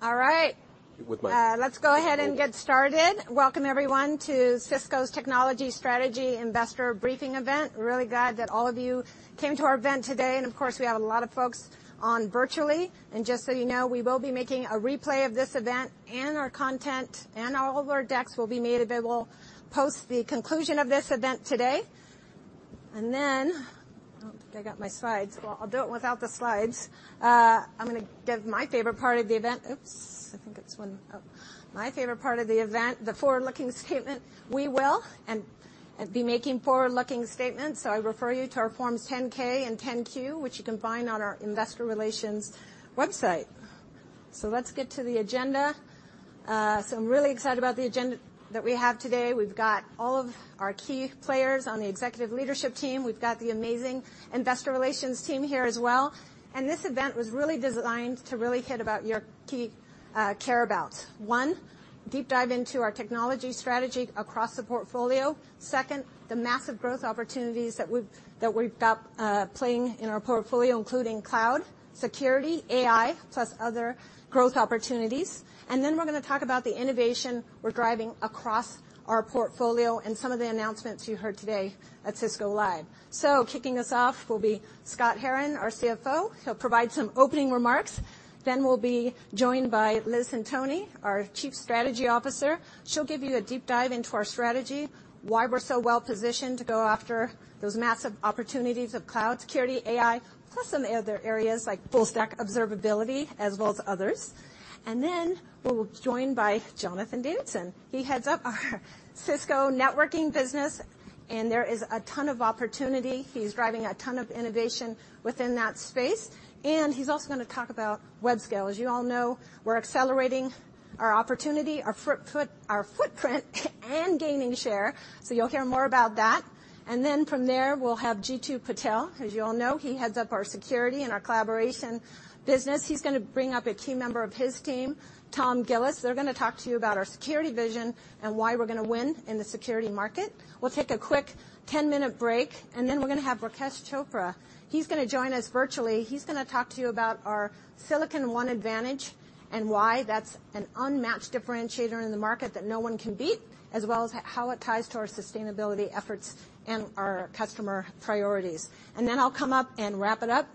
All right! Let's go ahead and get started. Welcome, everyone, to Cisco's Technology Strategy Investor Briefing event. Really glad that all of you came to our event today, and of course, we have a lot of folks on virtually. Just so you know, we will be making a replay of this event, and our content and all of our decks will be made available post the conclusion of this event today. I don't think I got my slides. Well, I'll do it without the slides. I'm gonna give my favorite part of the event. Oops, Oh, my favorite part of the event, the forward-looking statement. We will be making forward-looking statements, so I refer you to our Forms 10-K and 10-Q, which you can find on our investor relations website. Let's get to the agenda. I'm really excited about the agenda that we have today. We've got all of our key players on the executive leadership team. We've got the amazing investor relations team here as well, and this event was really designed to really hit about your key care abouts. One, deep dive into our technology strategy across the portfolio. Second, the massive growth opportunities that we've got playing in our portfolio, including cloud, security, AI, plus other growth opportunities. Then we're gonna talk about the innovation we're driving across our portfolio and some of the announcements you heard today at Cisco Live. Kicking us off will be Scott Herren, our CFO. He'll provide some opening remarks. Then we'll be joined by Liz Centoni, our Chief Strategy Officer. She'll give you a deep dive into our strategy, why we're so well positioned to go after those massive opportunities of cloud, security, AI, plus some other areas like full-stack observability, as well as others. We'll be joined by Jonathan Davidson. He heads up our Cisco networking business. There is a ton of opportunity. He's driving a ton of innovation within that space. He's also gonna talk about web scale. As you all know, we're accelerating our opportunity, our footprint and gaining share. You'll hear more about that. From there, we'll have Jeetu Patel. As you all know, he heads up our security and our collaboration business. He's gonna bring up a key member of his team, Tom Gillis. They're gonna talk to you about our security vision and why we're gonna win in the security market. We'll take a quick 10-minute break, then we're gonna have Rakesh Chopra. He's gonna join us virtually. He's gonna talk to you about our Silicon One advantage and why that's an unmatched differentiator in the market that no one can beat, as well as how it ties to our sustainability efforts and our customer priorities. Then I'll come up and wrap it up.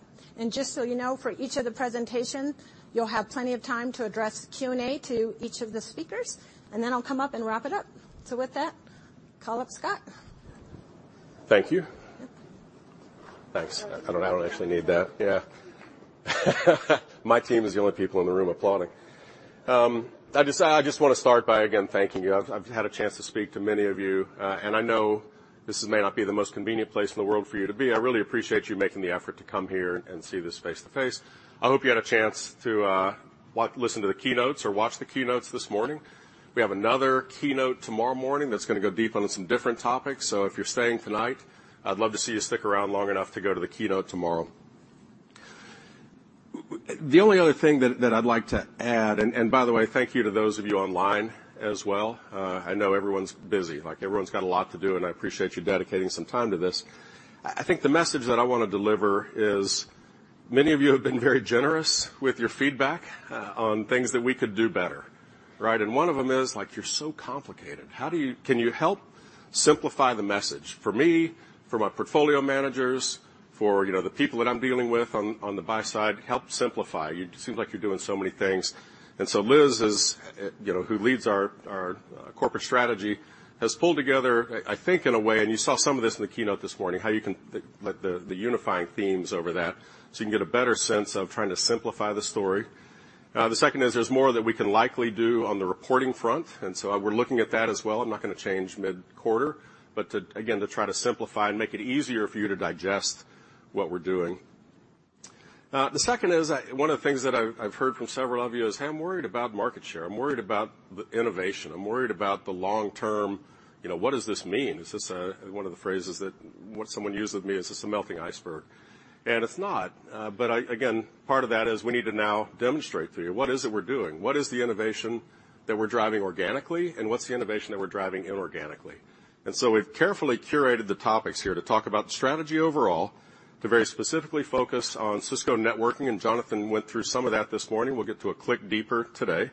Just so you know, for each of the presentation, you'll have plenty of time to address Q&A to each of the speakers, then I'll come up and wrap it up. With that, call up Scott. Thank you. Yep. Thanks. I don't actually need that. Yeah. My team is the only people in the room applauding. I just wanna start by, again, thanking you. I've had a chance to speak to many of you, and I know this may not be the most convenient place in the world for you to be. I really appreciate you making the effort to come here and see this face-to-face. I hope you had a chance to listen to the keynotes or watch the keynotes this morning. We have another keynote tomorrow morning that's gonna go deep on some different topics, so if you're staying tonight, I'd love to see you stick around long enough to go to the keynote tomorrow. The only other thing that I'd like to add. By the way, thank you to those of you online as well. I know everyone's busy. Like, everyone's got a lot to do, and I appreciate you dedicating some time to this. I think the message that I wanna deliver is many of you have been very generous with your feedback, on things that we could do better, right? One of them is like: "You're so complicated. Can you help simplify the message for me, for my portfolio managers, for, you know, the people that I'm dealing with on the buy side? Help simplify. You seem like you're doing so many things." Liz is, you know, who leads our corporate strategy, has pulled together, I think, in a way, and you saw some of this in the keynote this morning, how you can let the unifying themes over that, so you can get a better sense of trying to simplify the story. The second is there's more that we can likely do on the reporting front. We're looking at that as well. I'm not gonna change mid-quarter, but to, again, to try to simplify and make it easier for you to digest what we're doing. The second is, one of the things that I've heard from several of you is: "I'm worried about market share. I'm worried about the innovation. I'm worried about the long term. You know, what does this mean?" This is one of the phrases that what someone used with me, "Is this a melting iceberg?" It's not, but again, part of that is we need to now demonstrate to you what is it we're doing. What is the innovation that we're driving organically, and what's the innovation that we're driving inorganically? We've carefully curated the topics here to talk about the strategy overall, to very specifically focus on Cisco Networking, and Jonathan Davidson went through some of that this morning. We'll get to a click deeper today.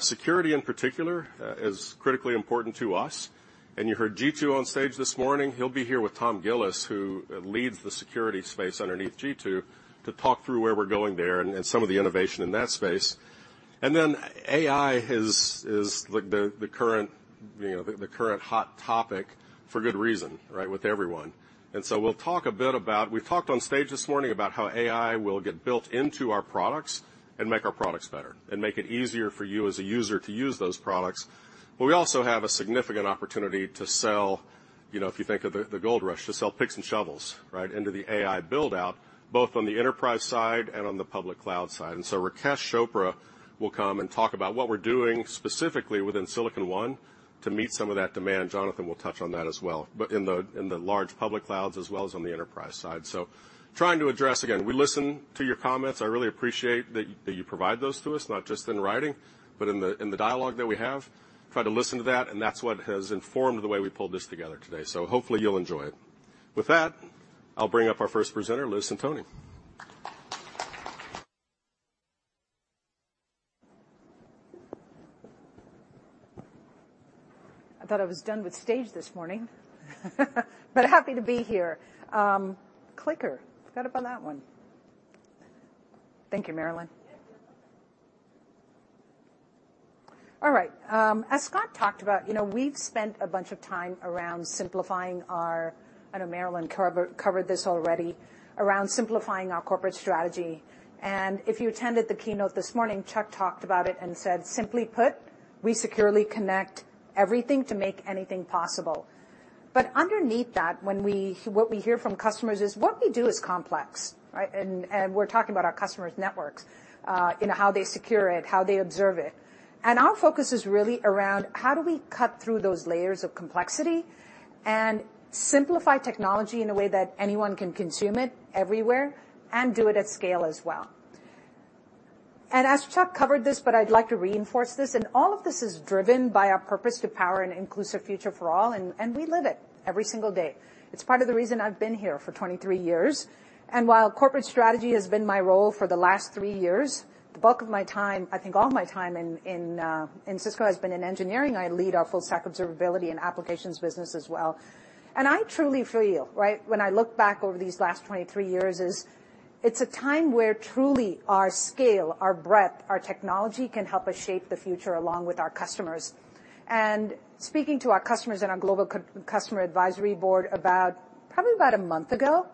Security, in particular, is critically important to us, and you heard Jeetu Patel on stage this morning. He'll be here with Tom Gillis, who leads the security space underneath Jeetu Patel, to talk through where we're going there and some of the innovation in that space. Then AI is the, the current, you know, the current hot topic for good reason, right, with everyone. So we'll talk a bit about. We talked on stage this morning about how AI will get built into our products and make our products better and make it easier for you, as a user, to use those products. We also have a significant opportunity to sell, you know, if you think of the gold rush, to sell picks and shovels, right, into the AI build-out, both on the enterprise side and on the public cloud side. So Rakesh Chopra will come and talk about what we're doing specifically within Silicon One to meet some of that demand. Jonathan will touch on that as well, but in the, in the large public clouds, as well as on the enterprise side. Trying to address, again, we listen to your comments. I really appreciate that you provide those to us, not just in writing, but in the, in the dialogue that we have. Try to listen to that. That's what has informed the way we pulled this together today. Hopefully, you'll enjoy it. With that, I'll bring up our first presenter, Liz Centoni. I thought I was done with stage this morning, but happy to be here. Clicker, forgot about that one. Thank you, Marilyn. Yes, you're welcome. All right, as Scott talked about, you know, we've spent a bunch of time around simplifying our... I know Marilyn covered this already, around simplifying our corporate strategy. If you attended the keynote this morning, Chuck talked about it and said, "Simply put, we securely connect everything to make anything possible." Underneath that, what we hear from customers is, what we do is complex, right? We're talking about our customers' networks in how they secure it, how they observe it. Our focus is really around how do we cut through those layers of complexity and simplify technology in a way that anyone can consume it everywhere, and do it at scale as well. As Chuck covered this, but I'd like to reinforce this. All of this is driven by our purpose to power an inclusive future for all, and we live it every single day. It's part of the reason I've been here for 23 years, and while corporate strategy has been my role for the last three years, the bulk of my time, I think all my time in Cisco, has been in engineering. I lead our full-stack observability and applications business as well. I truly feel, right, when I look back over these last 23 years, is it's a time where truly our scale, our breadth, our technology can help us shape the future along with our customers. Speaking to our customers in our global customer advisory board about, probably about a month ago,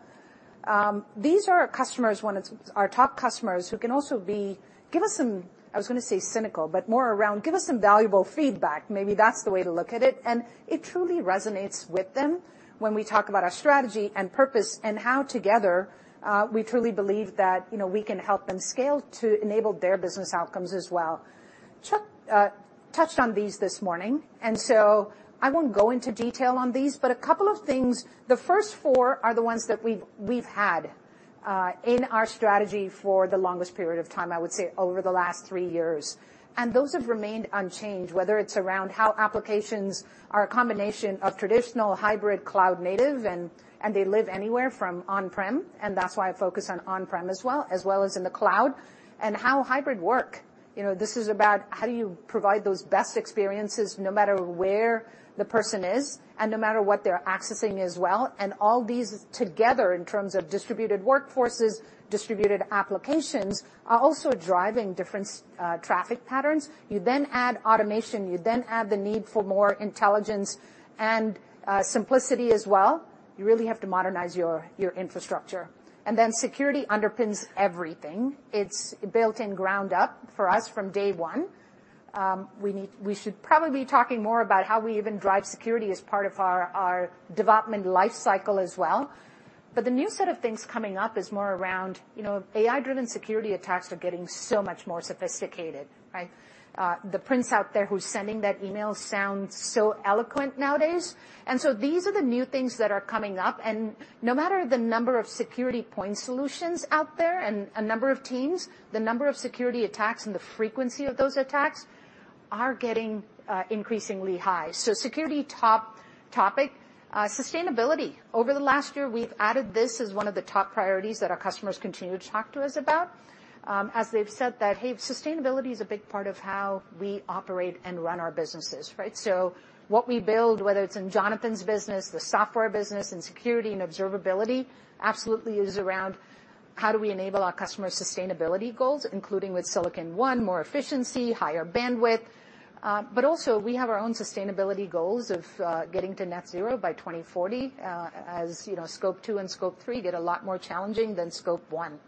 these are our customers, one of our top customers, who can also be, give us some, I was gonna say cynical, but more around, give us some valuable feedback. Maybe that's the way to look at it. It truly resonates with them when we talk about our strategy and purpose, and how together, we truly believe that, you know, we can help them scale to enable their business outcomes as well. Chuck touched on these this morning. I won't go into detail on these, but a couple of things. The first four are the ones that we've had, in our strategy for the longest period of time, I would say, over the last three years. Those have remained unchanged, whether it's around how applications are a combination of traditional hybrid cloud native, and they live anywhere from on-prem, and that's why I focus on on-prem as well, as well as in the cloud, and how hybrid work. You know, this is about how do you provide those best experiences, no matter where the person is, and no matter what they're accessing as well, and all these together, in terms of distributed workforces, distributed applications, are also driving different traffic patterns. Then add automation, then add the need for more intelligence and simplicity as well. You really have to modernize your infrastructure. Then security underpins everything. It's built in ground up for us from day one. we should probably be talking more about how we even drive security as part of our development life cycle as well. The new set of things coming up is more around, you know, AI-driven security attacks are getting so much more sophisticated, right? The prince out there who's sending that email sounds so eloquent nowadays. These are the new things that are coming up, and no matter the number of security point solutions out there, and a number of teams, the number of security attacks and the frequency of those attacks are getting increasingly high. Security top topic. Sustainability. Over the last year, we've added this as one of the top priorities that our customers continue to talk to us about. As they've said that, "Hey, sustainability is a big part of how we operate and run our businesses," right? What we build, whether it's in Jonathan's business, the software business, in security and observability, absolutely is around how do we enable our customers' sustainability goals, including with Silicon One, more efficiency, higher bandwidth, but also we have our own sustainability goals of getting to net zero by 2040, as you know, Scope 2 and Scope 3 get a lot more challenging than Scope 1.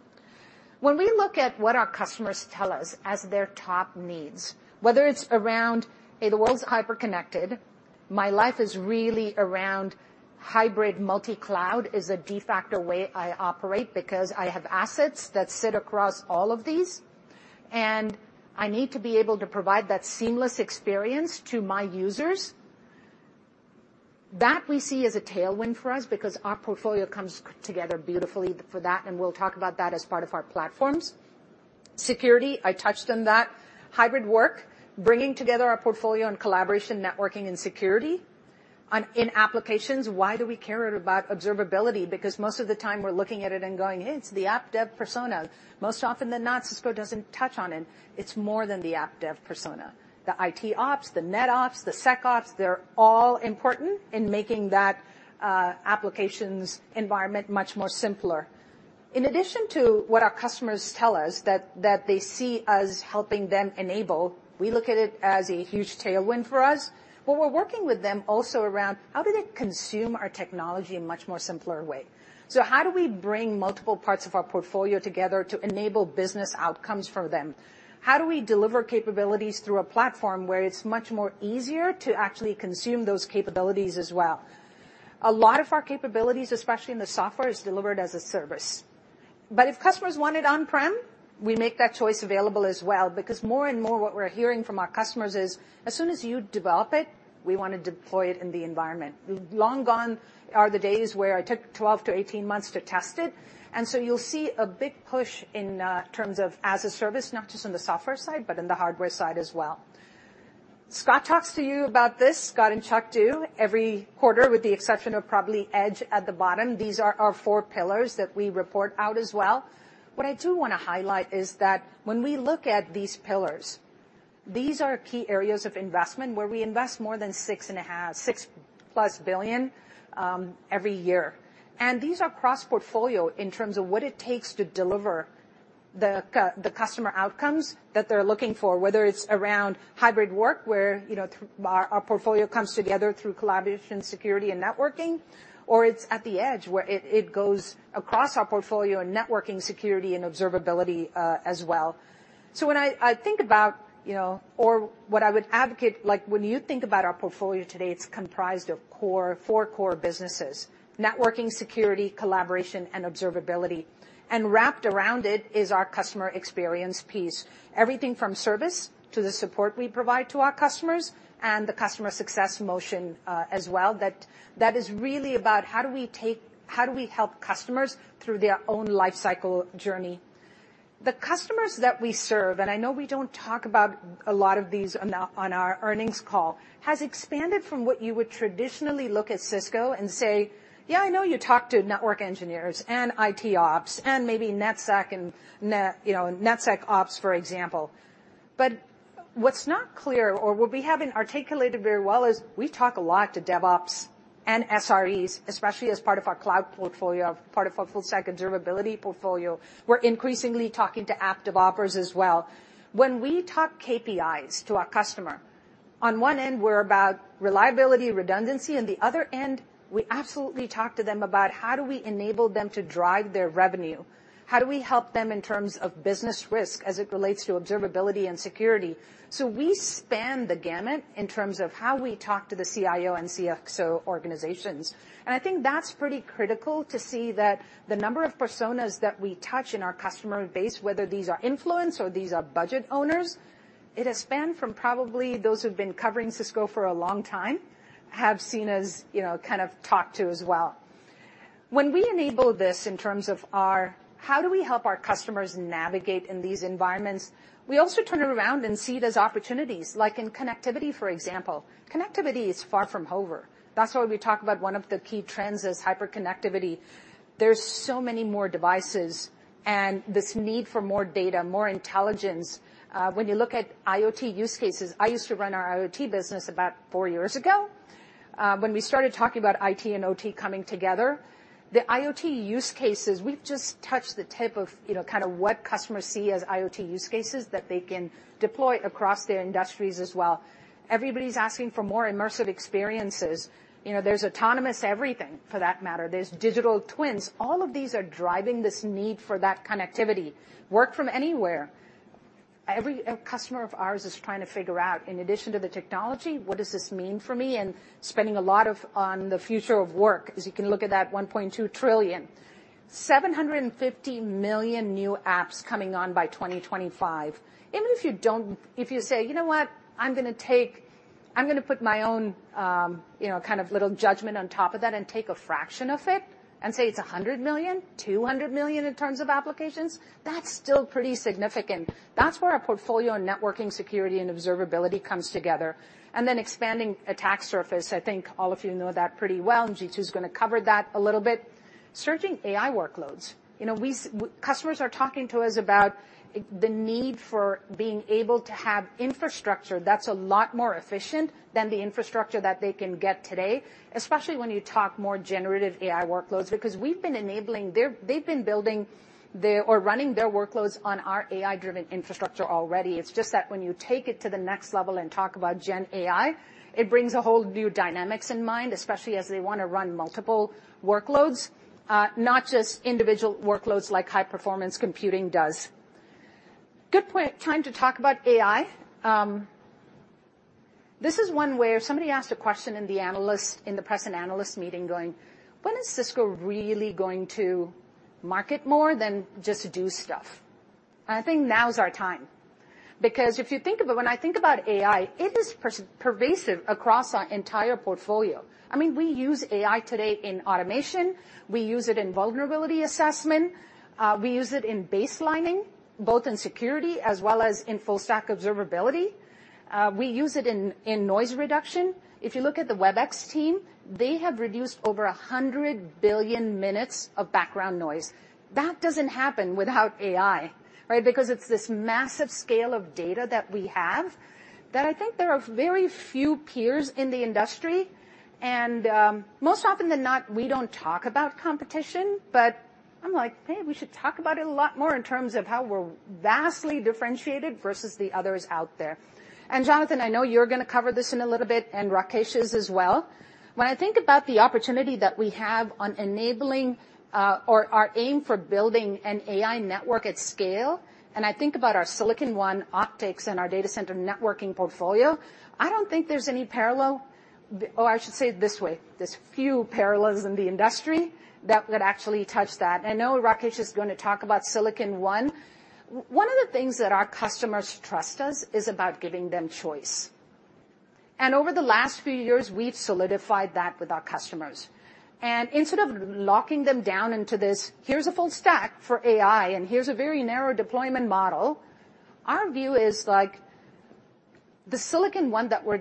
When we look at what our customers tell us as their top needs, whether it's around, "Hey, the world's hyper-connected. My life is really around hybrid multi-cloud, is a de facto way I operate because I have assets that sit across all of these, and I need to be able to provide that seamless experience to my users." We see as a tailwind for us because our portfolio comes together beautifully for that, and we'll talk about that as part of our platforms. Security, I touched on that. Hybrid work, bringing together our portfolio on collaboration, networking, and security. In applications, why do we care about observability? Most of the time we're looking at it and going, "Hey, it's the app dev persona." Most often than not, Cisco doesn't touch on it. It's more than the app dev persona. The IT ops, the net ops, the sec ops, they're all important in making that applications environment much more simpler. In addition to what our customers tell us, that they see us helping them enable, we look at it as a huge tailwind for us, but we're working with them also around how do they consume our technology in a much more simpler way. How do we bring multiple parts of our portfolio together to enable business outcomes for them? How do we deliver capabilities through a platform where it's much more easier to actually consume those capabilities as well? A lot of our capabilities, especially in the software, is delivered as a service. If customers want it on-prem, we make that choice available as well, because more and more what we're hearing from our customers is, "As soon as you develop it, we want to deploy it in the environment." Long gone are the days where it took 12 to 18 months to test it, so you'll see a big push in terms of as a service, not just on the software side, but on the hardware side as well. Scott talks to you about this, Scott and Chuck do, every quarter, with the exception of probably Edge at the bottom. These are our four pillars that we report out as well. What I do want to highlight is that when we look at these pillars, these are key areas of investment, where we invest more than $6-plus billion every year. These are cross-portfolio in terms of what it takes to deliver the customer outcomes that they're looking for, whether it's around hybrid work, where, you know, our portfolio comes together through collaboration, security, and observability, or it's at the edge, where it goes across our portfolio in networking, security, and observability as well. When I think about, you know, or what I would advocate, like, when you think about our portfolio today, it's comprised of four core businesses: networking, security, collaboration, and observability. Wrapped around it is our customer experience piece, everything from service to the support we provide to our customers and the customer success motion as well, that is really about how do we help customers through their own life cycle journey? The customers that we serve, and I know we don't talk about a lot of these on our, on our earnings call, has expanded from what you would traditionally look at Cisco and say, "Yeah, I know you talk to network engineers and IT ops and maybe NetSec and net, you know, NetSec ops," for example. What's not clear or what we haven't articulated very well is we talk a lot to DevOps and SREs, especially as part of our cloud portfolio, part of our full-stack observability portfolio. We're increasingly talking to app developers as well. When we talk KPIs to our customer, on one end, we're about reliability, redundancy, on the other end, we absolutely talk to them about how do we enable them to drive their revenue? How do we help them in terms of business risk as it relates to observability and security? We span the gamut in terms of how we talk to the CIO and CXO organizations. I think that's pretty critical to see that the number of personas that we touch in our customer base, whether these are influence or these are budget owners, it has spanned from probably those who've been covering Cisco for a long time, have seen us, you know, kind of talk to as well. When we enable this in terms of how do we help our customers navigate in these environments, we also turn it around and see it as opportunities, like in connectivity, for example. Connectivity is far from over. That's why we talk about one of the key trends is hyperconnectivity. There's so many more devices and this need for more data, more intelligence. When you look at IoT use cases, I used to run our IoT business about four years ago, when we started talking about IT and OT coming together. The IoT use cases, we've just touched the tip of, you know, kind of what customers see as IoT use cases that they can deploy across their industries as well. Everybody's asking for more immersive experiences. You know, there's autonomous everything, for that matter. There's digital twins. All of these are driving this need for that connectivity. Work from anywhere. Every customer of ours is trying to figure out, in addition to the technology, what does this mean for me? Spending a lot of, on the future of work, as you can look at that $1.2 trillion. $750 million new apps coming on by 2025. Even if you don't if you say, "You know what? I'm gonna put my own, you know, kind of little judgment on top of that and take a fraction of it," and say it's $100 million, $200 million in terms of applications, that's still pretty significant. That's where our portfolio in networking, security, and observability comes together. Expanding attack surface, I think all of you know that pretty well, and Jeetu's gonna cover that a little bit. Surging AI workloads. You know, customers are talking to us about the need for being able to have infrastructure that's a lot more efficient than the infrastructure that they can get today, especially when you talk more Generative AI workloads. Because we've been enabling, they've been building their, or running their workloads on our AI-driven infrastructure already. It's just that when you take it to the next level and talk about Gen AI, it brings a whole new dynamic in mind, especially as they wanna run multiple workloads, not just individual workloads like high-performance computing does. Good point. Time to talk about AI. This is one where somebody asked a question in the press and analyst meeting, going: "When is Cisco really going to market more than just do stuff?" I think now is our time. If you think about. When I think about AI, it is pervasive across our entire portfolio. I mean, we use AI today in automation. We use it in vulnerability assessment. We use it in baselining, both in security as well as in full-stack observability. We use it in noise reduction. If you look at the Webex team, they have reduced over 100 billion minutes of background noise. That doesn't happen without AI, right? It's this massive scale of data that we have, that I think there are very few peers in the industry. Most often than not, we don't talk about competition, but I'm like, "Hey, we should talk about it a lot more in terms of how we're vastly differentiated versus the others out there." Jonathan, I know you're gonna cover this in a little bit, and Rakesh is as well. When I think about the opportunity that we have on enabling, or our aim for building an AI network at scale, and I think about our Silicon One optics and our data center networking portfolio, I don't think there's any parallel. Or I should say it this way, there's few parallels in the industry that would actually touch that. I know Rakesh is gonna talk about Silicon One. One of the things that our customers trust us is about giving them choice. Over the last few years, we've solidified that with our customers. Instead of locking them down into this, here's a full stack for AI, and here's a very narrow deployment model, our view is, like, the Silicon One that we're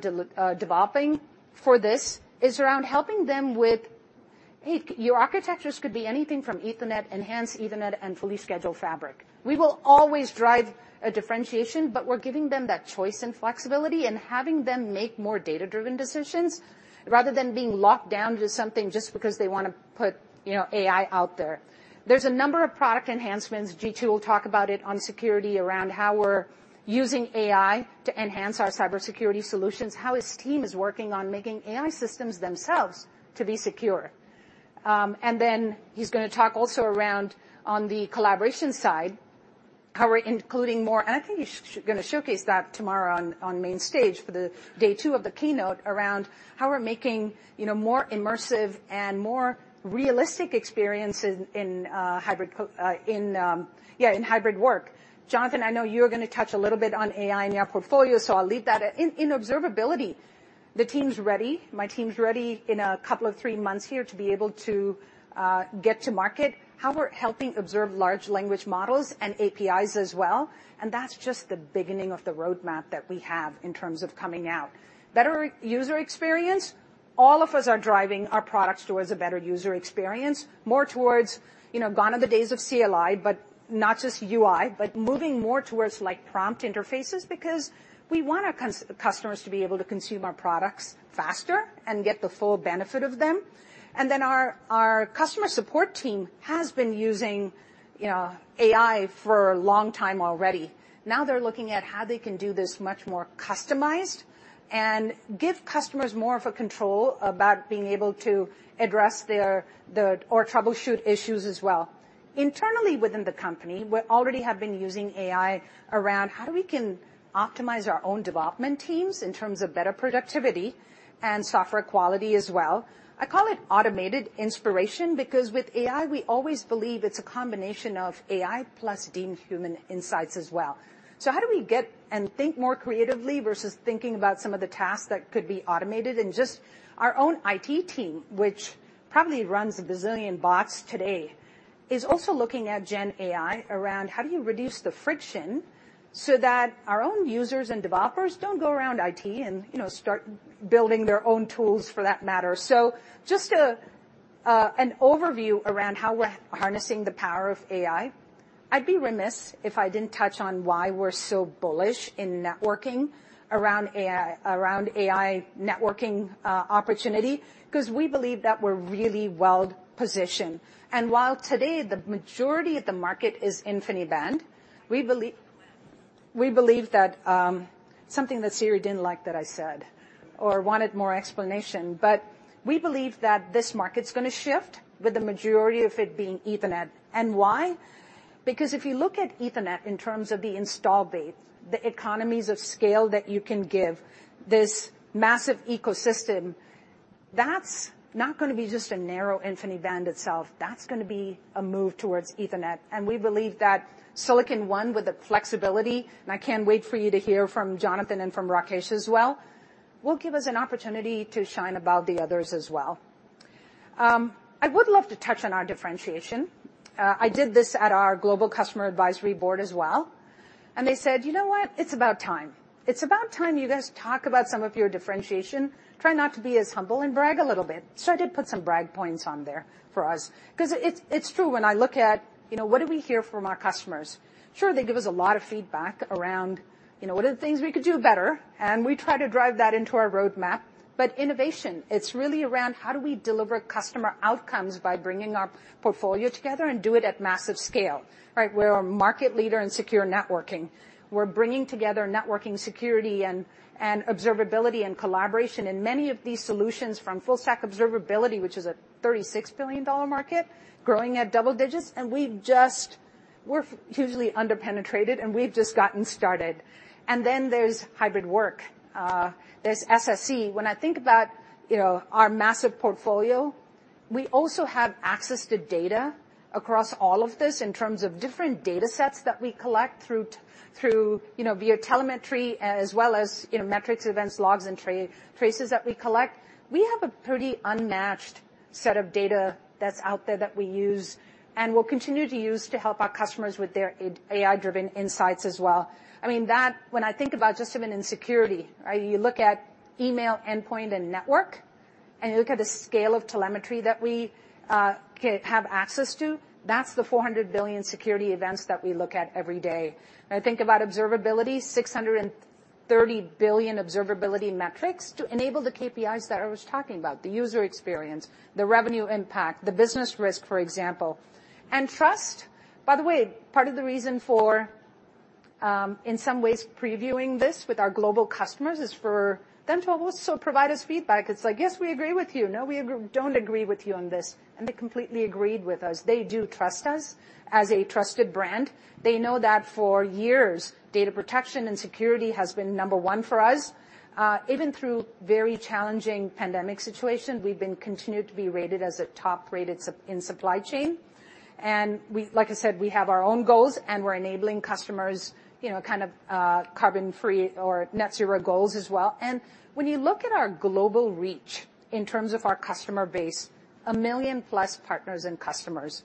developing for this is around helping them with, hey, your architectures could be anything from Ethernet, enhanced Ethernet, and fully scheduled fabric. We will always drive a differentiation, but we're giving them that choice and flexibility, and having them make more data-driven decisions, rather than being locked down to something just because they wanna put, you know, AI out there. There's a number of product enhancements. Jeetu will talk about it on security, around how we're using AI to enhance our cybersecurity solutions, how his team is working on making AI systems themselves to be secure. Then he's gonna talk also around, on the collaboration side, how we're including more I think he's gonna showcase that tomorrow on main stage for the day two of the keynote, around how we're making, you know, more immersive and more realistic experiences in, yeah, in hybrid work. Jonathan, I know you're gonna touch a little bit on AI in your portfolio, so I'll leave that. In observability, the team's ready, my team's ready in a couple of three months here to be able to get to market, how we're helping observe large language models and APIs as well, and that's just the beginning of the roadmap that we have in terms of coming out. Better user experience, all of us are driving our products towards a better user experience. More towards, you know, gone are the days of CLI, but not just UI, but moving more towards, like, prompt interfaces because we want our customers to be able to consume our products faster and get the full benefit of them. Our customer support team has been using, you know, AI for a long time already. They're looking at how they can do this much more customized, and give customers more of a control about being able to address their or troubleshoot issues as well. Internally, within the company, we already have been using AI around how we can optimize our own development teams in terms of better productivity and software quality as well. I call it automated inspiration, because with AI, we always believe it's a combination of AI plus deemed human insights as well. How do we get and think more creatively versus thinking about some of the tasks that could be automated? Just our own IT team, which probably runs a bazillion bots today, is also looking at Gen AI around: How do you reduce the friction so that our own users and developers don't go around IT and, you know, start building their own tools, for that matter? Just an overview around how we're harnessing the power of AI. I'd be remiss if I didn't touch on why we're so bullish in networking around AI, around AI networking opportunity, 'cause we believe that we're really well-positioned. While today, the majority of the market is InfiniBand, we believe that. Something that Siri didn't like that I said or wanted more explanation. We believe that this market's gonna shift, with the majority of it being Ethernet. Why? If you look at Ethernet in terms of the install base, the economies of scale that you can give this massive ecosystem, that's not gonna be just a narrow InfiniBand itself. That's gonna be a move towards Ethernet. We believe that Silicon One, with the flexibility, and I can't wait for you to hear from Jonathan and from Rakesh as well, will give us an opportunity to shine above the others as well. I would love to touch on our differentiation. I did this at our global customer advisory board as well, and they said, "You know what? It's about time. It's about time you guys talk about some of your differentiation. Try not to be as humble and brag a little bit." I did put some brag points on there for us, 'cause it's true, when I look at, you know, what do we hear from our customers? Sure, they give us a lot of feedback around, you know, what are the things we could do better, and we try to drive that into our roadmap. Innovation, it's really around: How do we deliver customer outcomes by bringing our portfolio together and do it at massive scale, right? We're a market leader in secure networking. We're bringing together networking security and observability and collaboration, and many of these solutions, from full-stack observability, which is a $36 billion market growing at double digits, and We're hugely under-penetrated, and we've just gotten started. There's hybrid work. There's SSE. When I think about, you know, our massive portfolio, we also have access to data across all of this in terms of different data sets that we collect through, you know, via telemetry, as well as, you know, metrics, events, logs, and traces that we collect. We have a pretty unmatched set of data that's out there that we use and will continue to use to help our customers with their AI-driven insights as well. I mean, that, when I think about just even in security, right, you look at email, endpoint, and network, and you look at the scale of telemetry that we have access to, that's the 400 billion security events that we look at every day. When I think about observability, 630 billion observability metrics to enable the KPIs that I was talking about, the user experience, the revenue impact, the business risk, for example. Trust, by the way, part of the reason for in some ways, previewing this with our global customers is for them to also provide us feedback. It's like, "Yes, we agree with you. No, we don't agree with you on this." They completely agreed with us. They do trust us as a trusted brand. They know that for years, data protection and security has been number 1 for us. Even through very challenging pandemic situation, we've been continued to be rated as a top-rated in supply chain. We like I said, we have our own goals, and we're enabling you know, kind of, carbon-free or net zero goals as well. When you look at our global reach in terms of our customer base, a million-plus partners and customers.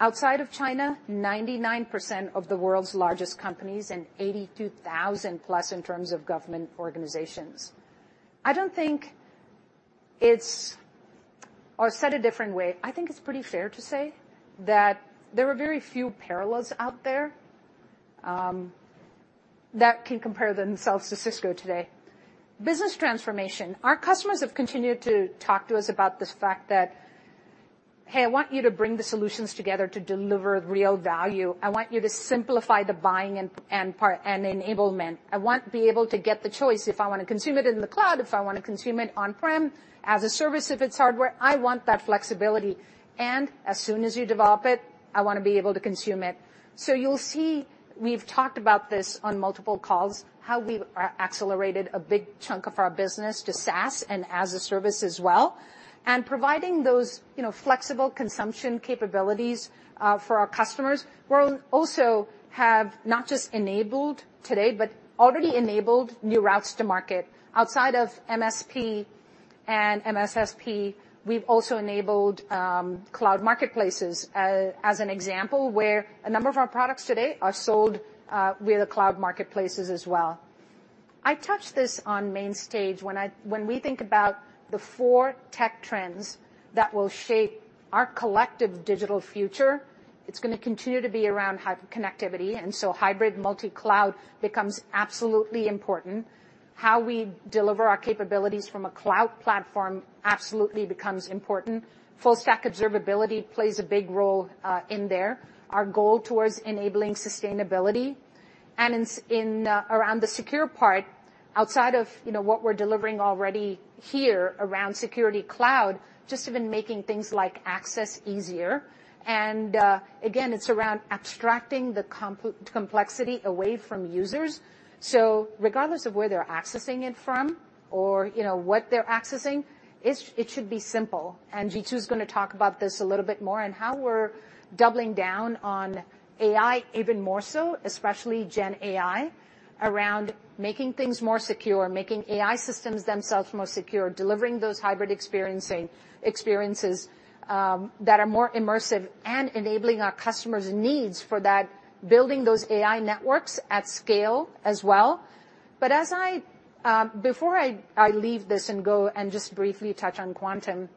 Outside of China, 99% of the world's largest companies and 82,000 plus in terms of government organizations. Said a different way, I think it's pretty fair to say that there are very few parallels out there, that can compare themselves to Cisco today. Business transformation. Our customers have continued to talk to us about this fact that, "Hey, I want you to bring the solutions together to deliver real value. I want you to simplify the buying and enablement. I want to be able to get the choice if I want to consume it in the cloud, if I want to consume it on-prem, as a service if it's hardware, I want that flexibility, as soon as you develop it, I want to be able to consume it. You'll see, we've talked about this on multiple calls, how we've accelerated a big chunk of our business to SaaS and as-a-service as well, and providing those, you know, flexible consumption capabilities for our customers. We're also have not just enabled today, but already enabled new routes to market. Outside of MSP and MSSP, we've also enabled cloud marketplaces as an example, where a number of our products today are sold via the cloud marketplaces as well. I touched this on main stage when we think about the four tech trends that will shape our collective digital future, it's gonna continue to be around hyperconnectivity, and so hybrid multi-cloud becomes absolutely important. How we deliver our capabilities from a cloud platform absolutely becomes important. full-stack observability plays a big role in there. Our goal towards enabling sustainability and in around the secure part, outside of, you know, what we're delivering already here around Security Cloud, just even making things like access easier. Again, it's around abstracting complexity away from users. Regardless of where they're accessing it from or, you know, what they're accessing, it should be simple. Jeetu's gonna talk about this a little bit more, and how we're doubling down on AI even more so, especially Gen AI, around making things more secure, making AI systems themselves more secure, delivering those hybrid experiences that are more immersive, and enabling our customers' needs for that, building those AI networks at scale as well. Before I leave this and go and just briefly touch on quantum,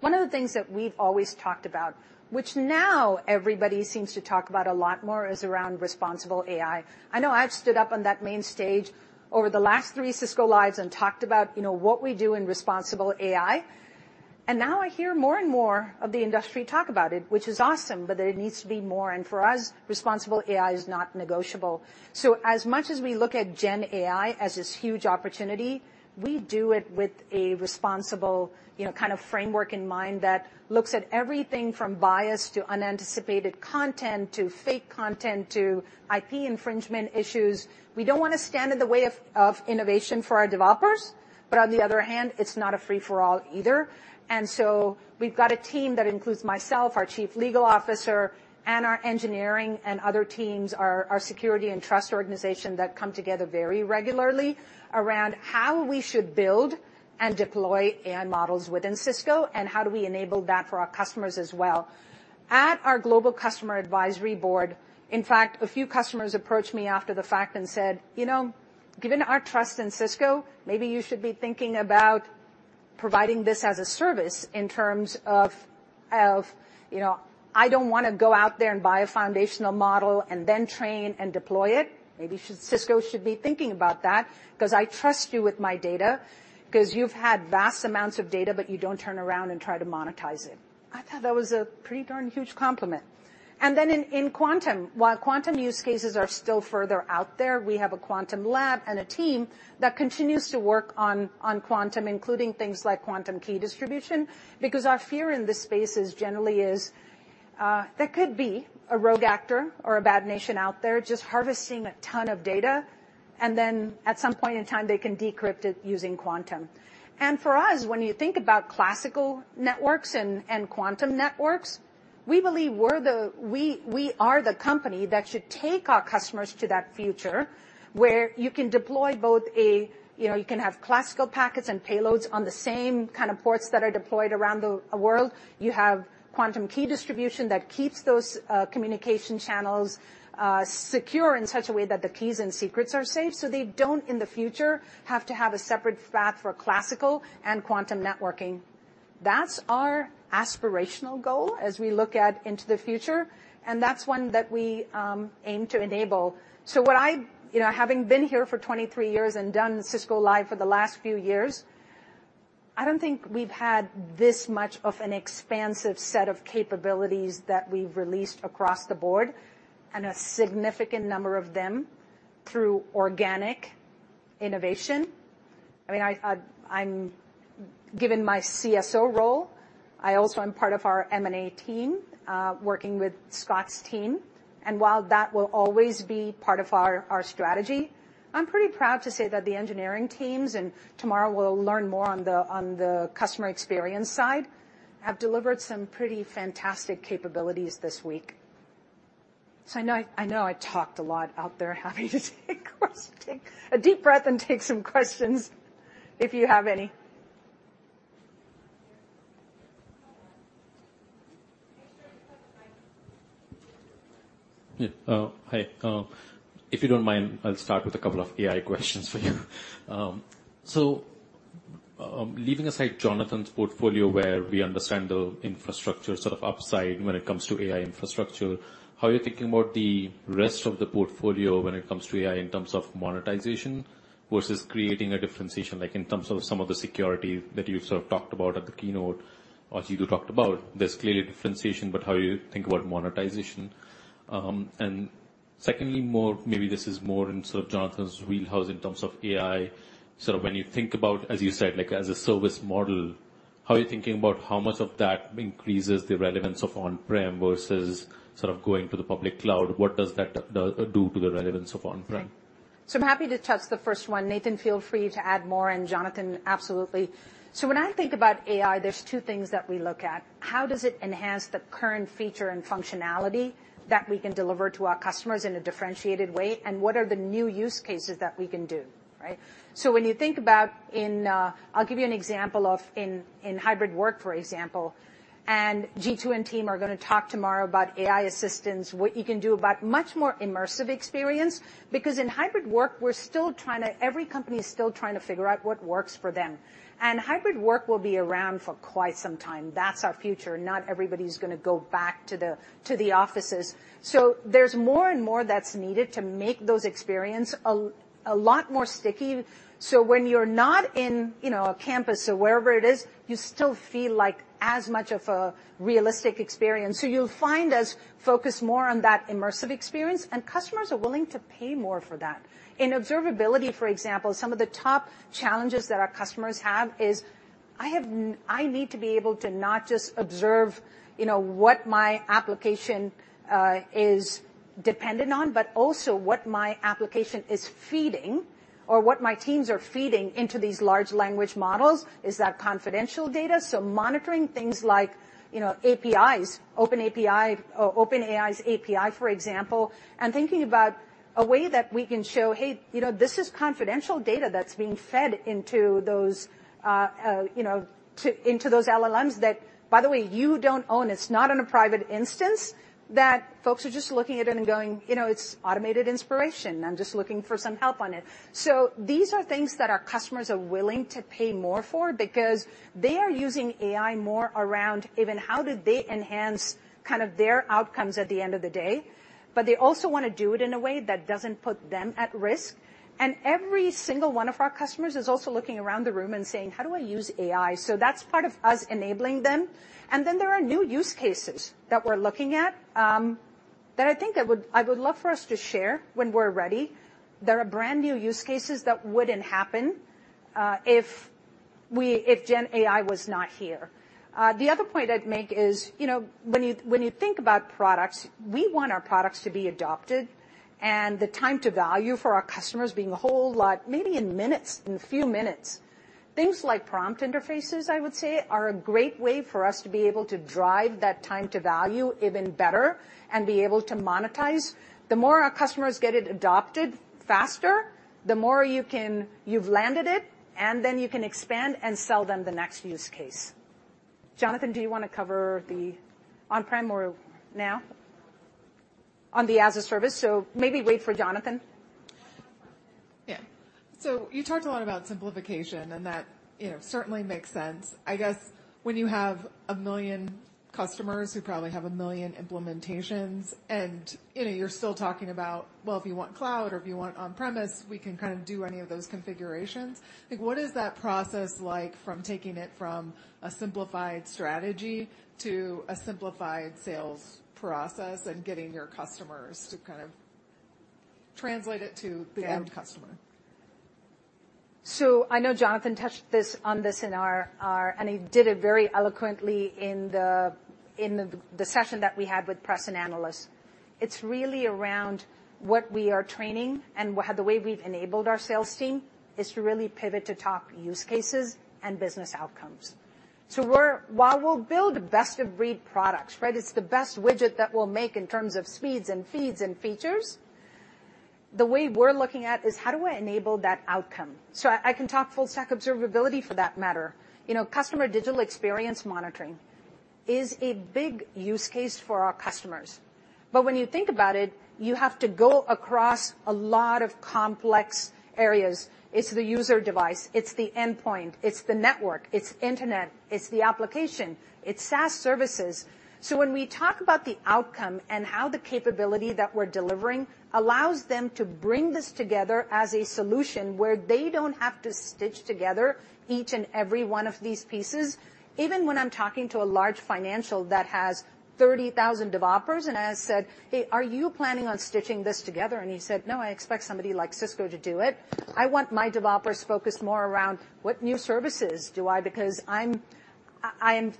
one of the things that we've always talked about, which now everybody seems to talk about a lot more, is around responsible AI. I know I've stood up on that main stage over the last three Cisco Lives and talked about, you know, what we do in responsible AI. Now I hear more and more of the industry talk about it, which is awesome. There needs to be more. For us, responsible AI is not negotiable. As much as we look at Gen AI as this huge opportunity, we do it with a responsible, you know, kind of framework in mind that looks at everything from bias, to unanticipated content, to fake content, to IP infringement issues. We don't want to stand in the way of innovation for our developers, but on the other hand, it's not a free-for-all either. We've got a team that includes myself, our chief legal officer, and our engineering and other teams, our security and trust organization, that come together very regularly around how we should build and deploy AI models within Cisco, and how do we enable that for our customers as well. At our global customer advisory board, in fact, a few customers approached me after the fact and said: "You know, given our trust in Cisco, maybe you should be thinking about providing this as a service in terms of, you know, I don't want to go out there and buy a foundational model and then train and deploy it. Maybe Cisco should be thinking about that, 'cause I trust you with my data, 'cause you've had vast amounts of data, but you don't turn around and try to monetize it." I thought that was a pretty darn huge compliment. Then in quantum, while quantum use cases are still further out there, we have a quantum lab and a team that continues to work on quantum, including things like quantum key distribution, because our fear in this space is generally there could be a rogue actor or a bad nation out there just harvesting a ton of data, At some point in time, they can decrypt it using quantum. For us, when you think about classical networks and quantum networks, we believe We are the company that should take our customers to that future, where you can deploy You know, you can have classical packets and payloads on the same kind of ports that are deployed around the world. You have quantum key distribution that keeps those communication channels secure in such a way that the keys and secrets are safe. They don't, in the future, have to have a separate path for classical and quantum networking. That's our aspirational goal as we look at into the future, and that's one that we aim to enable. You know, having been here for 23 years and done Cisco Live for the last few years, I don't think we've had this much of an expansive set of capabilities that we've released across the board and a significant number of them through organic innovation. I mean, Given my CSO role, I also am part of our M&A team, working with Scott's team, and while that will always be part of our strategy- I'm pretty proud to say that the engineering teams, and tomorrow we'll learn more on the, on the customer experience side, have delivered some pretty fantastic capabilities this week. I know I talked a lot out there. Happy to take questions. A deep breath, take some questions if you have any. Make sure you have a mic. Yeah. Hi. If you don't mind, I'll start with two AI questions for you. Leaving aside Jonathan's portfolio, where we understand the infrastructure sort of upside when it comes to AI infrastructure, how are you thinking about the rest of the portfolio when it comes to AI in terms of monetization versus creating a differentiation, like, in terms of some of the security that you sort of talked about at the keynote, or Jeetu talked about? There's clearly differentiation, how do you think about monetization? Secondly, maybe this is more in sort of Jonathan's wheelhouse in terms of AI, sort of when you think about, as you said, like, as a service model, how are you thinking about how much of that increases the relevance of on-prem versus sort of going to the public cloud? What does that do to the relevance of on-prem? I'm happy to touch the first one. Nathan, feel free to add more, and Jonathan, absolutely. When I think about AI, there's two things that we look at: How does it enhance the current feature and functionality that we can deliver to our customers in a differentiated way, and what are the new use cases that we can do, right? When you think about in hybrid work, for example, and Jeetu and team are gonna talk tomorrow about AI assistance, what you can do about much more immersive experience. Because in hybrid work, every company is still trying to figure out what works for them. Hybrid work will be around for quite some time. That's our future. Not everybody's gonna go back to the offices. There's more and more that's needed to make those experience a lot more sticky, so when you're not in, you know, a campus or wherever it is, you still feel like as much of a realistic experience. You'll find us focus more on that immersive experience, and customers are willing to pay more for that. In observability, for example, some of the top challenges that our customers have is, I need to be able to not just observe, you know, what my application is dependent on, but also what my application is feeding or what my teams are feeding into these large language models. Is that confidential data? Monitoring things like, you know, APIs, OpenAI's API, for example, and thinking about a way that we can show, "Hey, you know, this is confidential data that's being fed into those, you know, into those LLMs, that, by the way, you don't own. It's not in a private instance," that folks are just looking at it and going: "You know, it's automated inspiration. I'm just looking for some help on it." These are things that our customers are willing to pay more for because they are using AI more around even how do they enhance kind of their outcomes at the end of the day, but they also want to do it in a way that doesn't put them at risk. Every single one of our customers is also looking around the room and saying: "How do I use AI?" That's part of us enabling them. There are new use cases that we're looking at, that I think I would love for us to share when we're ready. There are brand-new use cases that wouldn't happen if Gen AI was not here. The other point I'd make is, you know, when you think about products, we want our products to be adopted, and the time to value for our customers being a whole lot, maybe in minutes, in a few minutes. Things like prompt interfaces, I would say, are a great way for us to be able to drive that time to value even better and be able to monetize. The more our customers get it adopted faster, the more you can. You've landed it, and then you can expand and sell them the next use case. Jonathan, do you want to cover the on-prem more now? On the as a service, maybe wait for Jonathan. Yeah. You talked a lot about simplification, and that, you know, certainly makes sense. I guess when you have 1 million customers who probably have 1 million implementations, and, you know, you're still talking about, well, if you want cloud or if you want on-premise, we can kind of do any of those configurations. What is that process like from taking it from a simplified strategy to a simplified sales process and getting your customers to kind of translate it to the end customer? I know Jonathan touched this, on this in our... He did it very eloquently in the session that we had with press and analysts. It's really around what we are training and the way we've enabled our sales team is to really pivot to talk use cases and business outcomes. While we'll build best-of-breed products, right? It's the best widget that we'll make in terms of speeds and feeds and features, the way we're looking at is: How do I enable that outcome? I can talk full-stack observability for that matter. You know, customer digital experience monitoring is a big use case for our customers, but when you think about it, you have to go across a lot of complex areas. It's the user device, it's the endpoint, it's the network, it's internet, it's the application, it's SaaS services. When we talk about the outcome and how the capability that we're delivering allows them to bring this together as a solution where they don't have to stitch together each and every one of these pieces. Even when I'm talking to a large financial that has 30,000 developers, I said, "Hey, are you planning on stitching this together?" He said: "No, I expect somebody like Cisco to do it. I want my developers focused more around what new services do I. Because I am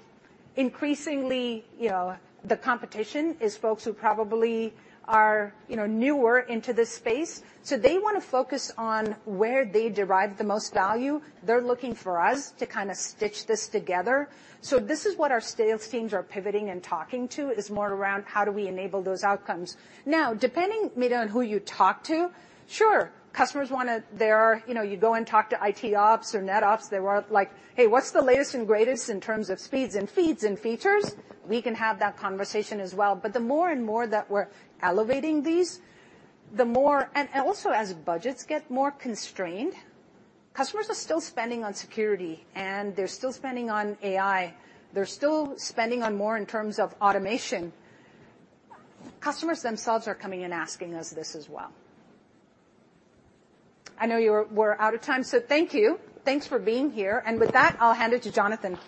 increasingly, you know, the competition is folks who probably are, you know, newer into this space, so they want to focus on where they derive the most value. They're looking for us to kind of stitch this together. This is what our sales teams are pivoting and talking to, is more around how do we enable those outcomes? Depending, Mira, on who you talk to, sure, customers, they're, you know, you go and talk to IT ops or net ops, they want, like, "Hey, what's the latest and greatest in terms of speeds and feeds and features?" We can have that conversation as well. And also, as budgets get more constrained, customers are still spending on security, and they're still spending on AI. They're still spending on more in terms of automation. Customers themselves are coming and asking us this as well. I know we're out of time. Thank you. Thanks for being here. With that, I'll hand it to Jonathan.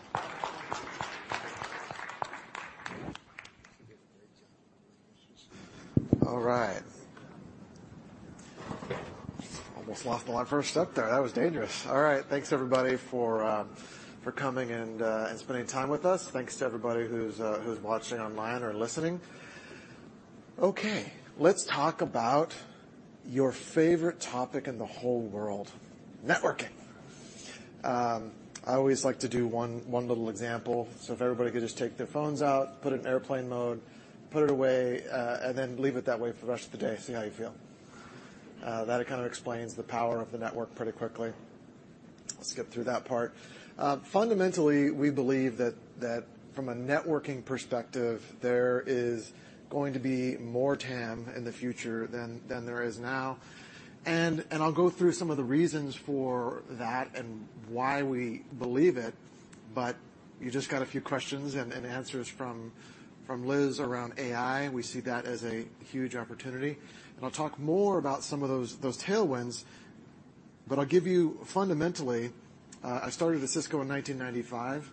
Almost lost my first step there. That was dangerous. Thanks, everybody, for coming and spending time with us. Thanks to everybody who's watching online or listening. Let's talk about your favorite topic in the whole world, networking. I always like to do one little example. If everybody could just take their phones out, put it in airplane mode, put it away, and then leave it that way for the rest of the day, see how you feel. That kind of explains the power of the network pretty quickly. I'll skip through that part. Fundamentally, we believe that from a networking perspective, there is going to be more TAM in the future than there is now. I'll go through some of the reasons for that and why we believe it, but you just got a few questions and answers from Liz around AI, and we see that as a huge opportunity. I'll talk more about some of those tailwinds. Fundamentally, I started at Cisco in 1995,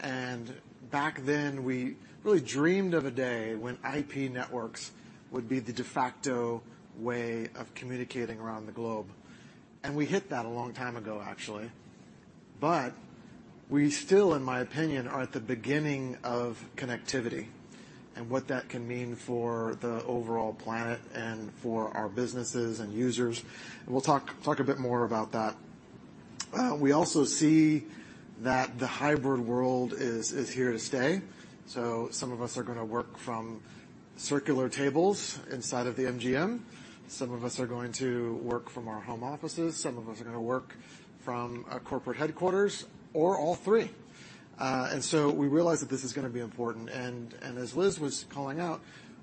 and back then, we really dreamed of a day when IP networks would be the de facto way of communicating around the globe. We hit that a long time ago, actually. We still, in my opinion, are at the beginning of connectivity and what that can mean for the overall planet and for our businesses and users, and we'll talk a bit more about that. We also see that the hybrid world is here to stay, so some of us are gonna work from circular tables inside of the MGM. Some of us are going to work from our home offices, some of us are gonna work from our corporate headquarters, or all three. We realize that this is gonna be important, and as Liz was calling out,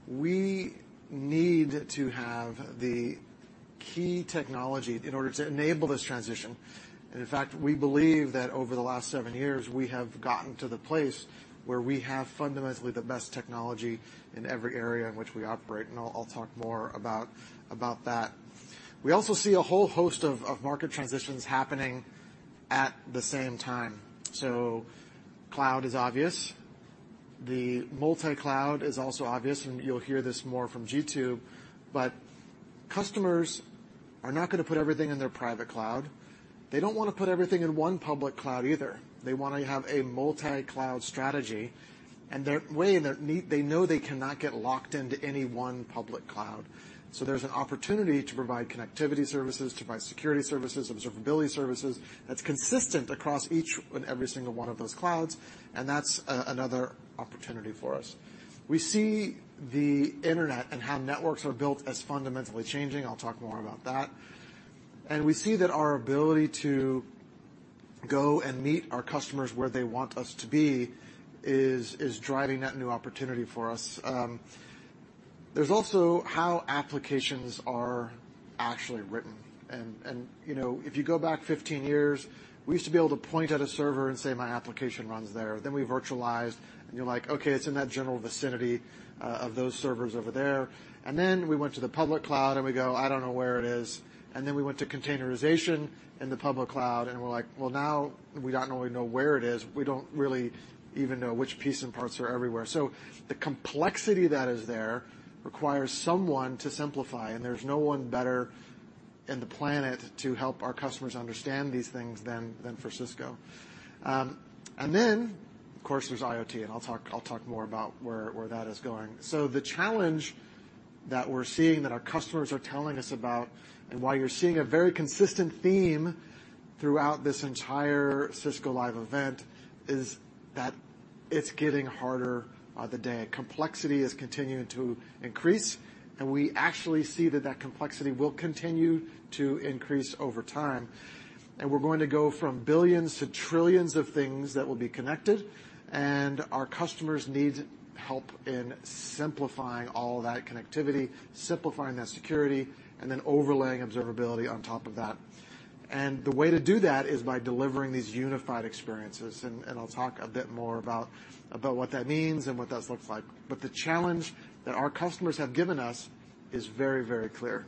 we need to have the key technology in order to enable this transition. In fact, we believe that over the last seven years, we have gotten to the place where we have fundamentally the best technology in every area in which we operate, and I'll talk more about that. We also see a whole host of market transitions happening at the same time. Cloud is obvious. The multi-cloud is also obvious. You'll hear this more from Jeetu. Customers are not gonna put everything in their private cloud. They don't want to put everything in one public cloud either. They want to have a multi-cloud strategy. They know they cannot get locked into any one public cloud. There's an opportunity to provide connectivity services, to provide security services, observability services, that's consistent across each and every single one of those clouds, and that's another opportunity for us. We see the internet and how networks are built as fundamentally changing. I'll talk more about that. We see that our ability to go and meet our customers where they want us to be is driving that new opportunity for us. There's also how applications are actually written. You know, if you go back 15 years, we used to be able to point at a server and say, "My application runs there." We virtualized, and you're like, "Okay, it's in that general vicinity of those servers over there." We went to the public cloud, and we go, "I don't know where it is." We went to containerization in the public cloud, and we're like, "Well, now we not only know where it is, we don't really even know which pieces and parts are everywhere." The complexity that is there requires someone to simplify, and there's no one better in the planet to help our customers understand these things than for Cisco. Then, of course, there's IoT, and I'll talk more about where that is going. The challenge that we're seeing, that our customers are telling us about, and why you're seeing a very consistent theme throughout this entire Cisco Live event, is that it's getting harder by the day. Complexity is continuing to increase, and we actually see that that complexity will continue to increase over time. We're going to go from billions to trillions of things that will be connected, and our customers need help in simplifying all that connectivity, simplifying that security, and then overlaying observability on top of that. The way to do that is by delivering these unified experiences, and I'll talk a bit more about what that means and what that looks like. The challenge that our customers have given us is very, very clear.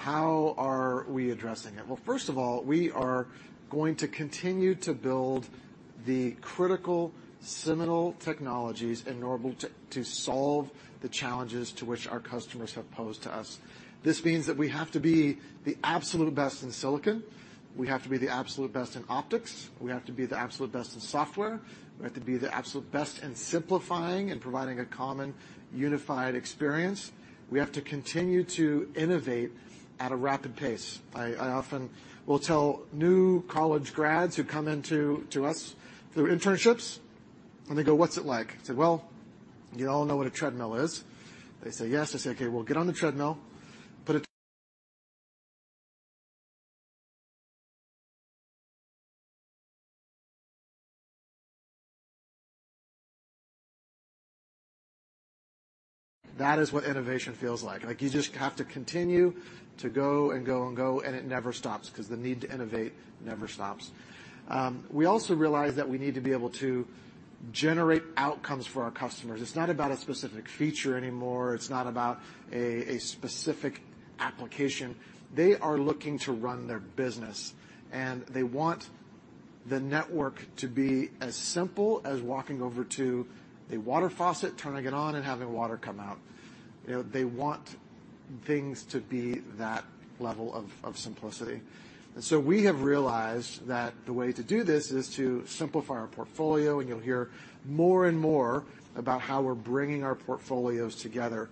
How are we addressing it? Well, first of all, we are going to continue. the critical, seminal technologies in order to solve the challenges to which our customers have posed to us. This means that we have to be the absolute best in silicon. We have to be the absolute best in optics. We have to be the absolute best in software. We have to be the absolute best in simplifying and providing a common, unified experience. We have to continue to innovate at a rapid pace. I often will tell new college grads who come into us through internships, and they go: "What's it like?" I say, "Well, you all know what a treadmill is?" They say, "Yes." I say, "Okay, well, get on the treadmill." That is what innovation feels like. Like you just have to continue to go and go and go, and it never stops, 'cause the need to innovate never stops. We also realize that we need to be able to generate outcomes for our customers. It's not about a specific feature anymore. It's not about a specific application. They are looking to run their business, and they want the network to be as simple as walking over to a water faucet, turning it on, and having water come out. You know, they want things to be that level of simplicity. We have realized that the way to do this is to simplify our portfolio, and you'll hear more and more about how we're bringing our portfolios together.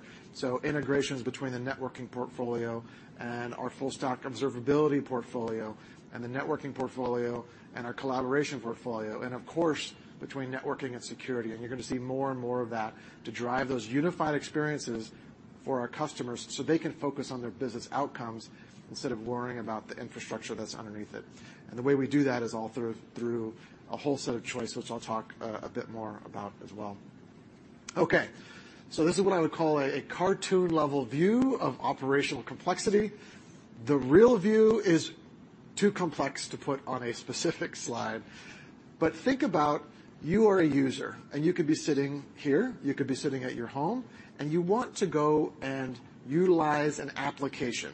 Integrations between the networking portfolio and our full-stack observability portfolio, and the networking portfolio and our collaboration portfolio, and of course, between networking and security. You're going to see more and more of that to drive those unified experiences for our customers, so they can focus on their business outcomes instead of worrying about the infrastructure that's underneath it. The way we do that is all through a whole set of choices, which I'll talk a bit more about as well. Okay, this is what I would call a cartoon-level view of operational complexity. The real view is too complex to put on a specific slide. Think about you are a user, and you could be sitting here, you could be sitting at your home, and you want to go and utilize an application.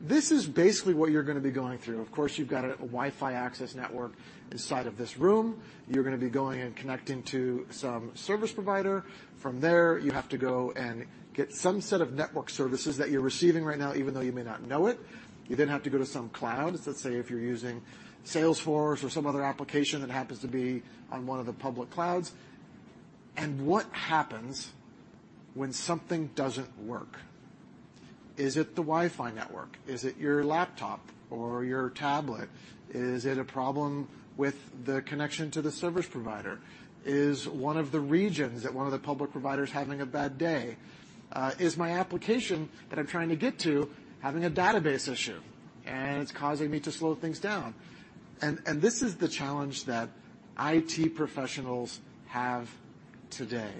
This is basically what you're gonna be going through. Of course, you've got a Wi-Fi access network inside of this room. You're gonna be going and connecting to some service provider. From there, you have to go and get some set of network services that you're receiving right now, even though you may not know it. You then have to go to some cloud. Let's say if you're using Salesforce or some other application that happens to be on one of the public clouds. What happens when something doesn't work? Is it the Wi-Fi network? Is it your laptop or your tablet? Is it a problem with the connection to the service provider? Is one of the regions at one of the public providers having a bad day? Is my application that I'm trying to get to having a database issue, and it's causing me to slow things down? This is the challenge that IT professionals have today.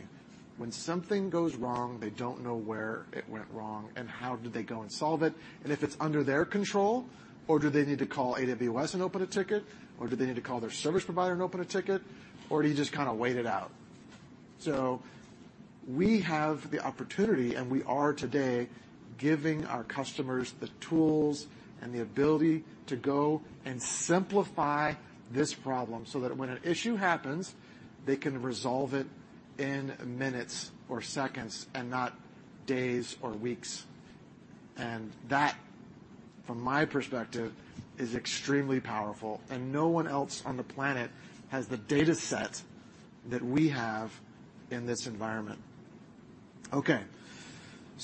When something goes wrong, they don't know where it went wrong, and how do they go and solve it? If it's under their control or do they need to call AWS and open a ticket, or do they need to call their service provider and open a ticket, or do you just kind of wait it out? We have the opportunity, and we are today giving our customers the tools and the ability to go and simplify this problem, so that when an issue happens, they can resolve it in minutes or seconds, and not days or weeks. That, from my perspective, is extremely powerful, and no one else on the planet has the data set that we have in this environment. Okay,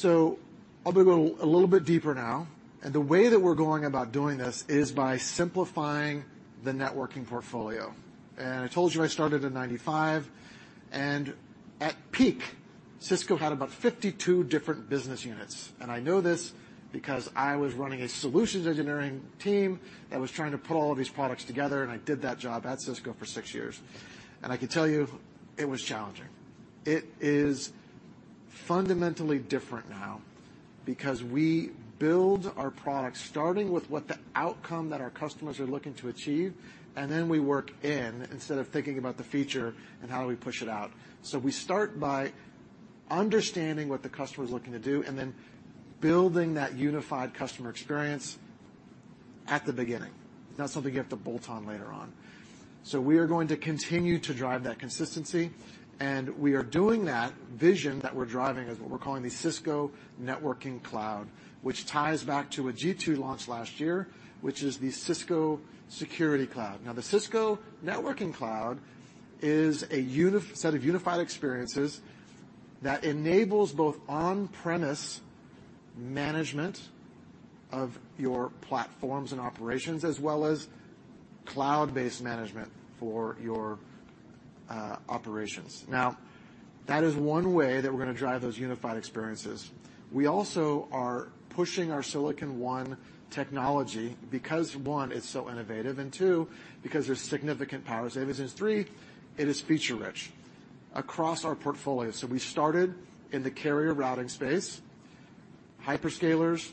I'll go a little bit deeper now. The way that we're going about doing this is by simplifying the networking portfolio. I told you I started in 95, and at peak, Cisco had about 52 different business units. I know this because I was running a solutions engineering team that was trying to put all of these products together, and I did that job at Cisco for six years. I can tell you, it was challenging. It is fundamentally different now because we build our products, starting with what the outcome that our customers are looking to achieve, and then we work in, instead of thinking about the feature and how do we push it out. We start by understanding what the customer is looking to do, and then building that unified customer experience at the beginning. Not something you have to bolt on later on. We are going to continue to drive that consistency, and we are doing that. Vision that we're driving is what we're calling the Cisco Networking Cloud, which ties back to a Jeetu launch last year, which is the Cisco Security Cloud. The Cisco Networking Cloud is a set of unified experiences that enables both on-premise management of your platforms and operations, as well as cloud-based management for your operations. That is one way that we're gonna drive those unified experiences. We also are pushing our Silicon One technology, because, one, it's so innovative, and two, because there's significant power savings, and three, it is feature-rich across our portfolio. We started in the carrier routing space, hyperscalers,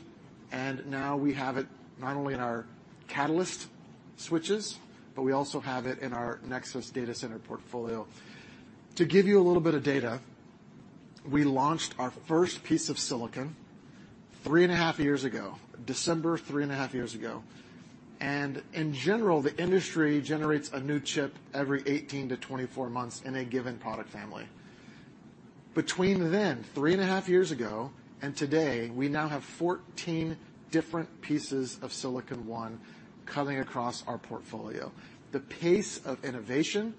and now we have it not only in our Catalyst switches, but we also have it in our Nexus data center portfolio. To give you a little bit of. We launched our first piece of silicon three and a half years ago, December, three and a half years ago. In general, the industry generates a new chip every 18-24 months in a given product family. Between then, three and a half years ago, and today, we now have 14 different pieces of Silicon One cutting across our portfolio. The pace of innovation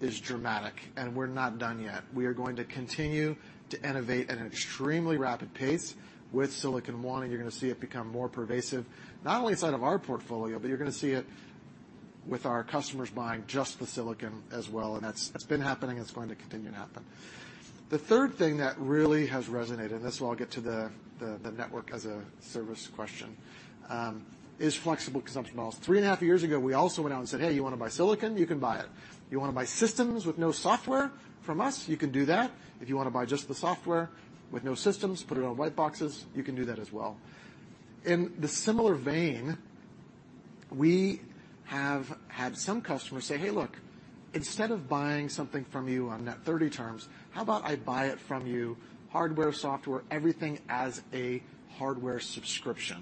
is dramatic, we're not done yet. We are going to continue to innovate at an extremely rapid pace with Silicon One, you're gonna see it become more pervasive, not only inside of our portfolio, but you're gonna see it with our customers buying just the silicon as well, that's, it's been happening, it's going to continue to happen. The third thing that really has resonated, this is where I'll get to the network as a service question, is flexible consumption models. Three and a half years ago, we also went out and said: "Hey, you wanna buy silicon? You can buy it. You wanna buy systems with no software from us? You can do that. If you wanna buy just the software with no systems, put it on white boxes, you can do that as well." In the similar vein, we have had some customers say: "Hey, look, instead of buying something from you on net 30 terms, how about I buy it from you, hardware, software, everything as a hardware subscription?"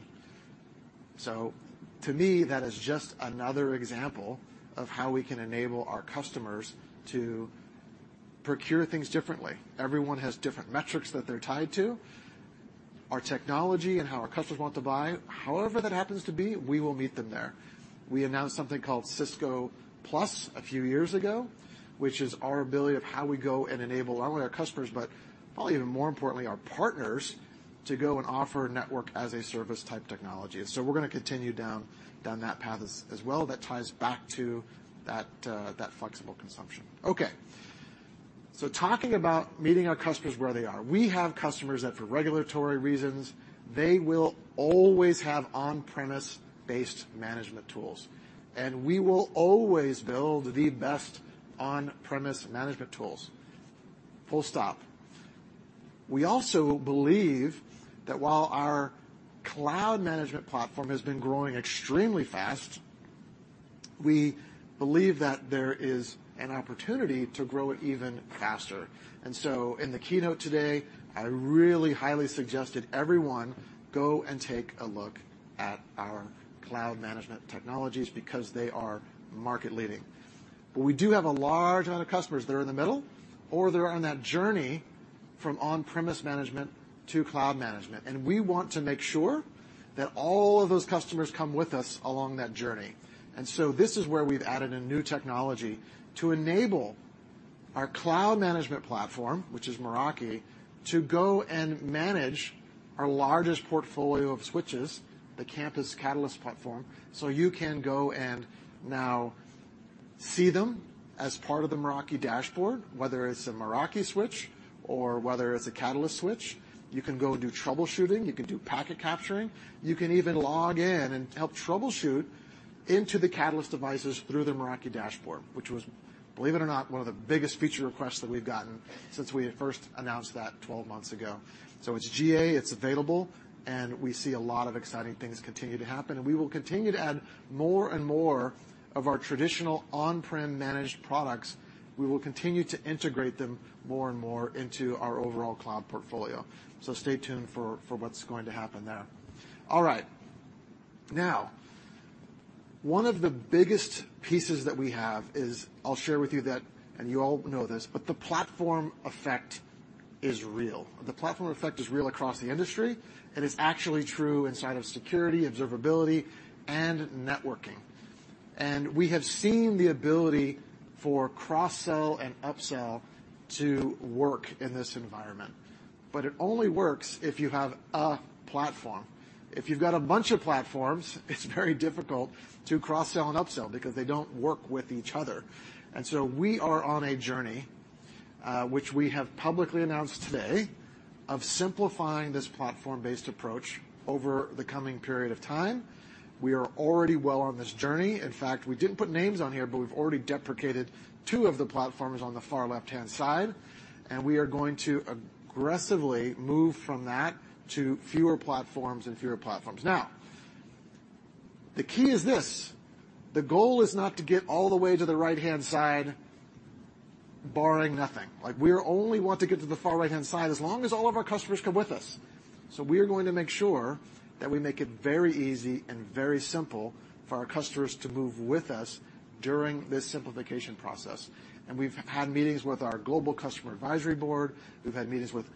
To me, that is just another example of how we can enable our customers to procure things differently. Everyone has different metrics that they're tied to. Our technology and how our customers want to buy, however that happens to be, we will meet them there. We announced something called Cisco Plus a few years ago, which is our ability of how we go and enable not only our customers, but probably even more importantly, our partners, to go and offer network-as-a-service type technology. We're gonna continue down that path as well. That ties back to that flexible consumption. Okay, talking about meeting our customers where they are. We have customers that, for regulatory reasons, they will always have on-premise-based management tools, and we will always build the best on-premise management tools, full stop. We also believe that while our cloud management platform has been growing extremely fast, we believe that there is an opportunity to grow it even faster. In the keynote today, I really highly suggested everyone go and take a look at our cloud management technologies because they are market leading. We do have a large amount of customers that are in the middle or they're on that journey from on-premise management to cloud management, and we want to make sure that all of those customers come with us along that journey. This is where we've added a new technology to enable our cloud management platform, which is Meraki, to go and manage our largest portfolio of switches, the Campus Catalyst platform, so you can go and now see them as part of the Meraki dashboard, whether it's a Meraki switch or whether it's a Catalyst switch. You can go and do troubleshooting, you can do packet capturing, you can even log in and help troubleshoot into the Catalyst devices through the Meraki dashboard, which was, believe it or not, one of the biggest feature requests that we've gotten since we first announced that 12 months ago. It's GA, it's available, and we see a lot of exciting things continue to happen. We will continue to add more and more of our traditional on-prem managed products. We will continue to integrate them more and more into our overall cloud portfolio. Stay tuned for what's going to happen there. All right. Now, one of the biggest pieces that we have is I'll share with you that, and you all know this, but the platform effect is real. The platform effect is real across the industry, and it's actually true inside of security, observability, and networking. We have seen the ability for cross-sell and upsell to work in this environment, but it only works if you have a platform. If you've got a bunch of platforms, it's very difficult to cross-sell and upsell because they don't work with each other. So we are on a journey, which we have publicly announced today, of simplifying this platform-based approach over the coming period of time. We are already well on this journey. In fact, we didn't put names on here, but we've already deprecated two of the platforms on the far left-hand side, and we are going to aggressively move from that to fewer platforms. Now, the key is this: the goal is not to get all the way to the right-hand side, barring nothing. Like, we only want to get to the far right-hand side as long as all of our customers come with us. We are going to make sure that we make it very easy and very simple for our customers to move with us during this simplification process. We've had meetings with our global customer advisory board, we've had meetings with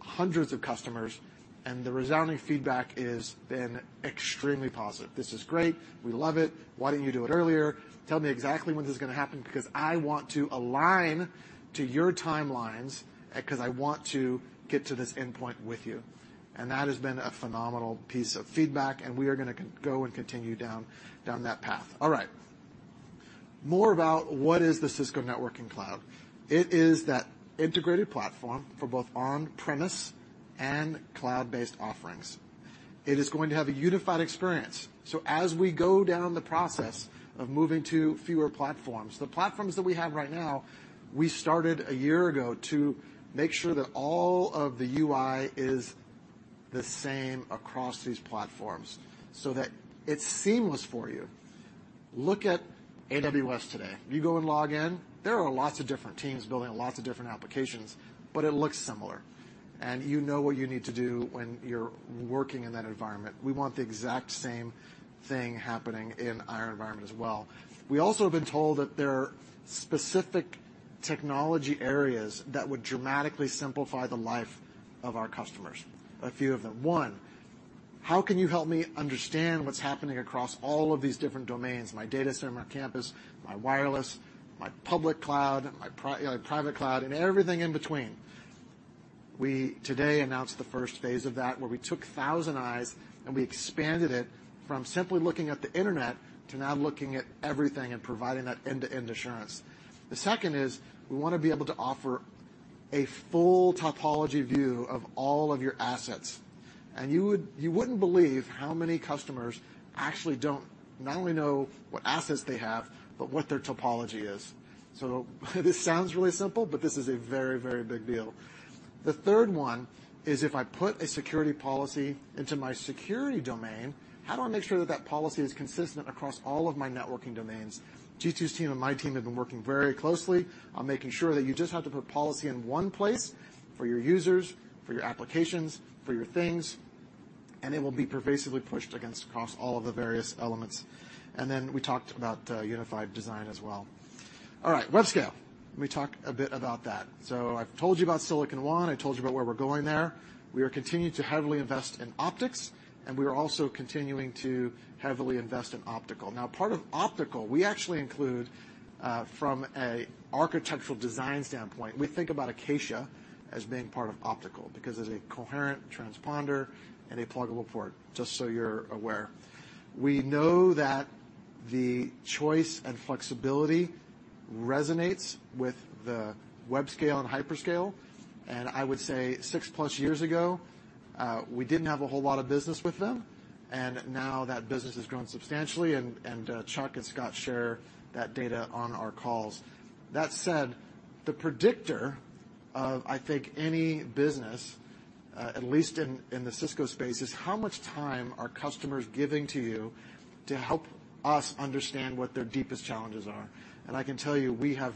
hundreds of customers, and the resounding feedback has been extremely positive. "This is great. We love it. Why didn't you do it earlier? Tell me exactly when this is gonna happen, because I want to align to your timelines, 'cause I want to get to this endpoint with you. That has been a phenomenal piece of feedback, and we are gonna continue down that path. All right. More about what is the Cisco Networking Cloud? It is that integrated platform for both on-premise and cloud-based offerings. It is going to have a unified experience. As we go down the process of moving to fewer platforms, the platforms that we have right now, we started a year ago to make sure that all of the UI is the same across these platforms so that it's seamless for you. Look at AWS today. You go and log in, there are lots of different teams building lots of different applications, but it looks similar, and you know what you need to do when you're working in that environment. We want the exact same thing happening in our environment as well. We also have been told that there are specific technology areas that would dramatically simplify the life of our customers. A few of them. One, how can you help me understand what's happening across all of these different domains, my data center, my campus, my wireless, my public cloud, my private cloud, and everything in between? We today announced the first phase of that, where we took ThousandEyes, and we expanded it from simply looking at the internet to now looking at everything and providing that end-to-end assurance. The second is, we want to be able to offer a full topology view of all of your assets. You wouldn't believe how many customers actually don't, not only know what assets they have, but what their topology is. This sounds really simple, but this is a very, very big deal. The third one is, if I put a security policy into my security domain, how do I make sure that that policy is consistent across all of my networking domains? Jitu's team and my team have been working very closely on making sure that you just have to put policy in one place for your users, for your applications, for your things, and it will be pervasively pushed against, across all of the various elements. Then we talked about unified design as well. All right, web scale. Let me talk a bit about that. I've told you about Silicon One. I told you about where we're going there. We are continuing to heavily invest in optics, and we are also continuing to heavily invest in optical. Part of optical, we actually include, from a architectural design standpoint, we think about Acacia as being part of optical, because it's a coherent transponder and a pluggable port, just so you're aware. We know that the choice and flexibility resonates with the web scale and hyperscale. I would say six-plus years ago, we didn't have a whole lot of business with them. Now that business has grown substantially, and Chuck and Scott share that data on our calls. That said, the predictor of, I think, any business, at least in the Cisco space, is how much time are customers giving to you to help us understand what their deepest challenges are? I can tell you, we have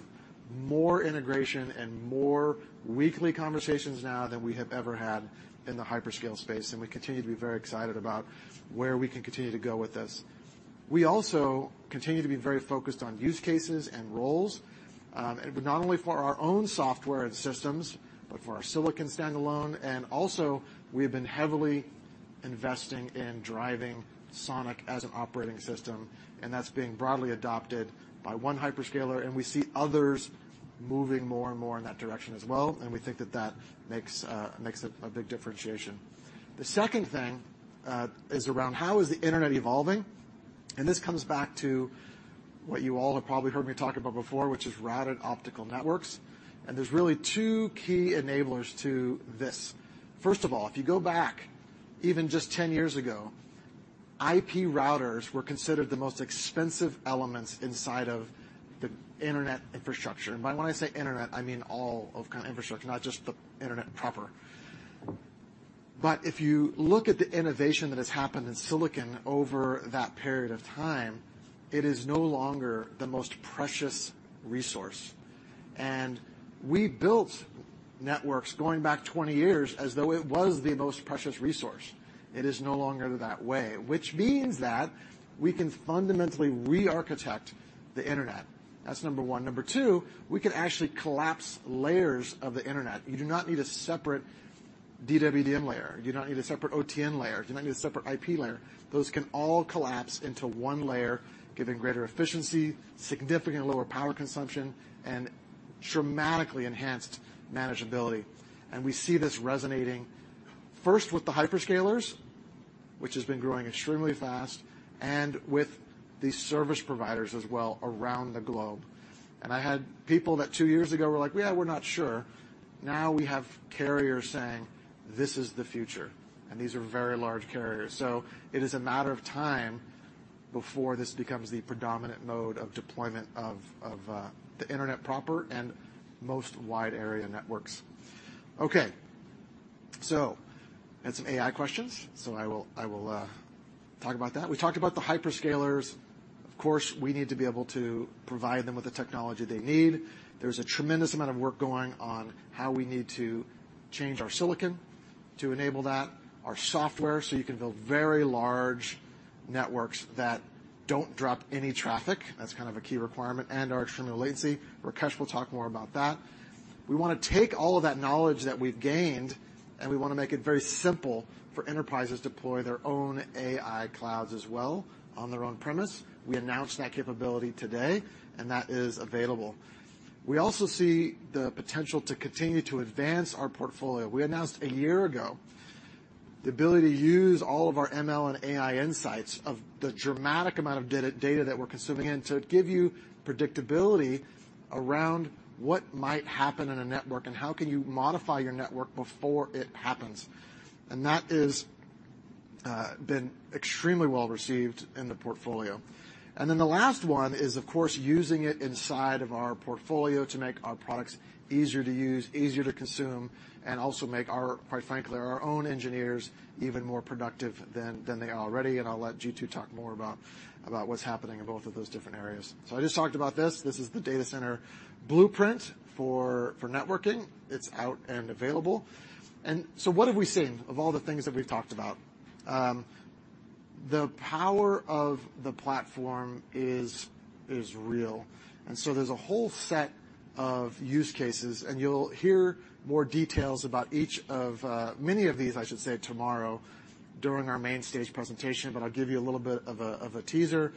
more integration and more weekly conversations now than we have ever had in the hyperscale space, and we continue to be very excited about where we can continue to go with this. We also continue to be very focused on use cases and roles, but not only for our own software and systems, but for our silicon standalone. Also, we have been heavily investing in driving SONiC as an operating system, and that's being broadly adopted by one hyperscaler, and we see others moving more and more in that direction as well, and we think that that makes a big differentiation. The second thing is around how is the internet evolving? This comes back to what you all have probably heard me talk about before, which is routed optical networks. There's really two key enablers to this. First of all, if you go back even just 10 years ago, IP routers were considered the most expensive elements inside of the internet infrastructure. By when I say internet, I mean all of kind of infrastructure, not just the internet proper. If you look at the innovation that has happened in silicon over that period of time, it is no longer the most precious resource. We built networks going back 20 years as though it was the most precious resource. It is no longer that way, which means that we can fundamentally re-architect the internet. That's number one. Number 2, we can actually collapse layers of the internet. You do not need a separate DWDM layer. You don't need a separate OTN layer. You don't need a separate IP layer. Those can all collapse into 1 layer, giving greater efficiency, significant lower power consumption, and dramatically enhanced manageability. We see this resonating first with the hyperscalers, which has been growing extremely fast, and with the service providers as well around the globe. I had people that two years ago were like, "Yeah, we're not sure." Now we have carriers saying, "This is the future," and these are very large carriers. It is a matter of time before this becomes the predominant mode of deployment of the internet proper and most wide-area networks. Had some AI questions, I will talk about that. We talked about the hyperscalers. We need to be able to provide them with the technology they need. There's a tremendous amount of work going on, how we need to change our Silicon One to enable that, our software, so you can build very large networks that don't drop any traffic. That's kind of a key requirement, and our extremely latency. Rakesh Chopra will talk more about that. We wanna take all of that knowledge that we've gained, and we want to make it very simple for enterprises to deploy their own AI clouds as well, on their own premise. We announced that capability today, and that is available. We also see the potential to continue to advance our portfolio. We announced a year ago, the ability to use all of our ML and AI insights of the dramatic amount of data that we're consuming, and to give you predictability around what might happen in a network and how can you modify your network before it happens. That's been extremely well received in the portfolio. The last one is, of course, using it inside of our portfolio to make our products easier to use, easier to consume, and also make our, quite frankly, our own engineers even more productive than they are already. I'll let Jeetu talk more about what's happening in both of those different areas. I just talked about this. This is the data center blueprint for networking. It's out and available. What have we seen of all the things that we've talked about? The power of the platform is real, and so there's a whole set of use cases, and you'll hear more details about each of many of these, I should say, tomorrow, during our main stage presentation. I'll give you a little bit of a, of a teaser.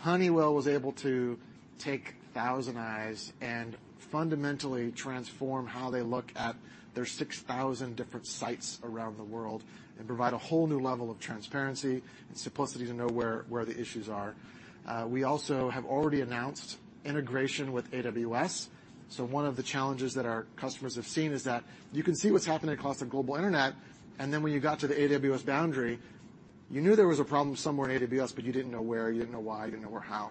Honeywell was able to take ThousandEyes and fundamentally transform how they look at their 6,000 different sites around the world and provide a whole new level of transparency and simplicity to know where the issues are. We also have already announced integration with AWS. One of the challenges that our customers have seen is that you can see what's happening across the global internet, and then when you got to the AWS boundary, you knew there was a problem somewhere in AWS, but you didn't know where, you didn't know why, how.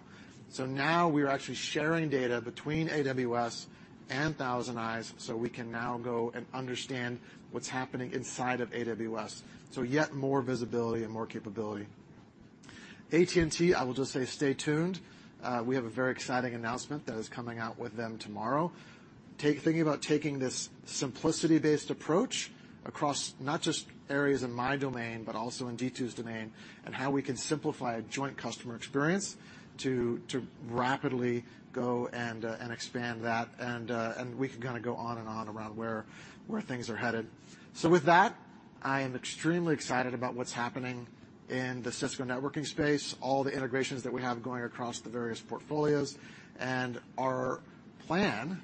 Now we're actually sharing data between AWS and ThousandEyes, so we can now go and understand what's happening inside of AWS. Yet more visibility and more capability. AT&T, I will just say stay tuned. We have a very exciting announcement that is coming out with them tomorrow. Thinking about taking this simplicity-based approach across not just areas in my domain, but also in Jeetu's domain, and how we can simplify a joint customer experience to rapidly go and expand that. We can kind of go on and on around where things are headed. With that, I am extremely excited about what's happening in the Cisco networking space, all the integrations that we have going across the various portfolios. Our plan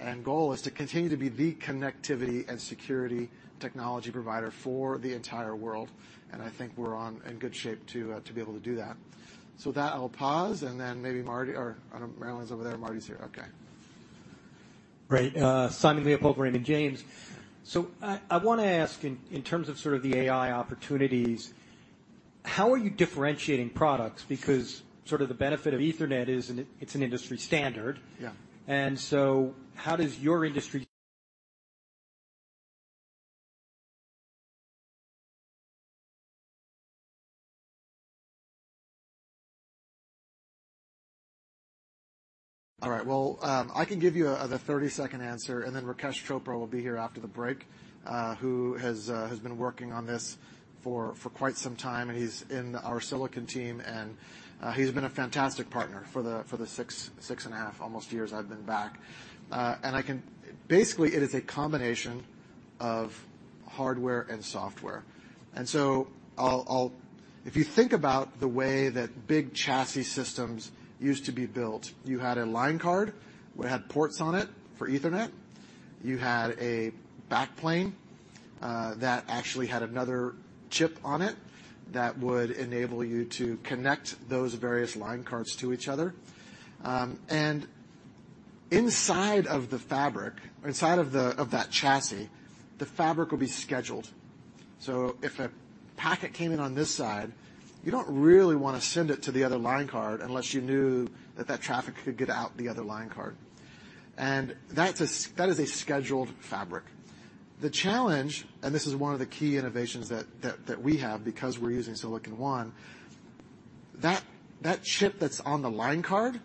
and goal is to continue to be the connectivity and security technology provider for the entire world, and I think we're in good shape to be able to do that. With that, I'll pause, then maybe Marty or... Marilyn's over there. Marty's here. Okay. Great. Simon Leopold, Raymond James. I wanna ask in terms of sort of the AI opportunities, how are you differentiating products? Because sort of the benefit of Ethernet is it's an industry standard. Yeah. how does your industry? Well, I can give you the 30-second answer, then Rakesh Chopra will be here after the break, who has been working on this for quite some time, and he's in our silicon team, and he's been a fantastic partner for the six and a half, almost years I've been back. Basically, it is a combination of hardware and software. If you think about the way that big chassis systems used to be built, you had a line card. It had ports on it for Ethernet. You had a backplane that actually had another chip on it that would enable you to connect those various line cards to each other. Inside of the fabric, inside of that chassis, the fabric would be scheduled. If a packet came in on this side, you don't really want to send it to the other line card unless you knew that that traffic could get out the other line card. That is a scheduled fabric. The challenge, this is one of the key innovations that we have because we're using Silicon One, that chip that's on the line card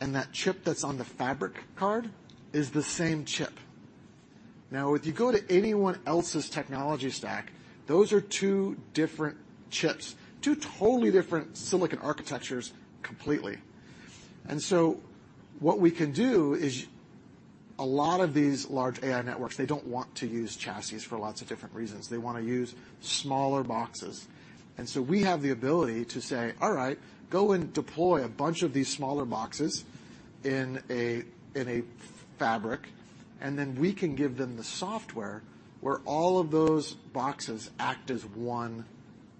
and that chip that's on the fabric card is the same chip. If you go to anyone else's technology stack, those are two different chips, two totally different silicon architectures completely. What we can do is a lot of these large AI networks, they don't want to use chassis for lots of different reasons. They want to use smaller boxes. We have the ability to say, "All right, go and deploy a bunch of these smaller boxes in a, in a fabric," and then we can give them the software where all of those boxes act as one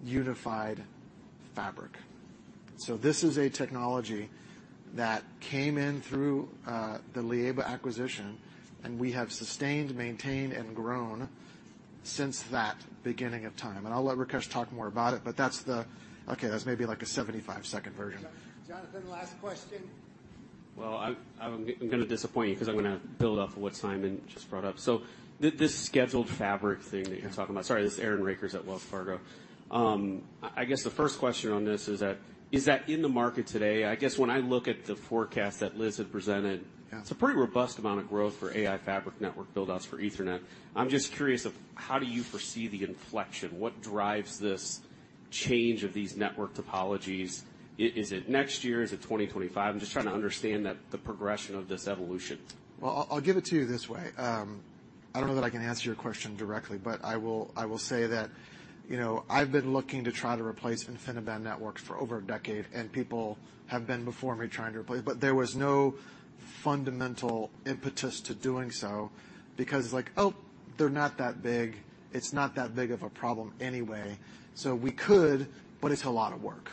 unified fabric. This is a technology that came in through the Lieba acquisition, and we have sustained, maintained, and grown since that beginning of time. I'll let Rakesh talk more about it, but that's the. Okay, that's maybe, like, a 75-second version. Jonathan, last question. Well, I'm gonna disappoint you 'cause I'm gonna build off of what Simon Leopold just brought up. This scheduled fabric thing that you're talking about... Sorry, this is Aaron Rakers at Wells Fargo. I guess the first question on this is that in the market today? I guess when I look at the forecast that Liz Centoni had presented. Yeah. It's a pretty robust amount of growth for AI fabric network build-outs for Ethernet. I'm just curious of, how do you foresee the inflection? What drives this change of these network topologies? Is it next year? Is it 2025? I'm just trying to understand the progression of this evolution. I'll give it to you this way. I don't know that I can answer your question directly, but I will say that, you know, I've been looking to try to replace InfiniBand networks for over a decade. People have been before me trying to replace, but there was no fundamental impetus to doing so because it's like: Oh, they're not that big. It's not that big of a problem anyway. We could, but it's a lot of work.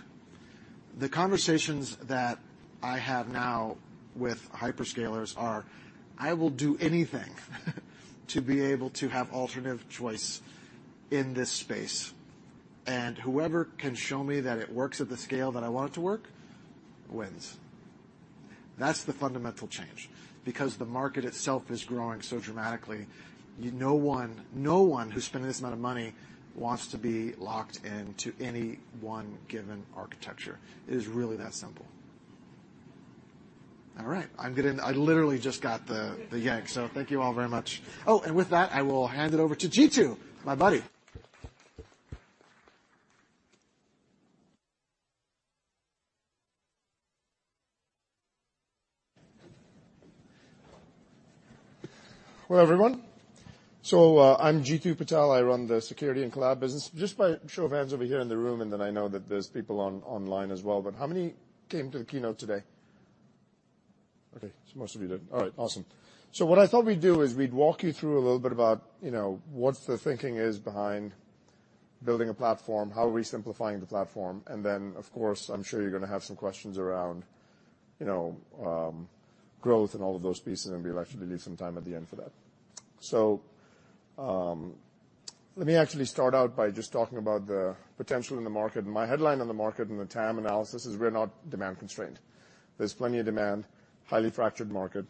The conversations that I have now with hyperscalers are: I will do anything to be able to have alternative choice in this space, and whoever can show me that it works at the scale that I want it to work, wins. That's the fundamental change, because the market itself is growing so dramatically, no one, no one who's spending this amount of money wants to be locked into any one given architecture. It is really that simple. All right, I literally just got the yank, so thank you all very much. With that, I will hand it over to Jeetu, my buddy. Hello, everyone. I'm Jeetu Patel. I run the security and collab business. Just by show of hands over here in the room, and then I know that there's people online as well, but how many came to the keynote today? Most of you did. All right, awesome. What I thought we'd do is we'd walk you through a little bit about, you know, what the thinking is behind building a platform, how are we simplifying the platform. Of course, I'm sure you're gonna have some questions around, you know, growth and all of those pieces, and we'd like to leave some time at the end for that. Let me actually start out by just talking about the potential in the market. My headline on the market and the TAM analysis is we're not demand constrained. There's plenty of demand, highly fractured market,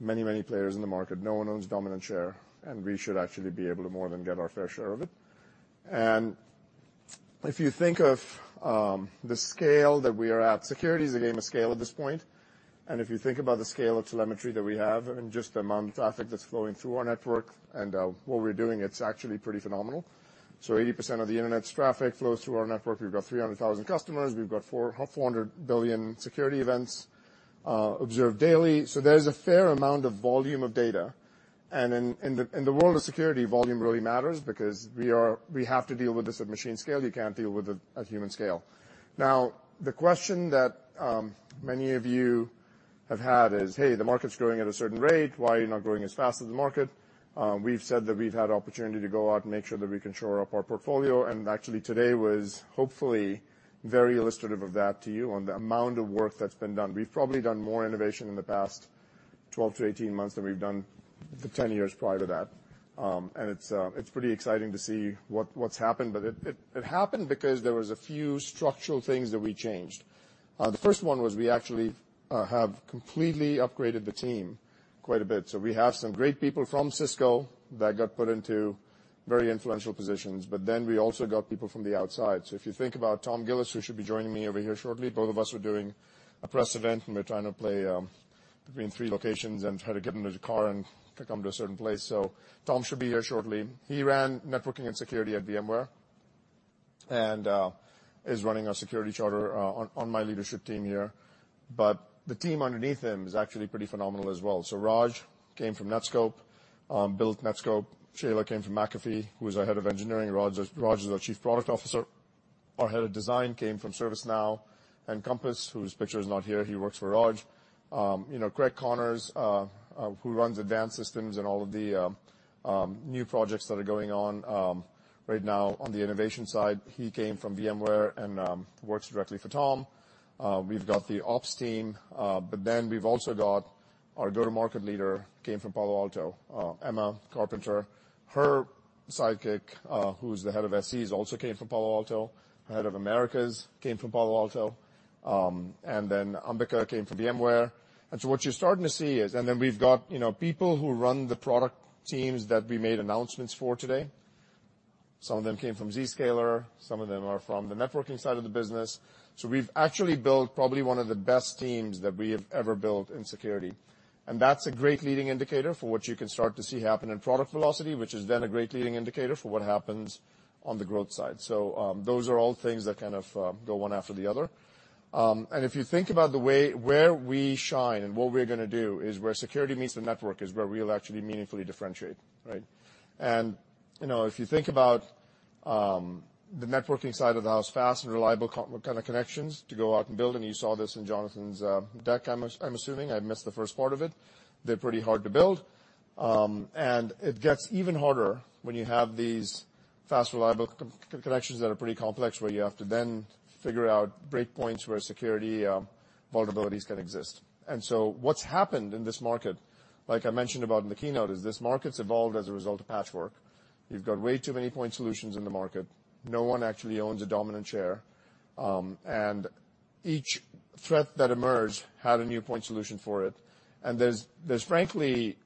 many, many players in the market. No one owns dominant share, we should actually be able to more than get our fair share of it. If you think of the scale that we are at, security is a game of scale at this point. If you think about the scale of telemetry that we have and just the amount of traffic that's flowing through our network and what we're doing, it's actually pretty phenomenal. 80% of the internet's traffic flows through our network. We've got 300,000 customers. We've got 400 billion security events observed daily. There's a fair amount of volume of data, and in the world of security, volume really matters because we have to deal with this at machine scale. You can't deal with it at human scale. The question that many of you have had is, "Hey, the market's growing at a certain rate. Why are you not growing as fast as the market?" We've said that we've had opportunity to go out and make sure that we can shore up our portfolio, and actually, today was hopefully very illustrative of that to you on the amount of work that's been done. We've probably done more innovation in the past 12 to 18 months than we've done the 10 years prior to that. It's pretty exciting to see what's happened, but it happened because there was a few structural things that we changed. The first one was we actually have completely upgraded the team quite a bit. We have some great people from Cisco that got put into very influential positions. We also got people from the outside. If you think about Tom Gillis, who should be joining me over here shortly, both of us were doing a press event, and we're trying to play between 3 locations and try to get him into a car and to come to a certain place. Tom should be here shortly. He ran networking and security at VMware and is running our security charter on my leadership team here. The team underneath him is actually pretty phenomenal as well. Raj came from Netskope, built Netskope. Shayla came from McAfee, who is our Head of Engineering. Raj is our Chief Product Officer. Our head of design came from ServiceNow, Compass, whose picture is not here, he works for Raj. You know, Greg Connors, who runs Advanced Systems and all of the new projects that are going on right now on the innovation side, he came from VMware and works directly for Tom. We've got the ops team, we've also got our go-to-market leader, came from Palo Alto, Emma Carpenter. Her sidekick, who's the head of SEs, also came from Palo Alto. Her head of Americas, came from Palo Alto. Ambika came from VMware. What you're starting to see is. We've got, you know, people who run the product teams that we made announcements for today. Some of them came from Zscaler, some of them are from the networking side of the business. We've actually built probably one of the best teams that we have ever built in security, and that's a great leading indicator for what you can start to see happen in product velocity, which is then a great leading indicator for what happens on the growth side. Those are all things that kind of go one after the other. If you think about where we shine and what we're gonna do is where security meets the network is where we'll actually meaningfully differentiate, right? You know, if you think about the networking side of the house, fast and reliable kind of connections to go out and build, and you saw this in Jonathan's deck, I'm assuming. I missed the first part of it. They're pretty hard to build. It gets even harder when you have these fast, reliable connections that are pretty complex, where you have to then figure out breakpoints where security, vulnerabilities can exist. So what's happened in this market, like I mentioned about in the keynote, is this market's evolved as a result of patchwork. You've got way too many point solutions in the market. No one actually owns a dominant share, and each threat that emerged had a new point solution for it. There's frankly,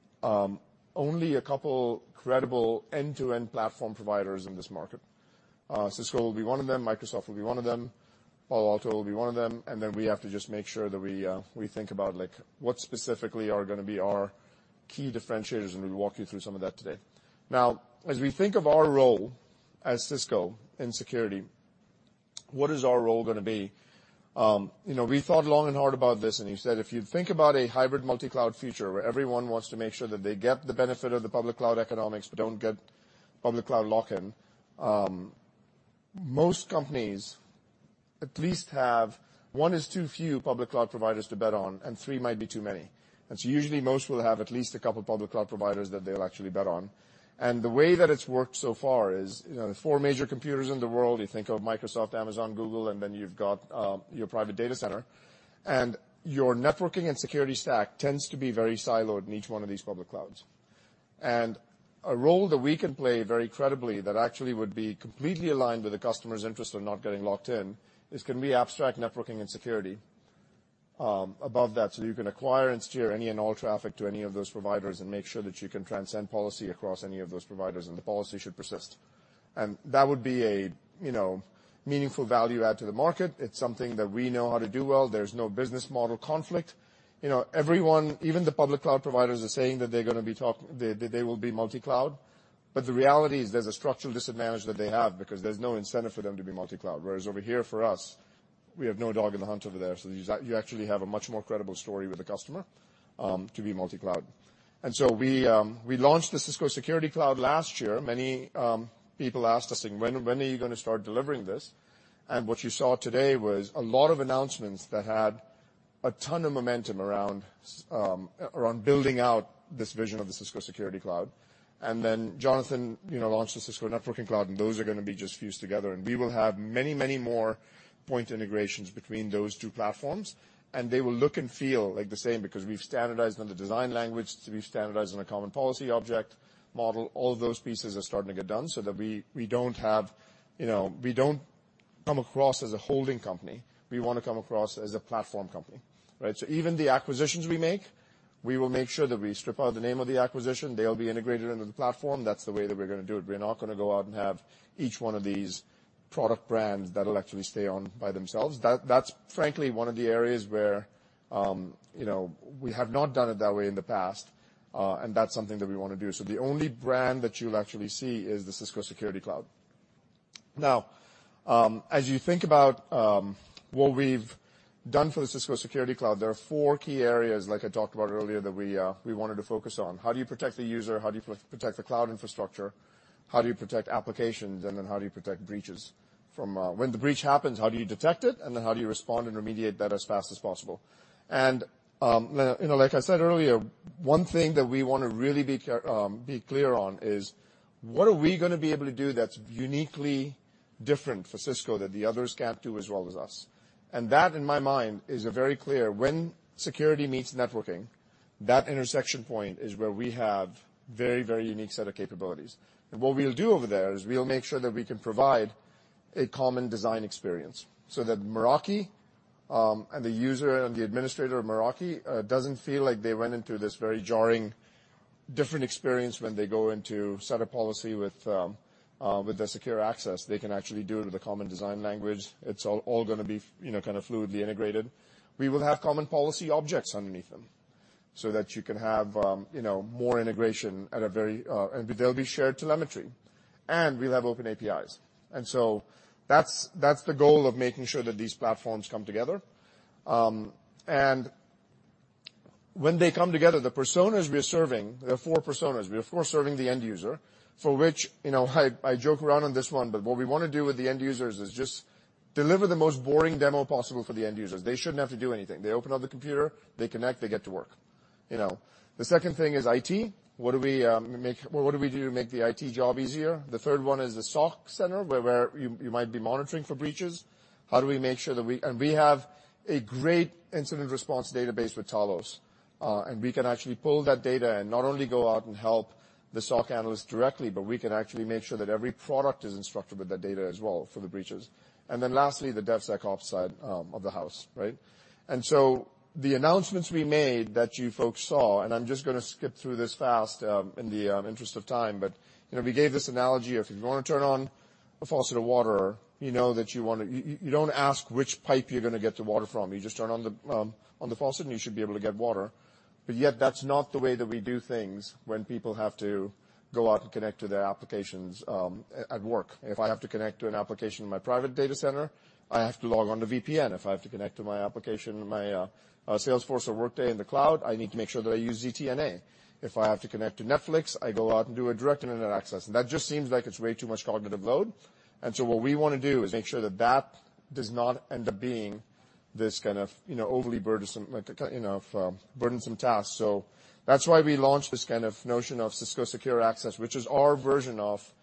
only a couple credible end-to-end platform providers in this market. Cisco will be one of them, Microsoft will be one of them, Palo Alto will be one of them. Then we have to just make sure that we think about, like, what specifically are gonna be our key differentiators, and we'll walk you through some of that today. As we think of our role as Cisco in security, what is our role gonna be? You know, we thought long and hard about this, and we said, if you think about a hybrid multi-cloud future, where everyone wants to make sure that they get the benefit of the public cloud economics, but don't get public cloud lock-in. Most companies at least have one is too few public cloud providers to bet on, and three might be too many. Usually, most will have at least a couple public cloud providers that they'll actually bet on. The way that it's worked so far is, you know, the four major computers in the world, you think of Microsoft, Amazon, Google, and then you've got your private data center. Your networking and security stack tends to be very siloed in each one of these public clouds. A role that we can play very credibly, that actually would be completely aligned with the customer's interest of not getting locked in, is can we abstract networking and security above that, so you can acquire and steer any and all traffic to any of those providers and make sure that you can transcend policy across any of those providers, and the policy should persist? That would be a, you know, meaningful value add to the market. It's something that we know how to do well. There's no business model conflict. You know, everyone, even the public cloud providers, are saying that they're gonna be that they will be multi-cloud. The reality is there's a structural disadvantage that they have, because there's no incentive for them to be multi-cloud. Whereas over here, for us, we have no dog in the hunt over there, so you actually have a much more credible story with the customer to be multi-cloud. We launched the Cisco Security Cloud last year. Many people asked us, saying, "When are you gonna start delivering this?" What you saw today was a lot of announcements that had a ton of momentum around building out this vision of the Cisco Security Cloud. Then Jonathan, you know, launched the Cisco Networking Cloud, and those are gonna be just fused together. We will have many, many more point integrations between those two platforms, and they will look and feel like the same because we've standardized on the design language, so we've standardized on a common policy object model. All of those pieces are starting to get done so that we don't have. You know, we don't come across as a holding company. We wanna come across as a platform company, right? Even the acquisitions we make, we will make sure that we strip out the name of the acquisition. They'll be integrated into the platform. That's the way that we're gonna do it. We're not gonna go out and have each one of these product brands that'll actually stay on by themselves. That's frankly, one of the areas where, you know, we have not done it that way in the past, that's something that we wanna do. The only brand that you'll actually see is the Cisco Security Cloud. Now, as you think about what we've done for the Cisco Security Cloud, there are 4 key areas, like I talked about earlier, that we wanted to focus on. How do you protect the user? How do you protect the cloud infrastructure? How do you protect applications? How do you protect breaches from? When the breach happens, how do you detect it, and then how do you respond and remediate that as fast as possible? you know, like I said earlier, one thing that we wanna really be clear, be clear on is, what are we gonna be able to do that's uniquely different for Cisco, that the others can't do as well as us? That, in my mind, is a very clear, when security meets networking, that intersection point is where we have very, very unique set of capabilities. What we'll do over there is we'll make sure that we can provide a common design experience so that Meraki, and the user and the administrator of Meraki, doesn't feel like they went into this very jarring, different experience when they go in to set a policy with with the Cisco Secure Access. They can actually do it with a common design language. It's all gonna be you know, kind of fluidly integrated. We will have common policy objects underneath them so that you can have, you know, more integration at a very. There'll be shared telemetry, and we'll have open APIs. That's, that's the goal of making sure that these platforms come together. When they come together, the personas we are serving, there are four personas. We are serving the end user, for which, you know, I joke around on this one, but what we wanna do with the end users is just deliver the most boring demo possible for the end users. They shouldn't have to do anything. They open up the computer, they connect, they get to work, you know? The second thing is IT. What do we do to make the IT job easier? The third one is the SOC center, where you might be monitoring for breaches. How do we make sure that we have a great incident response database with Talos, and we can actually pull that data and not only go out and help the SOC analyst directly, but we can actually make sure that every product is instructed with that data as well, for the breaches. Lastly, the DevSecOps side of the house, right. The announcements we made that you folks saw, and I'm just gonna skip through this fast in the interest of time. You know, we gave this analogy of, if you wanna turn on a faucet of water, you know that you wanna. You don't ask which pipe you're gonna get the water from. You just turn on the on the faucet, and you should be able to get water, but yet that's not the way that we do things when people have to go out and connect to their applications at work. If I have to connect to an application in my private data center, I have to log on to VPN. If I have to connect to my application, my Salesforce or Workday in the cloud, I need to make sure that I use ZTNA. If I have to connect to Netflix, I go out and do a direct internet access, and that just seems like it's way too much cognitive load. So what we wanna do is make sure that that does not end up being this kind of, you know, overly burdensome, like, a you know, burdensome task. That's why we launched this kind of notion of Cisco Secure Access, which is our version of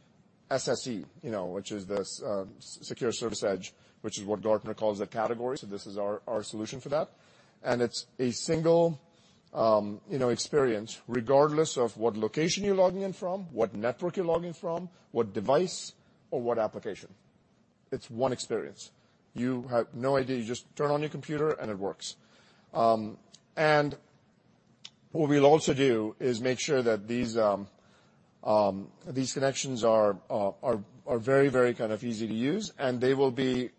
SSE, you know, which is this Secure Service Edge, which is what Gartner calls that category, so this is our solution for that. It's a single, you know, experience, regardless of what location you're logging in from, what network you're logging from, what device or what application. It's one experience. You have no idea. You just turn on your computer, and it works. What we'll also do is make sure that these connections are very, very kind of easy to use, and they will be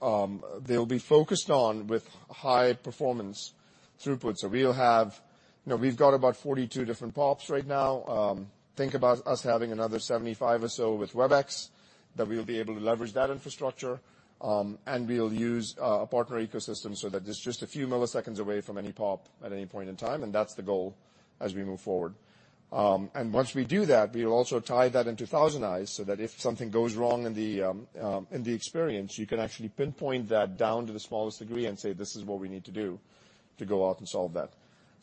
focused on with high-performance throughput. We'll have, you know, we've got about 42 different pops right now. Think about us having another 75 or so with Webex, that we'll be able to leverage that infrastructure. We'll use a partner ecosystem so that it's just a few milliseconds away from any pop at any point in time, and that's the goal as we move forward. Once we do that, we'll also tie that into ThousandEyes, so that if something goes wrong in the experience, you can actually pinpoint that down to the smallest degree and say, "This is what we need to do, to go out and solve that."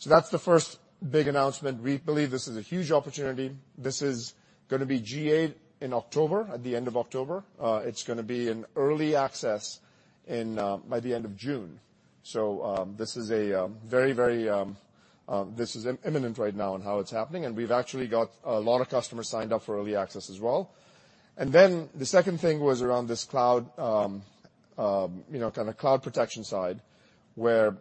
That's the first big announcement. We believe this is a huge opportunity. This is gonna be GA in October, at the end of October. It's gonna be in early access in by the end of June. This is a very... This is imminent right now in how it's happening, and we've actually got a lot of customers signed up for early access as well. Then, the second thing was around this cloud, you know, kinda cloud protection side, where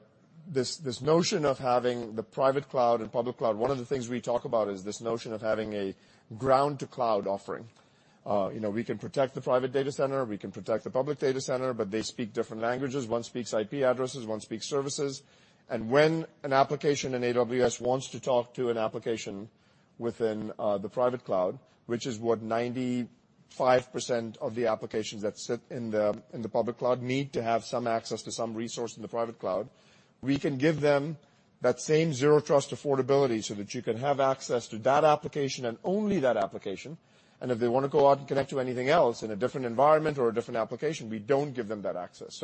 this notion of having the private cloud and public cloud, one of the things we talk about is this notion of having a ground to cloud offering. You know, we can protect the private data center, we can protect the public data center. They speak different languages. One speaks IP addresses, one speaks services. When an application in AWS wants to talk to an application within the private cloud, which is what 95% of the applications that sit in the public cloud need to have some access to some resource in the private cloud, we can give them that same zero trust affordability, so that you can have access to that application and only that application. If they wanna go out and connect to anything else in a different environment or a different application, we don't give them that access.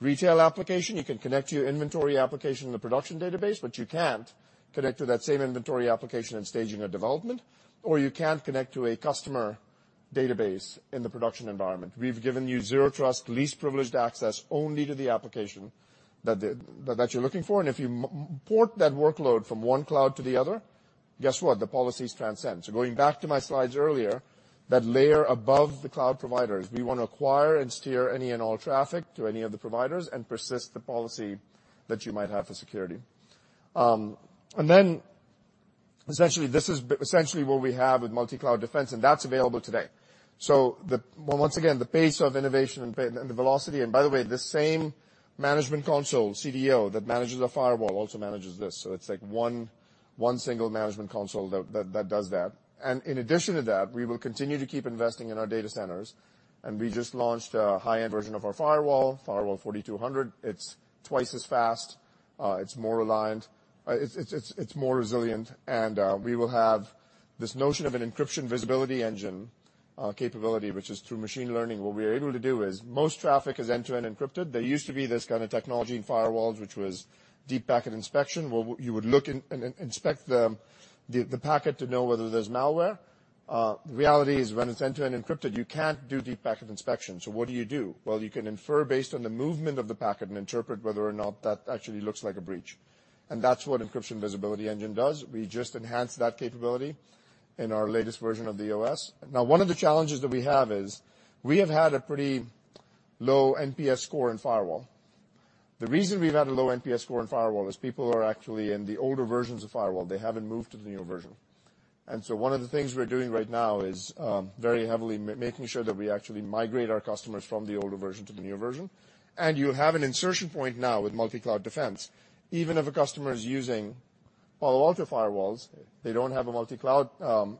Retail application, you can connect to your inventory application in the production database, but you can't connect to that same inventory application in staging a development, or you can't connect to a customer database in the production environment. We've given you zero trust, least privileged access, only to the application that you're looking for, and if you port that workload from one cloud to the other, guess what? The policies transcend. Going back to my slides earlier, that layer above the cloud providers, we wanna acquire and steer any and all traffic to any of the providers, and persist the policy that you might have for security. And then, essentially, this is essentially what we have with Multicloud Defense, and that's available today. Well, once again, the pace of innovation and the velocity... By the way, this same management console, CDO, that manages our firewall, also manages this. It's, like, one single management console that does that. In addition to that, we will continue to keep investing in our data centers, and we just launched a high-end version of our firewall, Firewall 4200. It's twice as fast, it's more reliant, it's more resilient, and we will have this notion of an Encrypted Visibility Engine capability, which is through machine learning. What we're able to do is, most traffic is end-to-end encrypted. There used to be this kinda technology in firewalls, which was deep packet inspection, where you would look and inspect the packet to know whether there's malware. The reality is, when it's end-to-end encrypted, you can't do deep packet inspection. What do you do? Well, you can infer, based on the movement of the packet and interpret whether or not that actually looks like a breach, and that's what Encrypted Visibility Engine does. We just enhanced that capability in our latest version of the OS. One of the challenges that we have is, we have had a pretty low NPS score in Firewall. The reason we've had a low NPS score in Firewall, is people are actually in the older versions of Firewall. They haven't moved to the newer version. One of the things we're doing right now is, very heavily making sure that we actually migrate our customers from the older version to the newer version. You have an insertion point now with Multicloud Defense. Even if a customer is using Palo Alto firewalls, they don't have a multicloud,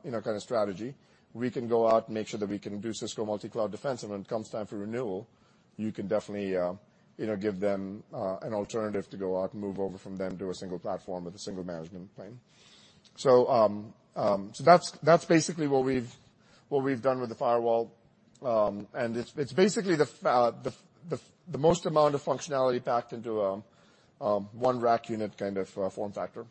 you know, kind of strategy. We can go out and make sure that we can do Cisco Multicloud Defense, when it comes time for renewal, you can definitely give them an alternative to go out and move over from them to a single platform with a single management plane. That's basically what we've done with the firewall. It's basically the most amount of functionality packed into 1 rack unit kind of form factor.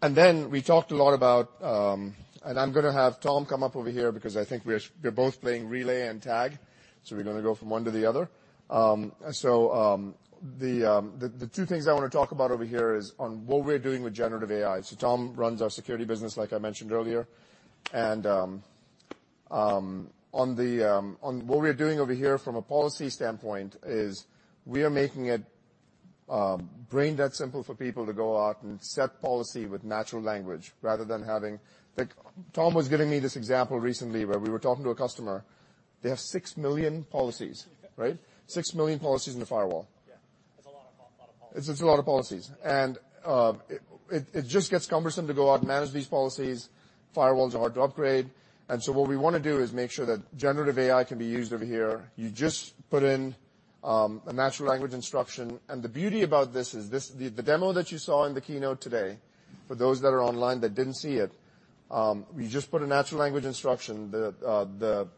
Then we talked a lot about. I'm gonna have Tom Gillis come up over here, because I think we're both playing relay and tag, so we're gonna go from 1 to the other. The two things I wanna talk about over here is on what we're doing with Generative AI. Tom runs our security business, like I mentioned earlier. On what we're doing over here from a policy standpoint is, we are making it brain that simple for people to go out and set policy with natural language, rather than having. Like, Tom was giving me this example recently, where we were talking to a customer. They have 6 million policies, right? 6 million policies in the firewall. Yeah. That's a lot of policies. It's a lot of policies. Yeah. It just gets cumbersome to go out and manage these policies. Firewalls are hard to upgrade. What we wanna do is make sure that generative AI can be used over here. You just put in a natural language instruction, and the beauty about this is, the demo that you saw in the keynote today, for those that are online that didn't see it, you just put a natural language instruction. The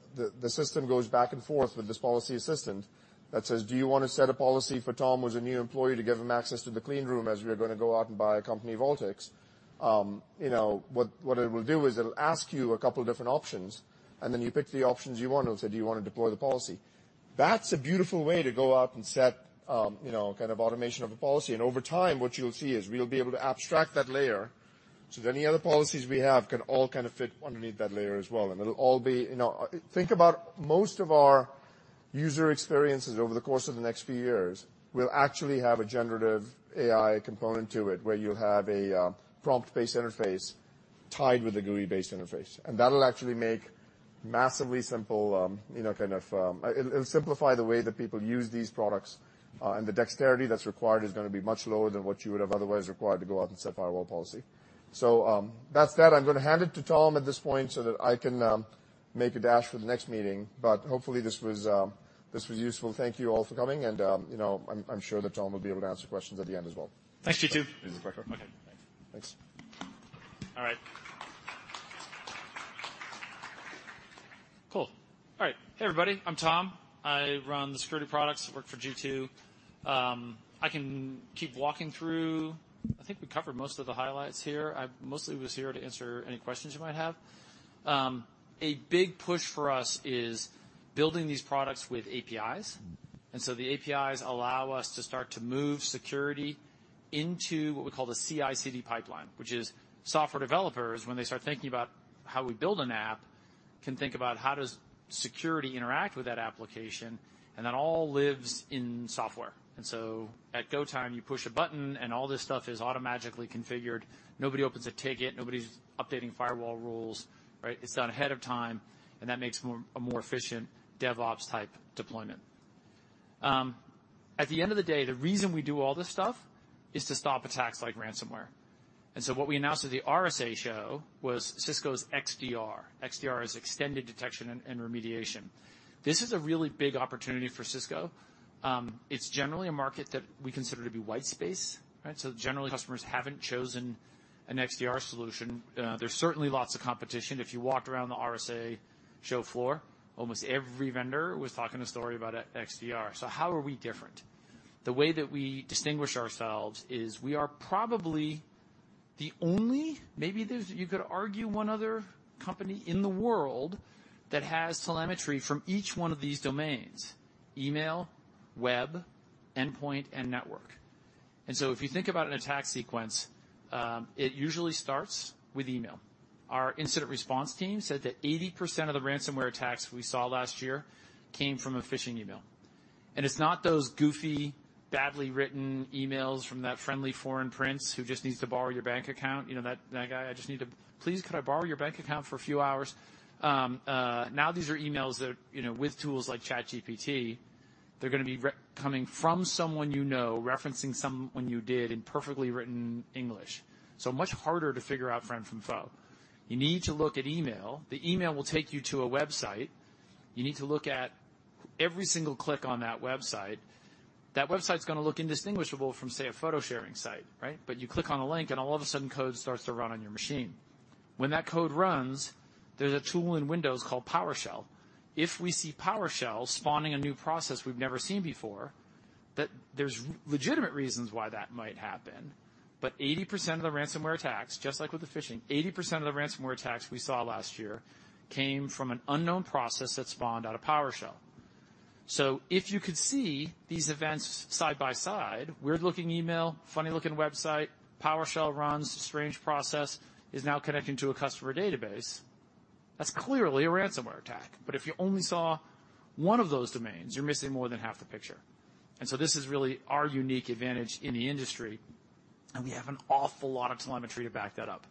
system goes back and forth with this policy assistant that says, "Do you want to set a policy for Tom, who's a new employee, to give him access to the clean room, as we are gonna go out and buy a company, VaultX?" You know, what it will do is, it'll ask you a couple different options, and then you pick the options you want, and it'll say, "Do you wanna deploy the policy?" That's a beautiful way to go out and set, you know, kind of automation of a policy. Over time, what you'll see is, we'll be able to abstract that layer, so that any other policies we have can all kind of fit underneath that layer as well, and it'll all be... You know, think about most of our user experiences over the course of the next few years, will actually have a Generative AI component to it, where you'll have a prompt-based interface tied with a GUI-based interface. That'll actually make massively simple, you know, kind of, it'll simplify the way that people use these products, and the dexterity that's required is gonna be much lower than what you would have otherwise required to go out and set firewall policy. That's that. I'm gonna hand it to Tom at this point so that I can make a dash for the next meeting. Hopefully, this was useful. Thank you all for coming, and, you know, I'm sure that Tom will be able to answer questions at the end as well. Thanks, Jeetu. Okay, thanks. Thanks. All right. Cool. All right. Hey, everybody, I'm Tom Gillis. I run the security products that work for G two. I can keep walking through. I think we covered most of the highlights here. I mostly was here to answer any questions you might have. A big push for us is building these products with APIs, and so the APIs allow us to start to move security into what we call the CI/CD pipeline, which is software developers, when they start thinking about how we build an app, can think about how does security interact with that application, and that all lives in software. At go time, you push a button, and all this stuff is automatically configured. Nobody opens a ticket. Nobody's updating firewall rules, right? It's done ahead of time, and that makes a more efficient DevOps-type deployment. At the end of the day, the reason we do all this stuff is to stop attacks like ransomware. What we announced at the RSA show was Cisco's XDR. XDR is extended detection and remediation. This is a really big opportunity for Cisco. It's generally a market that we consider to be white space, right? Generally, customers haven't chosen an XDR solution. There's certainly lots of competition. If you walked around the RSA show floor, almost every vendor was talking a story about XDR. How are we different? The way that we distinguish ourselves is we are probably the only, maybe there's You could argue, one other company in the world that has telemetry from each one of these domains: email, web, endpoint, and network. If you think about an attack sequence, it usually starts with email. Our incident response team said that 80% of the ransomware attacks we saw last year came from a phishing email. It's not those goofy, badly written emails from that friendly foreign prince who just needs to borrow your bank account. You know that guy, "Please, could I borrow your bank account for a few hours?" Now, these are emails that, you know, with tools like ChatGPT, they're gonna be coming from someone you know, referencing someone you did in perfectly written English, so much harder to figure out friend from foe. You need to look at email. The email will take you to a website. You need to look at every single click on that website. That website's gonna look indistinguishable from, say, a photo-sharing site, right? You click on a link, and all of a sudden, code starts to run on your machine. When that code runs, there's a tool in Windows called PowerShell. If we see PowerShell spawning a new process we've never seen before, that there's legitimate reasons why that might happen, 80% of the ransomware attacks, just like with the phishing, 80% of the ransomware attacks we saw last year came from an unknown process that spawned out of PowerShell. If you could see these events side by side, weird-looking email, funny-looking website, PowerShell runs, strange process is now connecting to a customer database, that's clearly a ransomware attack. If you only saw one of those domains, you're missing more than half the picture. This is really our unique advantage in the industry, and we have an awful lot of telemetry to back that up,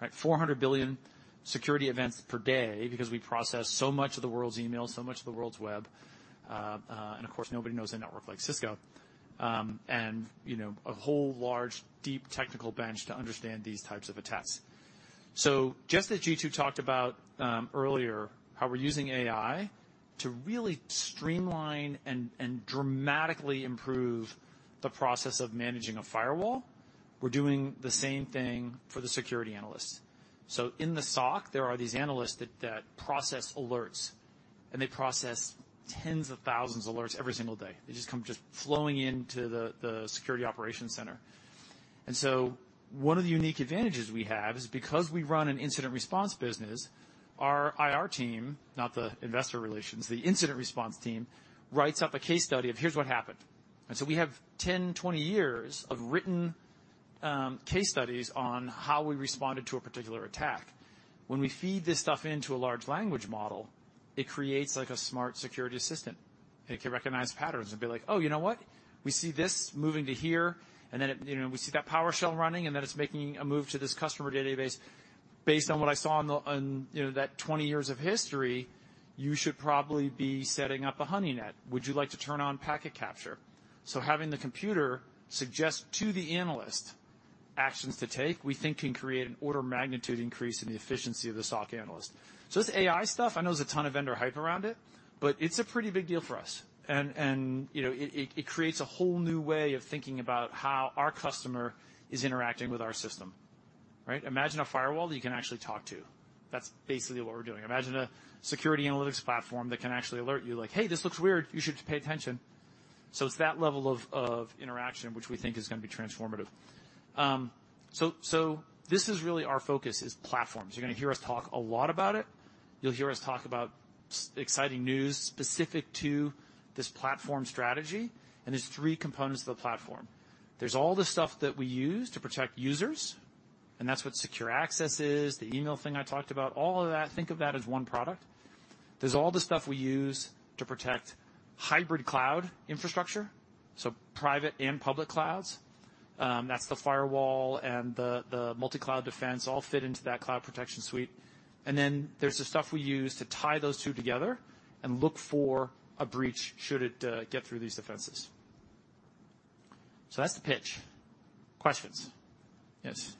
right? 400 billion security events per day because we process so much of the world's email, so much of the world's web. Of course, nobody knows a network like Cisco, and, you know, a whole large, deep technical bench to understand these types of attacks. Just as Jeetu talked about earlier, how we're using AI to really streamline and dramatically improve the process of managing a firewall, we're doing the same thing for the security analysts. In the SOC, there are these analysts that process alerts, and they process tens of thousands of alerts every single day. They just come just flowing into the security operations center. One of the unique advantages we have is because we run an incident response business, our IR team, not the investor relations, the incident response team, writes up a case study of, "Here's what happened." We have 10, 20 years of written case studies on how we responded to a particular attack. When we feed this stuff into a large language model, it creates, like, a smart security system. It can recognize patterns and be like, "Oh, you know what? We see this moving to here, and then it, you know, we see that PowerShell running, and then it's making a move to this customer database. Based on what I saw on the, you know, that 20 years of history, you should probably be setting up a honeynet. Would you like to turn on packet capture?" Having the computer suggest to the analyst actions to take, we think, can create an order of magnitude increase in the efficiency of the SOC analyst. This AI stuff, I know there's a ton of vendor hype around it, but it's a pretty big deal for us. You know, it creates a whole new way of thinking about how our customer is interacting with our system, right? Imagine a firewall that you can actually talk to. That's basically what we're doing. Imagine a security analytics platform that can actually alert you, like, "Hey, this looks weird. You should pay attention." It's that level of interaction which we think is gonna be transformative. This is really our focus, is platforms. You're gonna hear us talk a lot about it. You'll hear us talk about exciting news specific to this platform strategy. There's three components to the platform. There's all the stuff that we use to protect users. That's what secure access is, the email thing I talked about, all of that, think of that as one product. There's all the stuff we use to protect hybrid cloud infrastructure, so private and public clouds. That's the firewall and the Multicloud Defense all fit into that cloud protection suite. Then there's the stuff we use to tie those two together and look for a breach, should it get through these defenses. That's the pitch. Questions? Yes.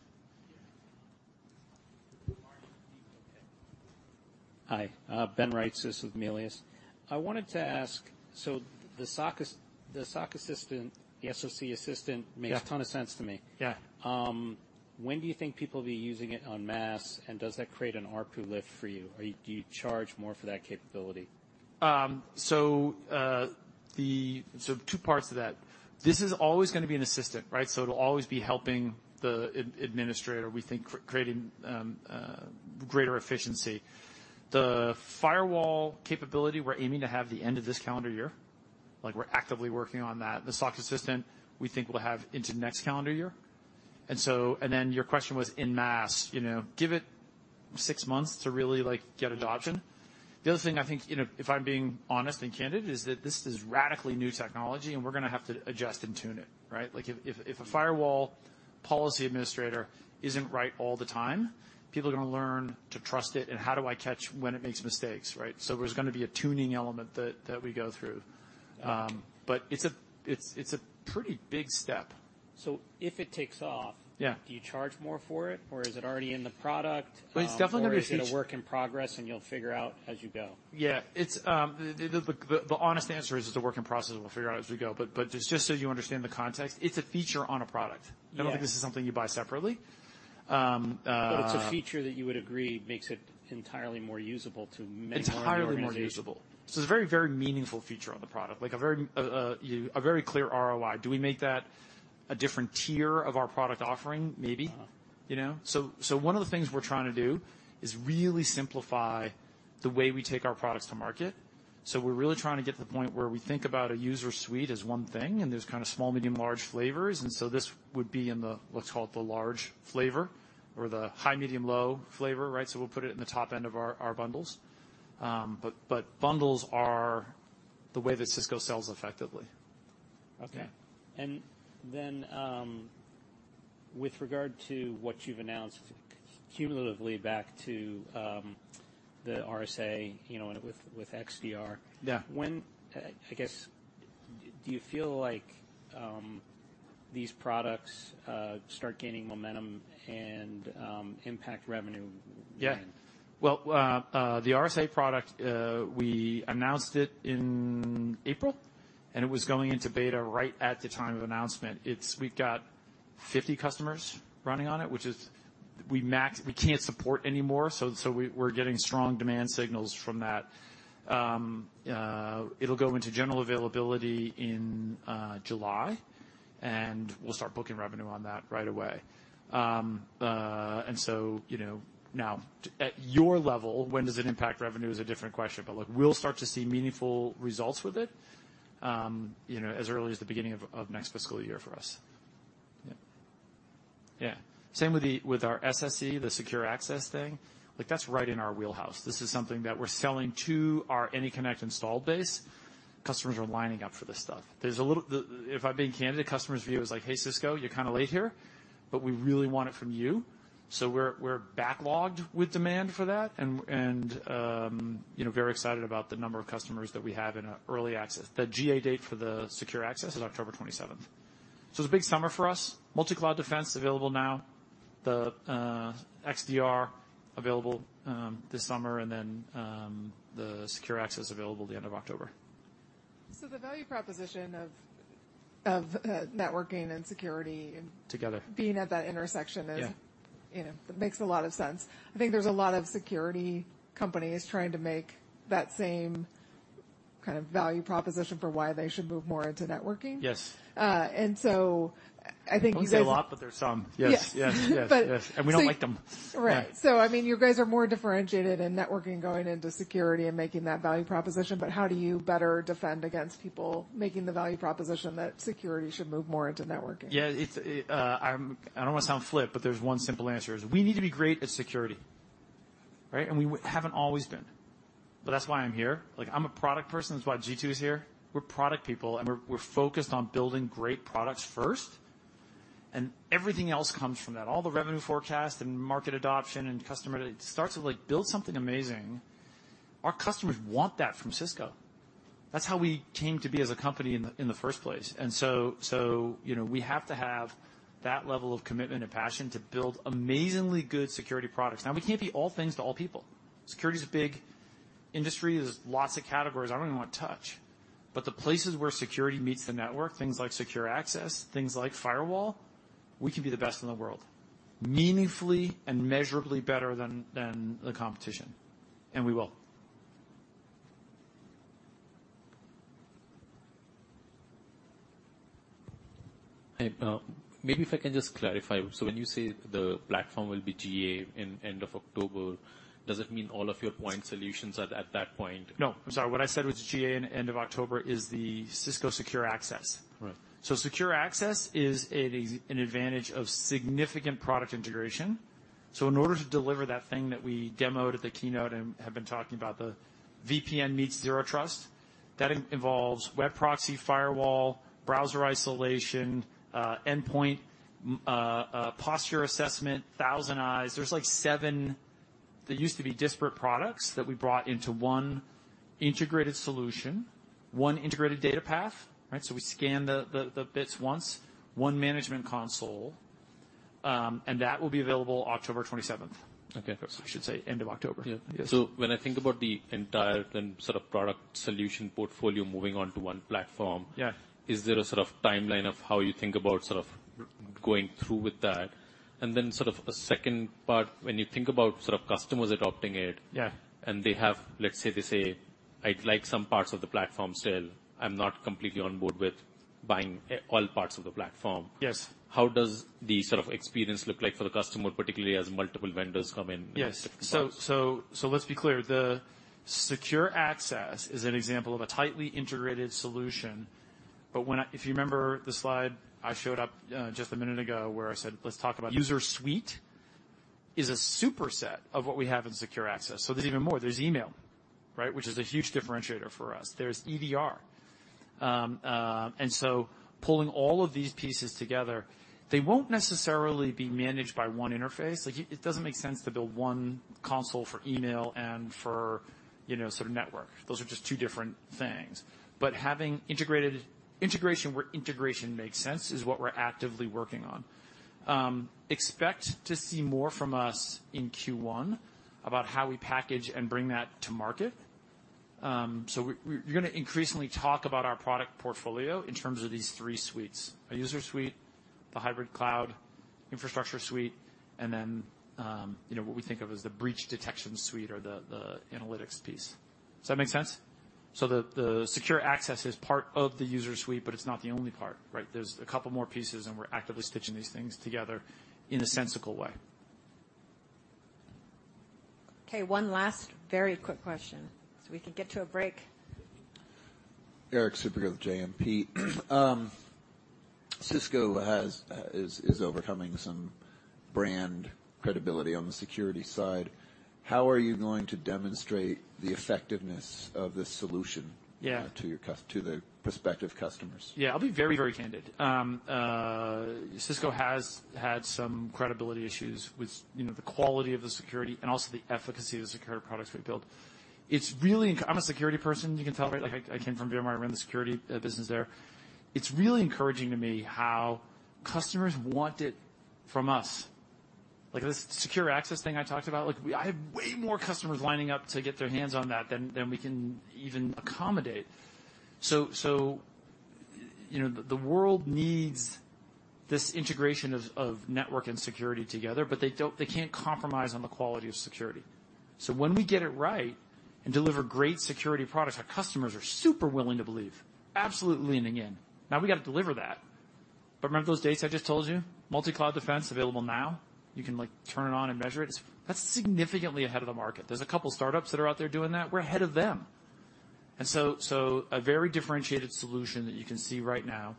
Hi, Ben Reitzes, CIS with Melius. I wanted to ask, the SOC assistant. Yeah. Makes a ton of sense to me. Yeah. When do you think people will be using it en masse? Does that create an ARPU lift for you? Do you charge more for that capability? Two parts to that. This is always going to be an assistant, right? It will always be helping the administrator, we think, creating greater efficiency. The firewall capability, we are aiming to have the end of this calendar year. Like, we are actively working on that. The SOC assistant, we think we will have into next calendar year. Your question was en masse. You know, give it six months to really, like, get adoption. The other thing I think, you know, if I am being honest and candid, is that this is radically new technology, and we are going to have to adjust and tune it, right? Like, if a firewall policy administrator is not right all the time, people are going to learn to trust it, and how do I catch when it makes mistakes, right? There's going to be a tuning element that we go through. It's a pretty big step. If it takes off. Yeah. Do you charge more for it, or is it already in the product? Well, it's definitely going to be. Is it a work in progress, and you'll figure out as you go? Yeah. It's, the honest answer is, it's a work in progress, and we'll figure out as we go. Just so you understand the context, it's a feature on a product. Yeah. I don't think this is something you buy separately. It's a feature that you would agree makes it entirely more usable to many more organizations. Entirely more usable. It's a very, very meaningful feature on the product, like a very clear ROI. Do we make that a different tier of our product offering? Maybe. Uh-huh. You know? One of the things we're trying to do is really simplify the way we take our products to market. We're really trying to get to the point where we think about a user suite as one thing, and there's kind of small, medium, large flavors. This would be in the, let's call it the large flavor or the high, medium, low flavor, right? We'll put it in the top end of our bundles. Bundles are the way that Cisco sells effectively. Okay. Yeah. With regard to what you've announced cumulatively back to the RSA, you know, with XDR. Yeah. I guess, do you feel like these products start gaining momentum and impact revenue? Yeah. Well, the RSA product, we announced it in April, and it was going into beta right at the time of announcement. We've got 50 customers running on it, which is we can't support anymore, so we're getting strong demand signals from that. It'll go into general availability in July, and we'll start booking revenue on that right away. You know, now at your level, when does it impact revenue is a different question. Look, we'll start to see meaningful results with it, you know, as early as the beginning of next fiscal year for us. Yeah. Same with the, with our SSE, the secure access thing. Like, that's right in our wheelhouse. This is something that we're selling to our AnyConnect install base. Customers are lining up for this stuff. There's a little. If I'm being candid, customers' view is like: "Hey, Cisco, you're kind of late here, but we really want it from you." We're backlogged with demand for that and, you know, very excited about the number of customers that we have in early access. The GA date for the Secure Access is October 27th. It's a big summer for us. Multicloud Defense available now, the XDR available this summer, and then the Secure Access available the end of October. The value proposition of networking and security. Together. Being at that intersection is? Yeah. You know, it makes a lot of sense. I think there's a lot of security companies trying to make that same kind of value proposition for why they should move more into networking. Yes. I think you guys. Don't say a lot, but there's some. Yeah. Yes, yes. But. We don't like them. Right. Yeah. You guys are more differentiated in networking, going into security and making that value proposition, but how do you better defend against people making the value proposition that security should move more into networking? Yeah, it's, I don't want to sound flip, but there's one simple answer, is we need to be great at security, right? We haven't always been, but that's why I'm here. Like, I'm a product person. That's why Jeetu is here. We're product people, and we're focused on building great products first, and everything else comes from that. All the revenue forecast and market adoption and customer, it starts with, like, build something amazing. Our customers want that from Cisco. That's how we came to be as a company in the first place. So, you know, we have to have that level of commitment and passion to build amazingly good security products. Now, we can't be all things to all people. Security is a big industry. There's lots of categories I don't even want to touch. The places where security meets the network, things like secure access, things like firewall, we can be the best in the world, meaningfully and measurably better than the competition, and we will. Hey, maybe if I can just clarify. When you say the platform will be GA in end of October, does it mean all of your point solutions are at that point? I'm sorry. What I said was GA in end of October is the Cisco Secure Access. Right. Secure Access is an advantage of significant product integration. In order to deliver that thing that we demoed at the keynote and have been talking about, the VPN meets zero trust, that involves web proxy, firewall, browser isolation, endpoint posture assessment, ThousandEyes. There's, like, They used to be disparate products that we brought into one integrated solution, one integrated data path, right? We scan the bits once, one management console, and that will be available October 27th. Okay. I should say end of October. Yeah. Yes. When I think about the entire then sort of product solution portfolio moving onto one platform. Yeah. Is there a sort of timeline of how you think about sort of going through with that? Sort of a second part, when you think about sort of customers adopting it. Yeah. Let's say they say, "I'd like some parts of the platform still. I'm not completely on board with buying all parts of the platform. Yes. How does the sort of experience look like for the customer, particularly as multiple vendors come in. Yes. in different parts? Let's be clear. The Secure Access is an example of a tightly integrated solution. If you remember the slide I showed up just a minute ago, where I said, let's talk about user suite, is a super set of what we have in Secure Access. There's even more. There's email, right? Which is a huge differentiator for us. There's EDR. Pulling all of these pieces together, they won't necessarily be managed by one interface. Like, it doesn't make sense to build one console for email and for, you know, sort of network. Those are just two different things. Integration where integration makes sense is what we're actively working on. Expect to see more from us in Q1 about how we package and bring that to market. We're gonna increasingly talk about our product portfolio in terms of these three suites: a user suite, the hybrid cloud infrastructure suite, and then, you know, what we think of as the breach detection suite or the analytics piece. Does that make sense? The Secure Access is part of the user suite, but it's not the only part, right? There's a couple more pieces, and we're actively stitching these things together in a sensical way. One last very quick question, so we can get to a break. Erik Suppiger with JMP. Cisco has is overcoming some brand credibility on the security side. How are you going to demonstrate the effectiveness of this solution? Yeah To the prospective customers? Yeah. I'll be very, very candid. Cisco has had some credibility issues with, you know, the quality of the security and also the efficacy of the security products we build. It's really. I'm a security person, you can tell, right? Like I came from VMware. I ran the security, business there. It's really encouraging to me how customers want it from us. Like, this Secure Access thing I talked about, like, we, I have way more customers lining up to get their hands on that than we can even accommodate. You know, the world needs this integration of network and security together, but they can't compromise on the quality of security. When we get it right and deliver great security products, our customers are super willing to believe, absolutely leaning in. We've got to deliver that. Remember those dates I just told you? Multicloud Defense, available now. You can, like, turn it on and measure it. That's significantly ahead of the market. There's a couple startups that are out there doing that. We're ahead of them, and so a very differentiated solution that you can see right now.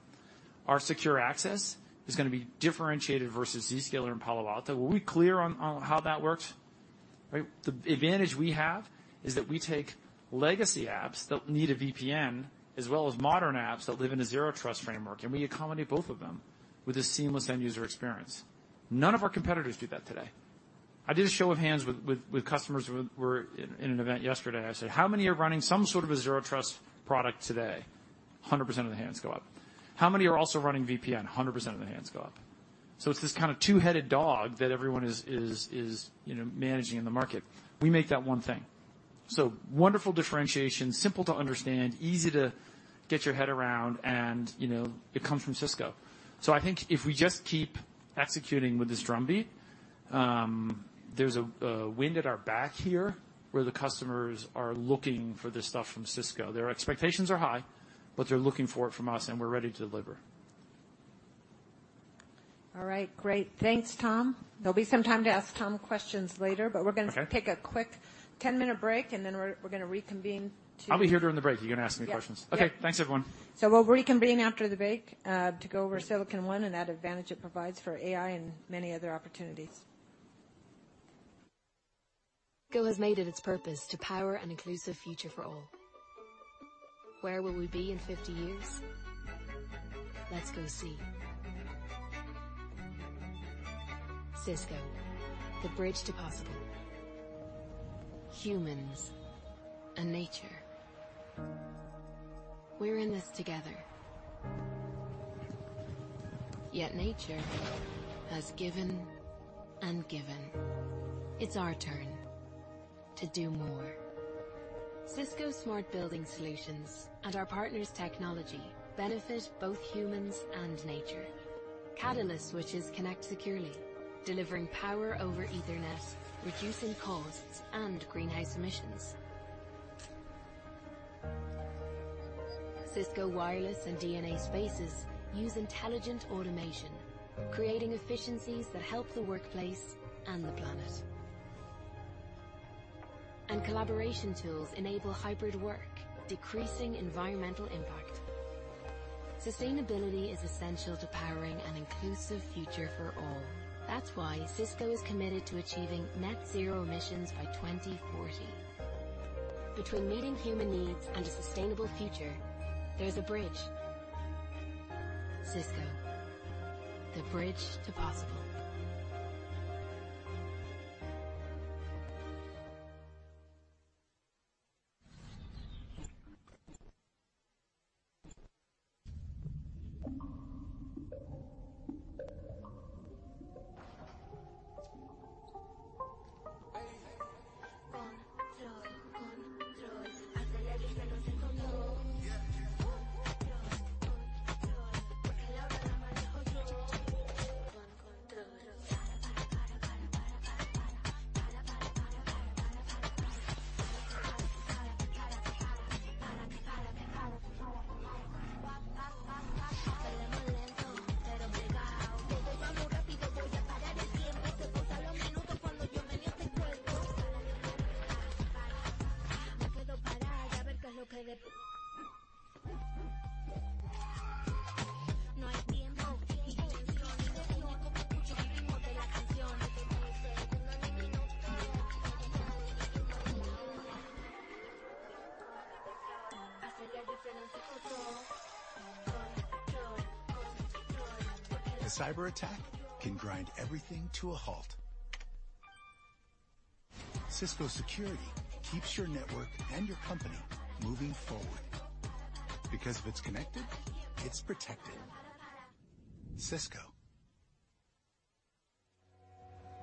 Our Secure Access is gonna be differentiated versus Zscaler and Palo Alto. Were we clear on how that works? Right? The advantage we have is that we take legacy apps that need a VPN, as well as modern apps that live in a zero trust framework, and we accommodate both of them with a seamless end user experience. None of our competitors do that today. I did a show of hands with customers who were in an event yesterday. I said: How many are running some sort of a zero trust product today? 100% of the hands go up. How many are also running VPN? 100% of the hands go up. It's this kind of two-headed dog that everyone is, you know, managing in the market. We make that one thing. Wonderful differentiation, simple to understand, easy to get your head around, and, you know, it comes from Cisco. I think if we just keep executing with this drumbeat, there's a wind at our back here where the customers are looking for this stuff from Cisco. Their expectations are high, but they're looking for it from us, and we're ready to deliver. All right. Great. Thanks, Tom. There'll be some time to ask Tom questions later. Okay. We're gonna take a quick 10-minute break, and then we're gonna reconvene. I'll be here during the break. You can ask me questions. Yep, yep. Okay. Thanks, everyone. We'll reconvene after the break, to go over Silicon One and that advantage it provides for AI and many other opportunities. Cisco has made it its purpose to power an inclusive future for all. Where will we be in 50 years? Let's go see. Cisco, the bridge to possible. Humans and nature, we're in this together. Nature has given and given. It's our turn to do more. Cisco Smart Building Solutions and our partners' technology benefit both humans and nature. Catalyst switches connect securely, delivering Power over Ethernet, reducing costs and greenhouse emissions. Cisco Wireless and DNA Spaces use intelligent automation, creating efficiencies that help the workplace and the planet. Collaboration tools enable hybrid work, decreasing environmental impact. Sustainability is essential to powering an inclusive future for all. That's why Cisco is committed to achieving net zero emissions by 2040. Between meeting human needs and a sustainable future, there's a bridge. Cisco, the bridge to possible. A cyber attack can grind everything to a halt. Cisco Security keeps your network and your company moving forward. Because if it's connected, it's protected. Cisco.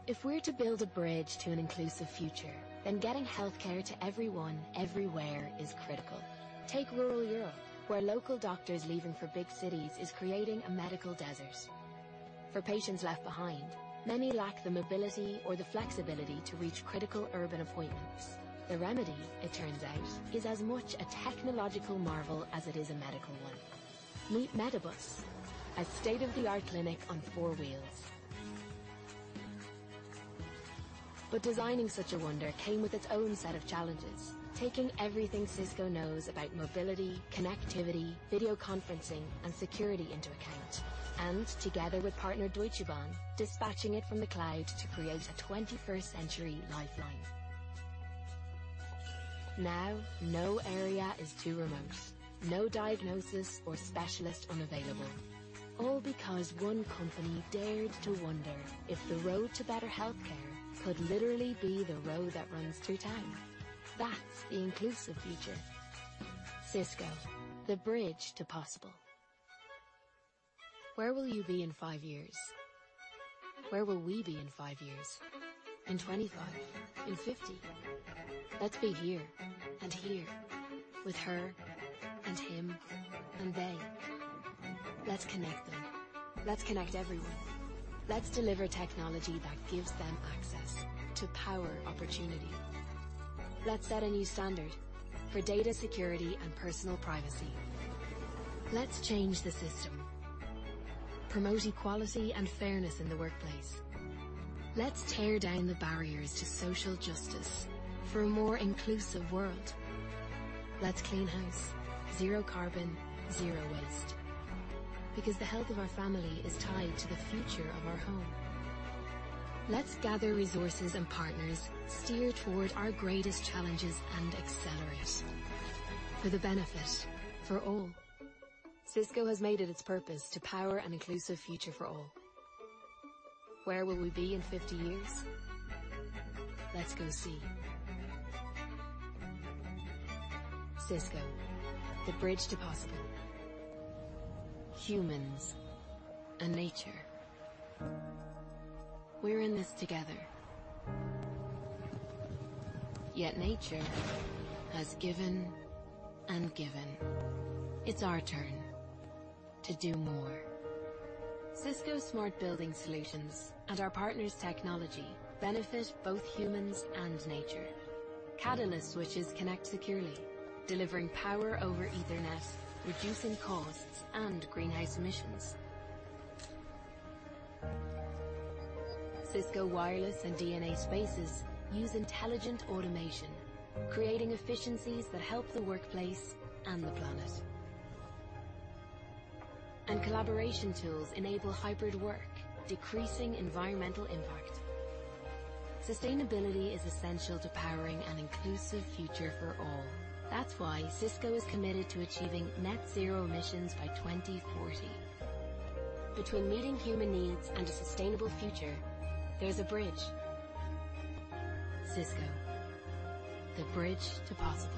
If we're to build a bridge to an inclusive future, then getting health care to everyone, everywhere is critical. Take rural Europe, where local doctors leaving for big cities is creating a medical desert. and together with partner Deutsche Bahn, dispatching it from the cloud to create a 21st-century lifeline. Now, no area is too remote, no diagnosis or specialist unavailable, all because one company dared to wonder if the road to better healthcare could literally be the road that runs through town. That's the inclusive future. Cisco, the bridge to possible. Where will you be in five years? Where will we be in five years? In 25? In 50? Let's be here and here, with her and him, and they. Let's connect them. Let's connect everyone. Let's deliver technology that gives them access to power opportunity. Let's set a new standard for data security and personal privacy. Let's change the system, promote equality and fairness in the workplace. Let's tear down the barriers to social justice for a more inclusive world. Let's clean house, zero carbon, zero waste, because the health of our family is tied to the future of our home. Let's gather resources and partners, steer toward our greatest challenges, and accelerate for the benefit for all. Cisco has made it its purpose to power an inclusive future for all. Where will we be in 50 years? Let's go see. Cisco, the bridge to possible. Humans and nature, we're in this together. Yet nature has given and given. It's our turn to do more. Cisco Smart Building Solutions and our partners' technology benefit both humans and nature. Catalyst switches connect securely, delivering Power over Ethernet, reducing costs and greenhouse emissions. Cisco Wireless and DNA Spaces use intelligent automation, creating efficiencies that help the workplace and the planet. Collaboration tools enable hybrid work, decreasing environmental impact. Sustainability is essential to powering an inclusive future for all. That's why Cisco is committed to achieving net zero emissions by 2040. Between meeting human needs and a sustainable future, there's a bridge. Cisco, the bridge to possible.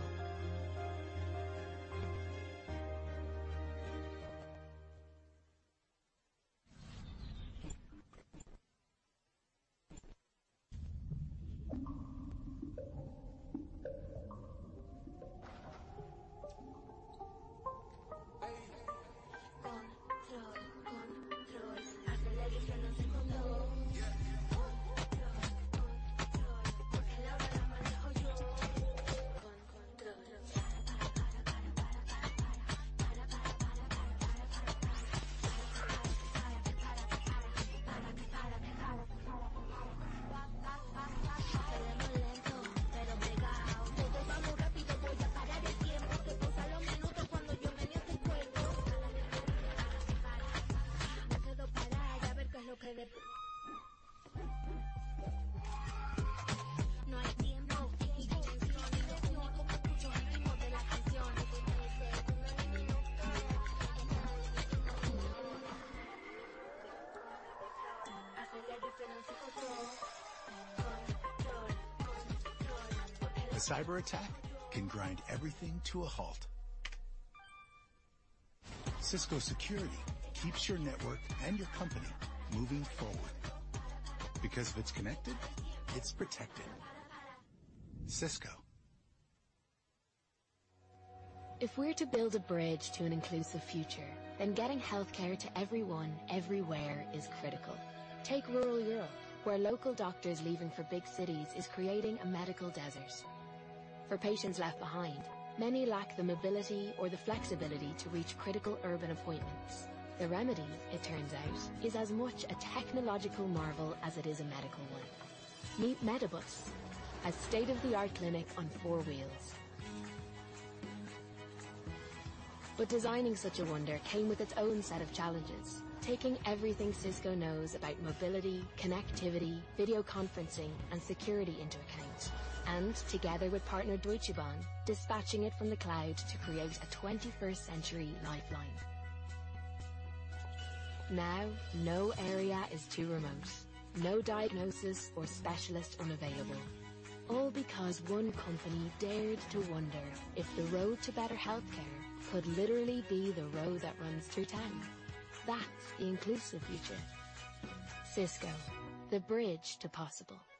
All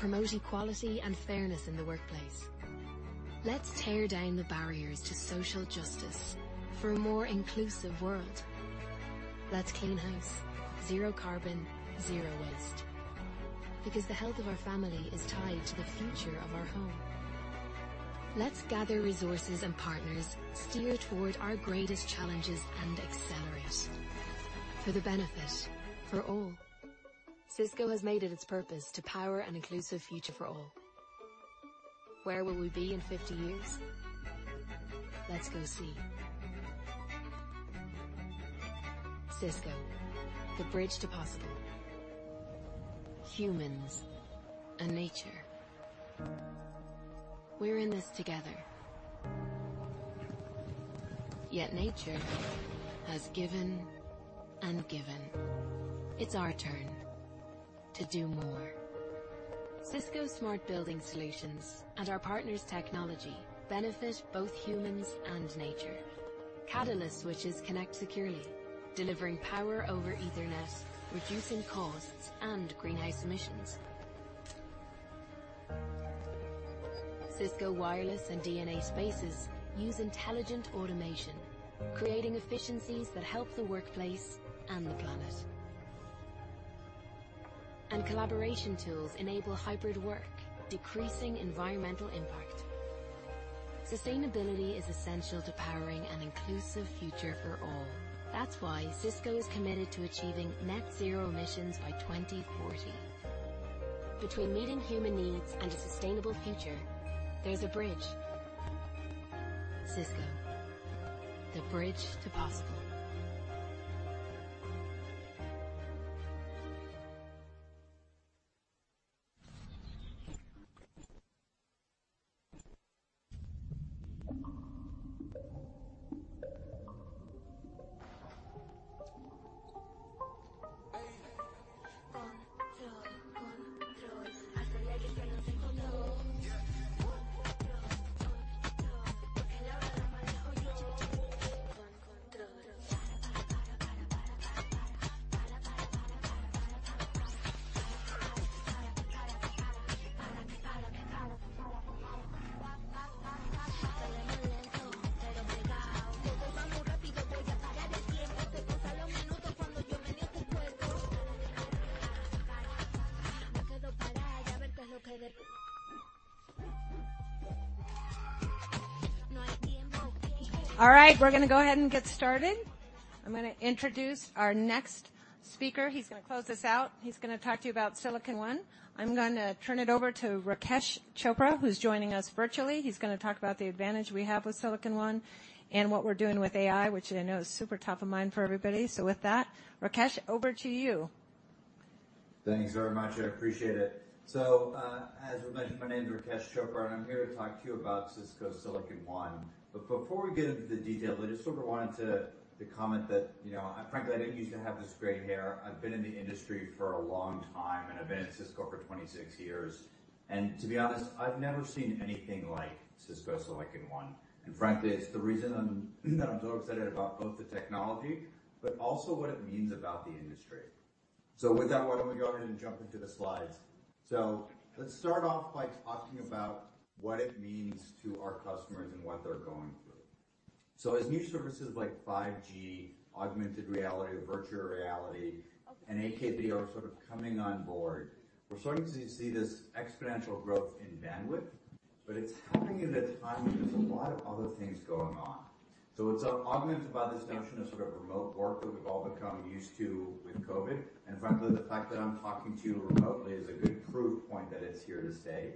right, we're gonna go ahead and get started. I'm gonna introduce our next speaker. He's gonna close us out. He's gonna talk to you about Silicon One. I'm gonna turn it over to Rakesh Chopra, who's joining us virtually. He's gonna talk about the advantage we have with Silicon One and what we're doing with AI, which I know is super top of mind for everybody. With that, Rakesh, over to you. Thanks very much. I appreciate it. As we mentioned, my name is Rakesh Chopra, and I'm here to talk to you about Cisco Silicon One. Before we get into the details, I just sort of wanted to comment that, you know, frankly, I didn't use to have this gray hair. I've been in the industry for a long time, and I've been at Cisco for 26 years, and to be honest, I've never seen anything like Cisco Silicon One. Frankly, it's the reason I'm so excited about both the technology, but also what it means about the industry. With that, why don't we go ahead and jump into the slides? Let's start off by talking about what it means to our customers and what they're going through. As new services like 5G, augmented reality, virtual reality, and AKB are sort of coming on board, we're starting to see this exponential growth in bandwidth, but it's happening at a time when there's a lot of other things going on. It's augmented by this notion of sort of remote work that we've all become used to with COVID. Frankly, the fact that I'm talking to you remotely is a good proof point that it's here to stay.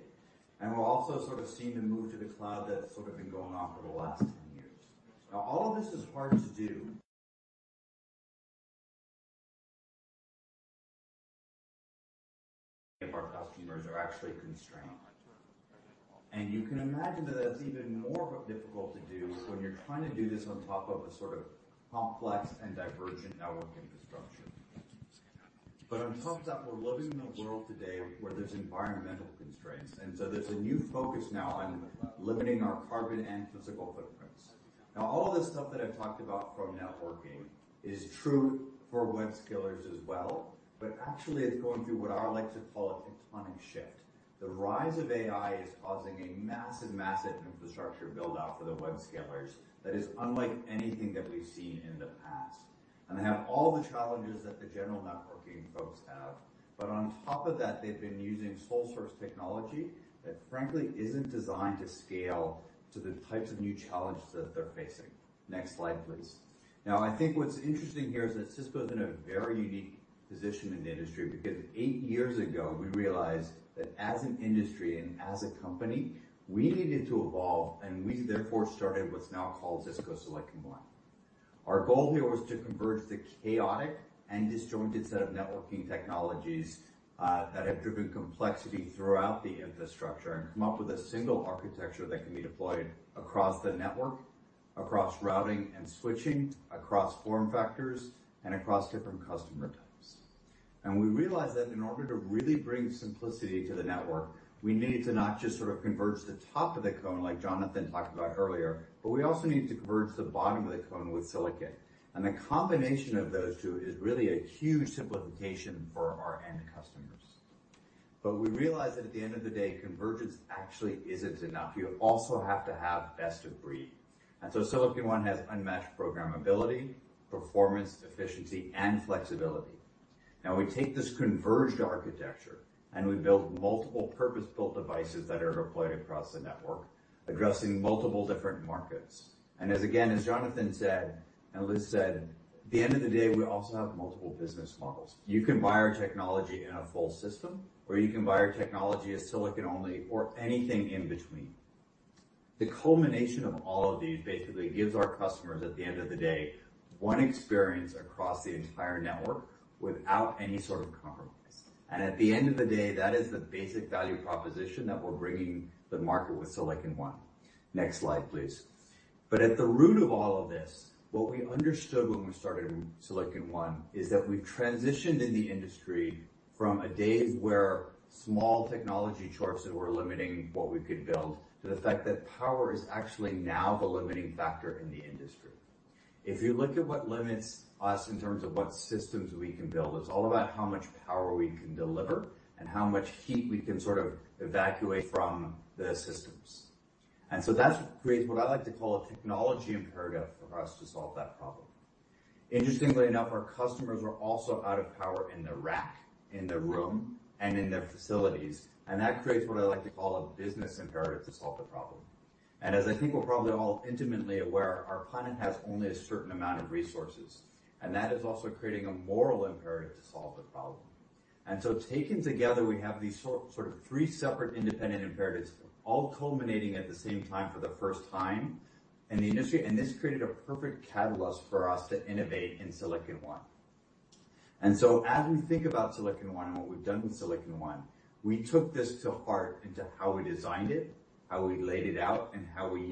We're also sort of seeing a move to the cloud that's sort of been going on for the last 10 years. All of this is hard to do if our customers are actually constrained. You can imagine that that's even more difficult to do when you're trying to do this on top of a sort of complex and divergent network infrastructure. On top of that, we're living in a world today where there's environmental constraints, and so there's a new focus now on limiting our carbon and physical footprints. All of this stuff that I've talked about from networking is true for web scalers as well, but actually it's going through what I like to call a tectonic shift. The rise of AI is causing a massive infrastructure build-out for the web scalers that is unlike anything that we've seen in the past. They have all the challenges that the general networking folks have, but on top of that, they've been using sole source technology that, frankly, isn't designed to scale to the types of new challenges that they're facing. Next slide, please. I think what's interesting here is that Cisco is in a very unique position in the industry because eight years ago, we realized that as an industry and as a company, we needed to evolve, and we therefore started what's now called Cisco Silicon One. Our goal here was to converge the chaotic and disjointed set of networking technologies that have driven complexity throughout the infrastructure and come up with a single architecture that can be deployed across the network, across routing and switching, across form factors, and across different customer types. We realized that in order to really bring simplicity to the network, we needed to not just sort of converge the top of the cone, like Jonathan talked about earlier, but we also needed to converge the bottom of the cone with silicon. The combination of those two is really a huge simplification for our end customers. We realized that at the end of the day, convergence actually isn't enough. You also have to have best of breed. Silicon One has unmatched programmability, performance, efficiency, and flexibility. Now, we take this converged architecture and we build multiple purpose-built devices that are deployed across the network, addressing multiple different markets. As again, as Jonathan said, and Liz said, at the end of the day, we also have multiple business models. You can buy our technology in a full system, or you can buy our technology as silicon only or anything in between. The culmination of all of these basically gives our customers, at the end of the day, one experience across the entire network without any sort of compromise. At the end of the day, that is the basic value proposition that we're bringing the market with Silicon One. Next slide, please. At the root of all of this, what we understood when we started Silicon One is that we've transitioned in the industry from a days where small technology charts that were limiting what we could build, to the fact that power is actually now the limiting factor in the industry. If you look at what limits us in terms of what systems we can build, it's all about how much power we can deliver and how much heat we can sort of evacuate from the systems. That creates what I like to call a technology imperative for us to solve that problem. Interestingly enough, our customers were also out of power in their rack, in their room, and in their facilities, and that creates what I like to call a business imperative to solve the problem. As I think we're probably all intimately aware, our planet has only a certain amount of resources, and that is also creating a moral imperative to solve the problem. Taken together, we have these sort of three separate independent imperatives, all culminating at the same time for the first time in the industry. This created a perfect catalyst for us to innovate in Silicon One. As we think about Silicon One and what we've done with Silicon One, we took this to heart into how we designed it, how we laid it out, and how we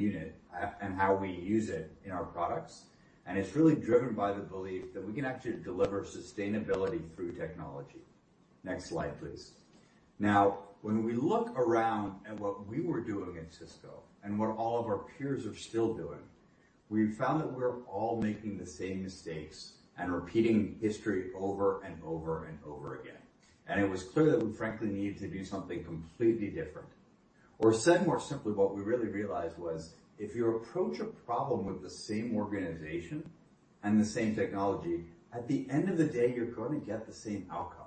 use it in our products. It's really driven by the belief that we can actually deliver sustainability through technology. Next slide, please. When we look around at what we were doing at Cisco and what all of our peers are still doing, we've found that we're all making the same mistakes and repeating history over and over and over again. It was clear that we frankly needed to do something completely different. Said more simply, what we really realized was, if you approach a problem with the same organization and the same technology, at the end of the day, you're going to get the same outcome.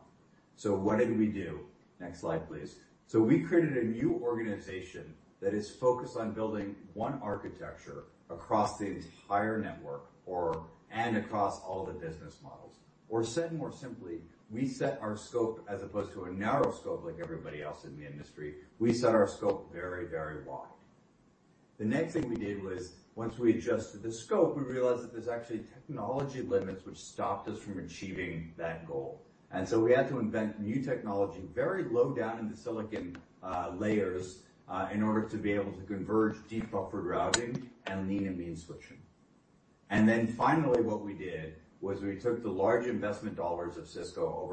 What did we do? Next slide, please. We created a new organization that is focused on building one architecture across the entire network or, and across all the business models. Said more simply, we set our scope, as opposed to a narrow scope like everybody else in the industry, we set our scope very, very wide. The next thing we did was once we adjusted the scope, we realized that there's actually technology limits, which stopped us from achieving that goal. We had to invent new technology, very low down in the Silicon layers, in order to be able to converge deep buffered routing and lean and mean switching. Finally, what we did was we took the large investment dollars of Cisco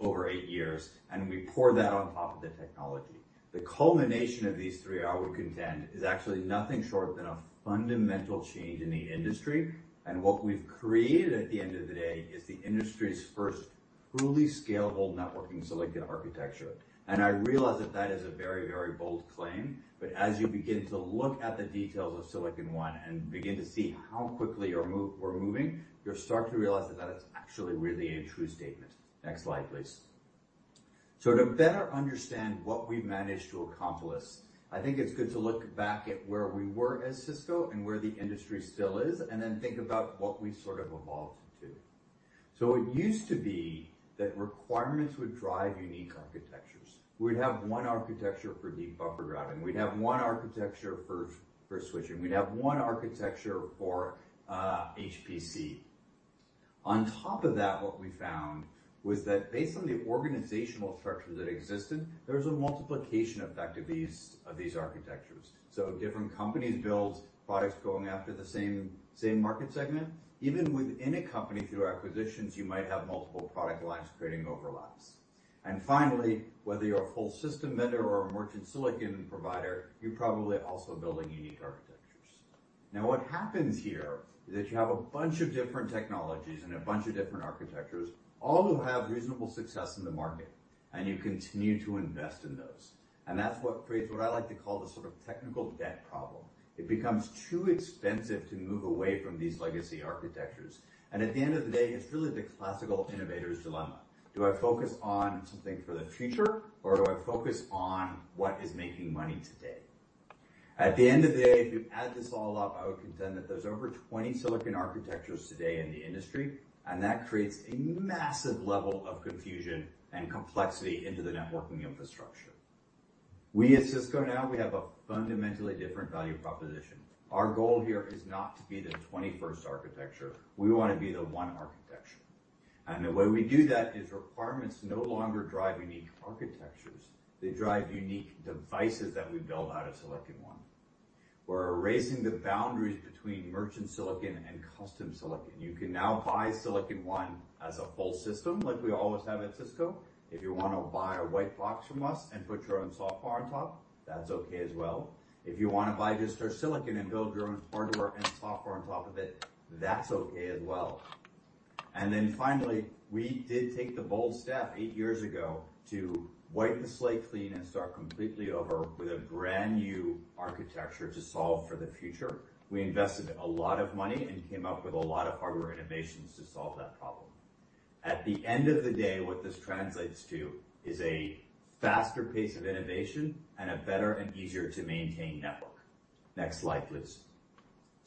over eight years, and we poured that on top of the technology. The culmination of these three, I would contend, is actually nothing short than a fundamental change in the industry. What we've created, at the end of the day, is the industry's truly scalable networking Silicon architecture. I realize that that is a very, very bold claim, but as you begin to look at the details of Silicon One and begin to see how quickly we're moving, you'll start to realize that that is actually really a true statement. Next slide, please. To better understand what we've managed to accomplish, I think it's good to look back at where we were as Cisco and where the industry still is, and then think about what we sort of evolved into. It used to be that requirements would drive unique architectures. We'd have one architecture for deep buffer routing. We'd have one architecture for switching. We'd have one architecture for HPC. On top of that, what we found was that based on the organizational structure that existed, there was a multiplication effect of these architectures. Different companies build products going after the same market segment. Even within a company, through acquisitions, you might have multiple product lines creating overlaps. Finally, whether you're a full system vendor or a merchant silicon provider, you're probably also building unique architectures. Now, what happens here is that you have a bunch of different technologies and a bunch of different architectures, all who have reasonable success in the market, and you continue to invest in those. That's what creates what I like to call the sort of technical debt problem. It becomes too expensive to move away from these legacy architectures, and at the end of the day, it's really the classical innovator's dilemma. Do I focus on something for the future, or do I focus on what is making money today? At the end of the day, if you add this all up, I would contend that there's over 20 silicon architectures today in the industry, and that creates a massive level of confusion and complexity into the networking infrastructure. We at Cisco now, we have a fundamentally different value proposition. Our goal here is not to be the 21st architecture. We want to be the 1 architecture, and the way we do that is requirements no longer drive unique architectures. They drive unique devices that we build out of Silicon One. We're erasing the boundaries between merchant silicon and custom silicon. You can now buy Silicon One as a full system, like we always have at Cisco. If you want to buy a white box from us and put your own software on top, that's okay as well. If you want to buy just our silicon and build your own hardware and software on top of it, that's okay as well. Finally, we did take the bold step eight years ago to wipe the slate clean and start completely over with a brand new architecture to solve for the future. We invested a lot of money and came up with a lot of hardware innovations to solve that problem. At the end of the day, what this translates to is a faster pace of innovation and a better and easier to maintain network. Next slide, please.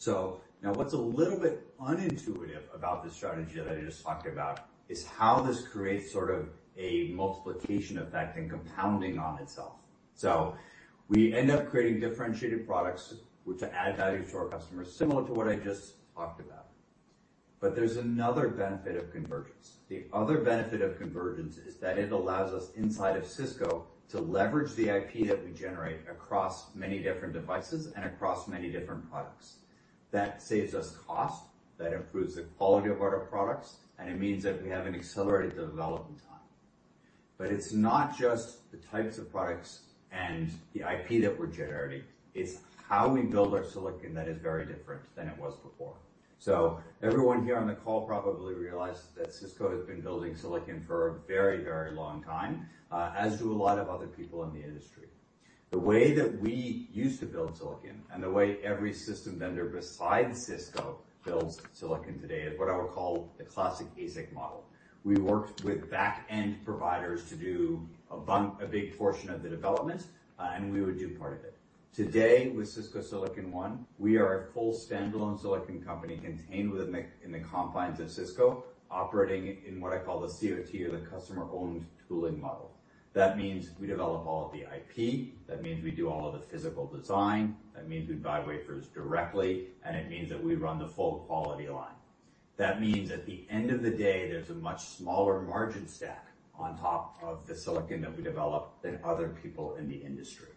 Now, what's a little bit unintuitive about the strategy that I just talked about is how this creates sort of a multiplication effect and compounding on itself. We end up creating differentiated products which add value to our customers, similar to what I just talked about. There's another benefit of convergence. The other benefit of convergence is that it allows us, inside of Cisco, to leverage the IP that we generate across many different devices and across many different products. That saves us cost, that improves the quality of our products, and it means that we have an accelerated development time. It's not just the types of products and the IP that we're generating, it's how we build our silicon that is very different than it was before. Everyone here on the call probably realized that Cisco has been building silicon for a very, very long time, as do a lot of other people in the industry. The way that we used to build silicon and the way every system vendor besides Cisco builds silicon today, is what I would call the classic ASIC model. We worked with back-end providers to do a big portion of the development, and we would do part of it. Today, with Cisco Silicon One, we are a full standalone silicon company contained within the confines of Cisco, operating in what I call the COT or the customer-owned tooling model. That means we develop all of the IP. That means we do all of the physical design. That means we buy wafers directly, and it means that we run the full quality line. That means at the end of the day, there's a much smaller margin stack on top of the silicon that we develop than other people in the industry.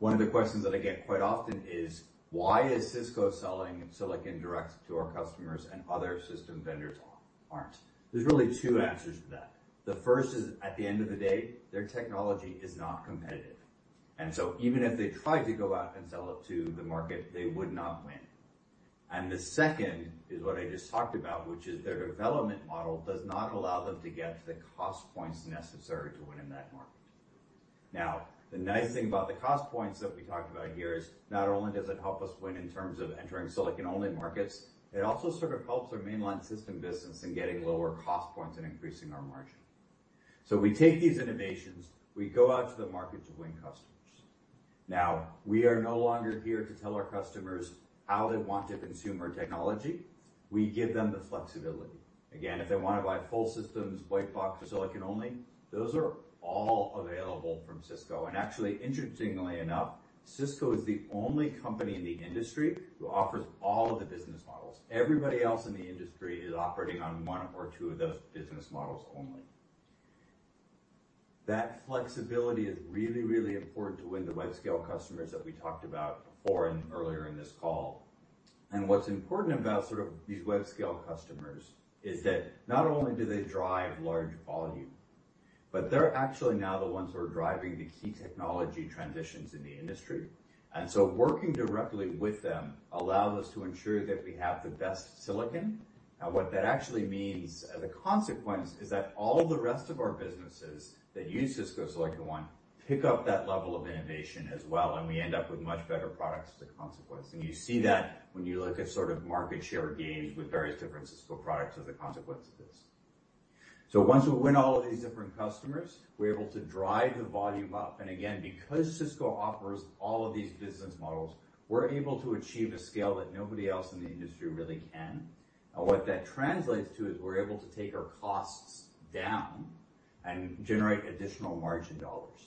One of the questions that I get quite often is: Why is Cisco selling silicon direct to our customers, and other system vendors aren't? There's really two answers to that. The first is, at the end of the day, their technology is not competitive, and so even if they tried to go out and sell it to the market, they would not win. The second is what I just talked about, which is their development model does not allow them to get to the cost points necessary to win in that market. The nice thing about the cost points that we talked about here is not only does it help us win in terms of entering silicon-only markets, it also sort of helps our mainline system business in getting lower cost points and increasing our margin. We take these innovations, we go out to the market to win customers. We are no longer here to tell our customers how they want to consume our technology. We give them the flexibility. Again, if they want to buy full systems, white box or silicon only, those are all available from Cisco. Actually, interestingly enough, Cisco is the only company in the industry who offers all of the business models. Everybody else in the industry is operating on one or two of those business models only. That flexibility is really, really important to win the web-scale customers that we talked about before and earlier in this call. What's important about sort of these web-scale customers is that not only do they drive large. They're actually now the ones who are driving the key technology transitions in the industry. Working directly with them allows us to ensure that we have the best silicon. Now, what that actually means, the consequence is that all the rest of our businesses that use Cisco Silicon One, pick up that level of innovation as well, and we end up with much better products as a consequence. You see that when you look at sort of market share gains with various different Cisco products as a consequence of this. Once we win all of these different customers, we're able to drive the volume up. Again, because Cisco offers all of these business models, we're able to achieve a scale that nobody else in the industry really can. What that translates to is we're able to take our costs down and generate additional margin dollars.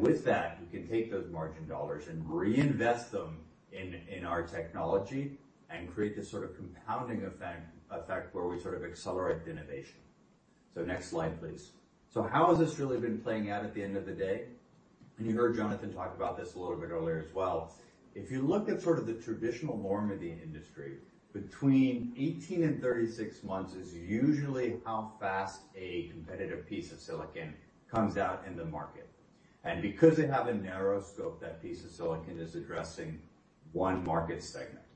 With that, we can take those margin dollars and reinvest them in our technology and create this sort of compounding effect, where we sort of accelerate the innovation. Next slide, please. How has this really been playing out at the end of the day? You heard Jonathan talk about this a little bit earlier as well. If you look at sort of the traditional norm of the industry, between 18 and 36 months is usually how fast a competitive piece of silicon comes out in the market. Because they have a narrow scope, that piece of silicon is addressing one market segment.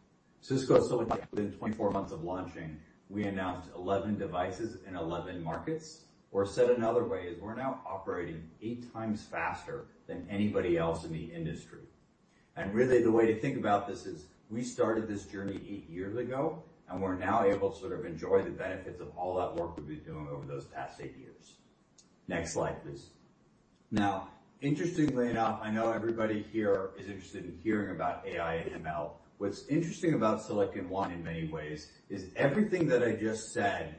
Cisco Silicon, within 24 months of launching, we announced 11 devices in 11 markets. Said another way, is we're now operating 8x faster than anybody else in the industry. Really, the way to think about this is, we started this journey eight years ago, and we're now able to sort of enjoy the benefits of all that work we've been doing over those past eight years. Next slide, please. Interestingly enough, I know everybody here is interested in hearing about AI/ML. What's interesting about Silicon One in many ways is everything that I just said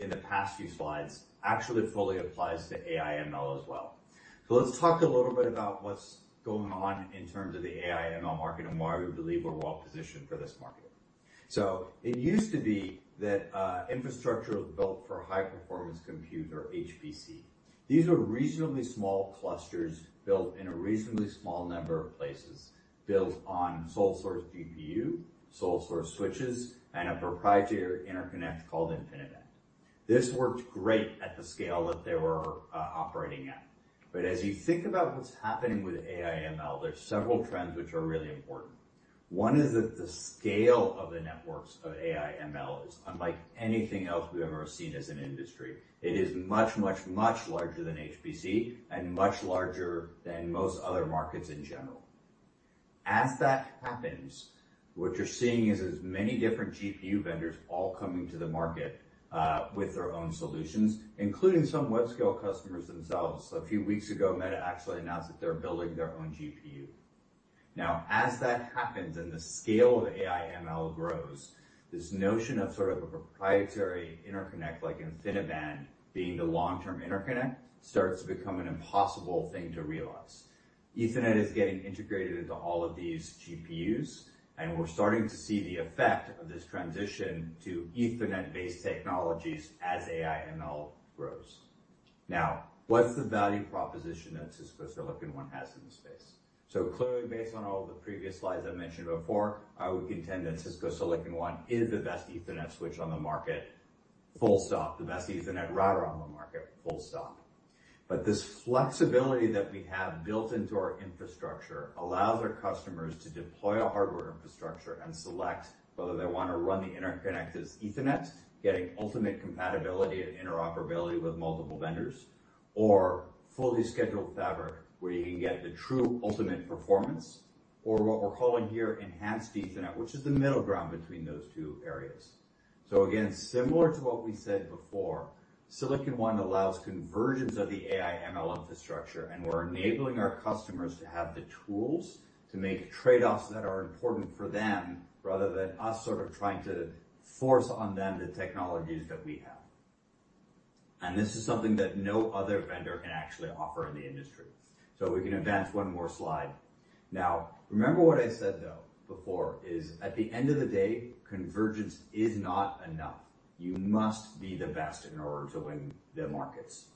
in the past few slides actually fully applies to AI/ML as well. Let's talk a little bit about what's going on in terms of the AI/ML market and why we believe we're well positioned for this market. It used to be that infrastructure was built for high-performance compute, or HPC. These were reasonably small clusters, built in a reasonably small number of places, built on sole source GPU, sole source switches, and a proprietary interconnect called InfiniBand. This worked great at the scale that they were operating at. As you think about what's happening with AI/ML, there are several trends which are really important. One is that the scale of the networks of AI/ML is unlike anything else we've ever seen as an industry. It is much, much, much larger than HPC and much larger than most other markets in general. As that happens, what you're seeing is there's many different GPU vendors all coming to the market with their own solutions, including some web-scale customers themselves. A few weeks ago, Meta actually announced that they're building their own GPU. As that happens and the scale of AI/ML grows, this notion of sort of a proprietary interconnect like InfiniBand being the long-term interconnect, starts to become an impossible thing to realize. Ethernet is getting integrated into all of these GPUs, and we're starting to see the effect of this transition to Ethernet-based technologies as AI/ML grows. What's the value proposition that Cisco Silicon One has in the space? Clearly, based on all the previous slides I mentioned before, I would contend that Cisco Silicon One is the best Ethernet switch on the market. Full stop. The best Ethernet router on the market, full stop. This flexibility that we have built into our infrastructure allows our customers to deploy a hardware infrastructure and select whether they want to run the interconnect as Ethernet, getting ultimate compatibility and interoperability with multiple vendors, or fully scheduled fabric, where you can get the true ultimate performance, or what we're calling here enhanced Ethernet, which is the middle ground between those two areas. Again, similar to what we said before, Silicon One allows convergence of the AI/ML infrastructure, and we're enabling our customers to have the tools to make trade-offs that are important for them, rather than us sort of trying to force on them the technologies that we have. This is something that no other vendor can actually offer in the industry. We can advance one more slide. Now, remember what I said, though, before, is: at the end of the day, convergence is not enough. You must be the best in order to win the markets.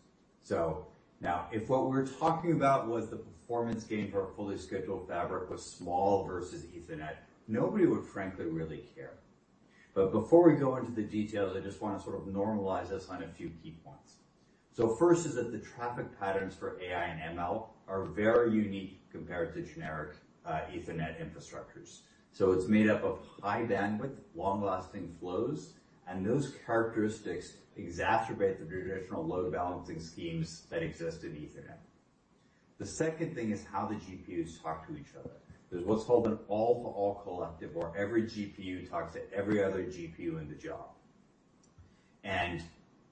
Now, if what we were talking about was the performance gain for a fully scheduled fabric was small versus Ethernet, nobody would frankly really care. Before we go into the details, I just want to sort of normalize us on a few key points. First is that the traffic patterns for AI and ML are very unique compared to generic Ethernet infrastructures. It's made up of high bandwidth, long-lasting flows, and those characteristics exacerbate the traditional load balancing schemes that exist in Ethernet. The second thing is how the GPUs talk to each other. There's what's called an all to all collective, where every GPU talks to every other GPU in the job.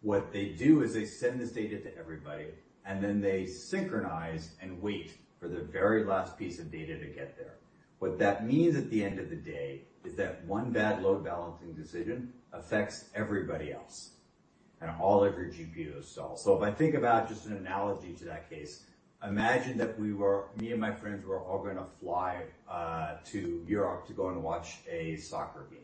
What they do is they send this data to everybody, and then they synchronize and wait for the very last piece of data to get there. What that means at the end of the day is that one bad load balancing decision affects everybody else and all of your GPUs. If I think about just an analogy to that case, imagine that Me and my friends were all gonna fly to Europe to go and watch a soccer game,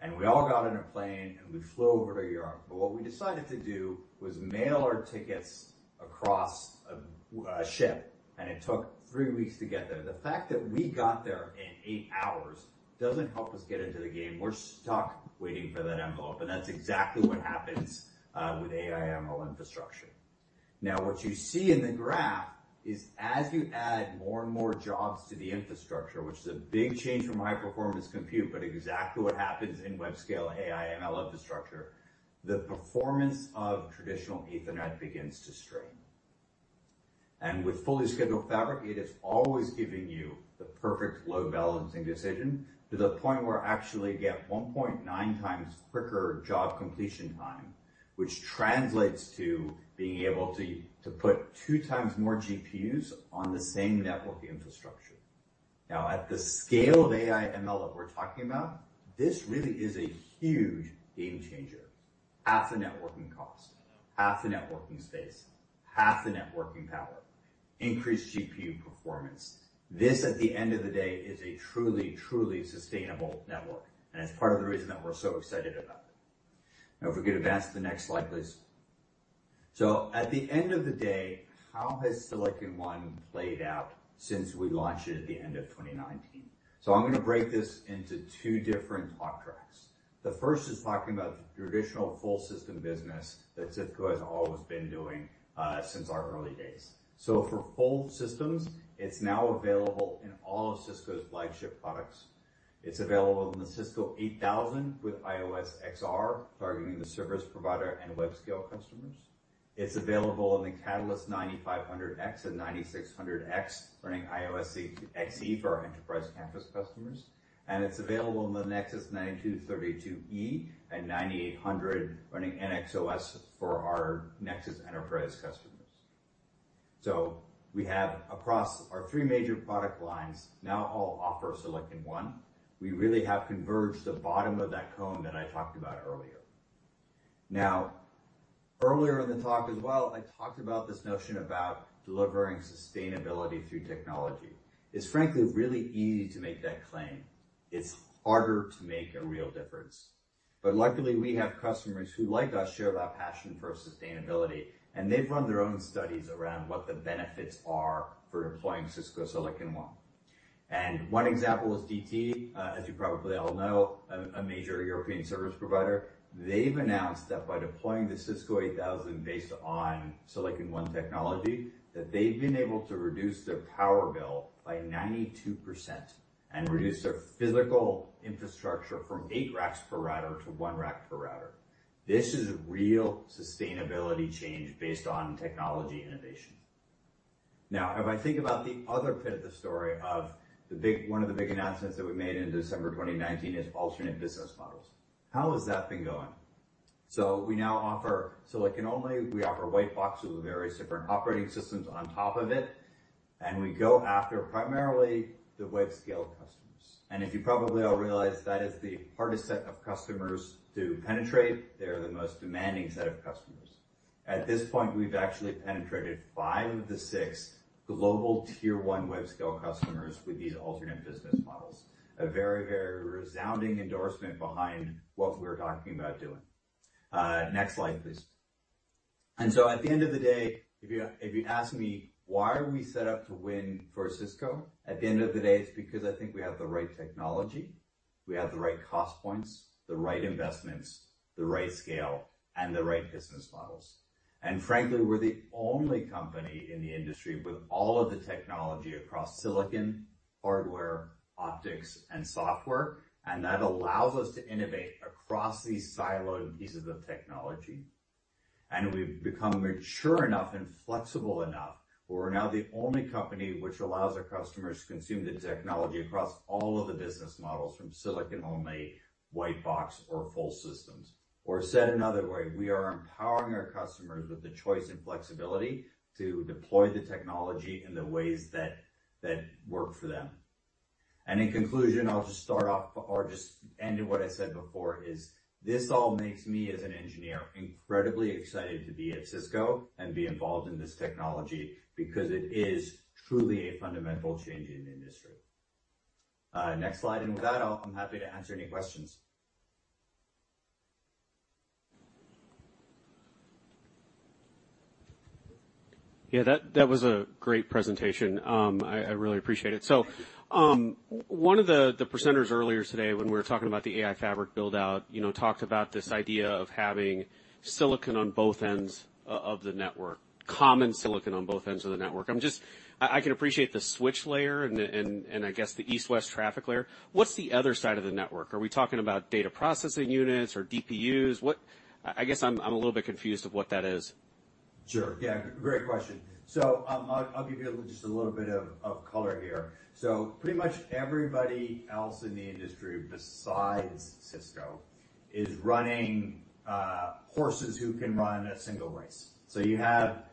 and we all got on a plane, and we flew over to Europe, but what we decided to do was mail our tickets across a ship, and it took three weeks to get there. The fact that we got there in eight hours doesn't help us get into the game. We're stuck waiting for that envelope, and that's exactly what happens with AI/ML infrastructure. Now, what you see in the graph is as you add more and more jobs to the infrastructure, which is a big change from high-performance compute, but exactly what happens in web-scale AI, and I love the structure, the performance of traditional Ethernet begins to strain. With fully scheduled fabric, it is always giving you the perfect load balancing decision, to the point where actually you get 1.9x quicker job completion time, which translates to being able to put 2x more GPUs on the same network infrastructure. Now, at the scale of AI/ML that we're talking about, this really is a huge game changer. Half the networking cost, half the networking space, half the networking power, increased GPU performance. This, at the end of the day, is a truly sustainable network. It's part of the reason that we're so excited about it. If we could advance to the next slide, please. At the end of the day, how has Silicon One played out since we launched it at the end of 2019? I'm gonna break this into two different plot tracks. The first is talking about the traditional full system business that Cisco has always been doing since our early days. For full systems, it's now available in all of Cisco's flagship products. It's available in the Cisco 8000 with IOS XR, targeting the service provider and web-scale customers. It's available in the Catalyst 9500X and 9600X, running IOS XE for our enterprise campus customers, and it's available in the Nexus 9232E and 9800 running NX-OS for our Nexus enterprise customers. We have, across our three major product lines, now all offer Silicon One. We really have converged the bottom of that cone that I talked about earlier. Earlier in the talk as well, I talked about this notion about delivering sustainability through technology. It's frankly, really easy to make that claim. It's harder to make a real difference. Luckily, we have customers who, like us, share that passion for sustainability, and they've run their own studies around what the benefits are for deploying Cisco Silicon One. One example is DT. As you probably all know, a major European service provider. They've announced that by deploying the Cisco 8000 based on Silicon One technology, that they've been able to reduce their power bill by 92% and reduce their physical infrastructure from 8 racks per router to 1 rack per router. This is a real sustainability change based on technology innovation. If I think about the other pit of the story, One of the big announcements that we made in December 2019, is alternate business models. How has that been going? We now offer silicon-only. We offer white box with various different operating systems on top of it, we go after primarily the web-scale customers. As you probably all realize, that is the hardest set of customers to penetrate. They're the most demanding set of customers. At this point, we've actually penetrated five of the six global tier one web-scale customers with these alternate business models. A very, very resounding endorsement behind what we're talking about doing. Next slide, please. At the end of the day, if you, if you ask me, "Why are we set up to win for Cisco?" At the end of the day, it's because I think we have the right technology, we have the right cost points, the right investments, the right scale, and the right business models. We're the only company in the industry with all of the technology across silicon, hardware, optics, and software, and that allows us to innovate across these siloed pieces of technology. We've become mature enough and flexible enough, where we're now the only company which allows our customers to consume the technology across all of the business models, from silicon-only, white box or full systems. Said another way, we are empowering our customers with the choice and flexibility to deploy the technology in the ways that work for them. In conclusion, I'll just start off or just end with what I said before, is this all makes me, as an engineer, incredibly excited to be at Cisco and be involved in this technology, because it is truly a fundamental change in the industry. Next slide. With that, I'm happy to answer any questions. Yeah, that was a great presentation. I really appreciate it. One of the presenters earlier today when we were talking about the AI fabric build-out, you know, talked about this idea of having silicon on both ends of the network, common silicon on both ends of the network. I can appreciate the switch layer and the east-west traffic layer. What's the other side of the network? Are we talking about data processing units or DPUs? I guess I'm a little bit confused of what that is. Yeah, great question. I'll give you just a little bit of color here. Pretty much everybody else in the industry, besides Cisco, is running horses who can run a single race. You have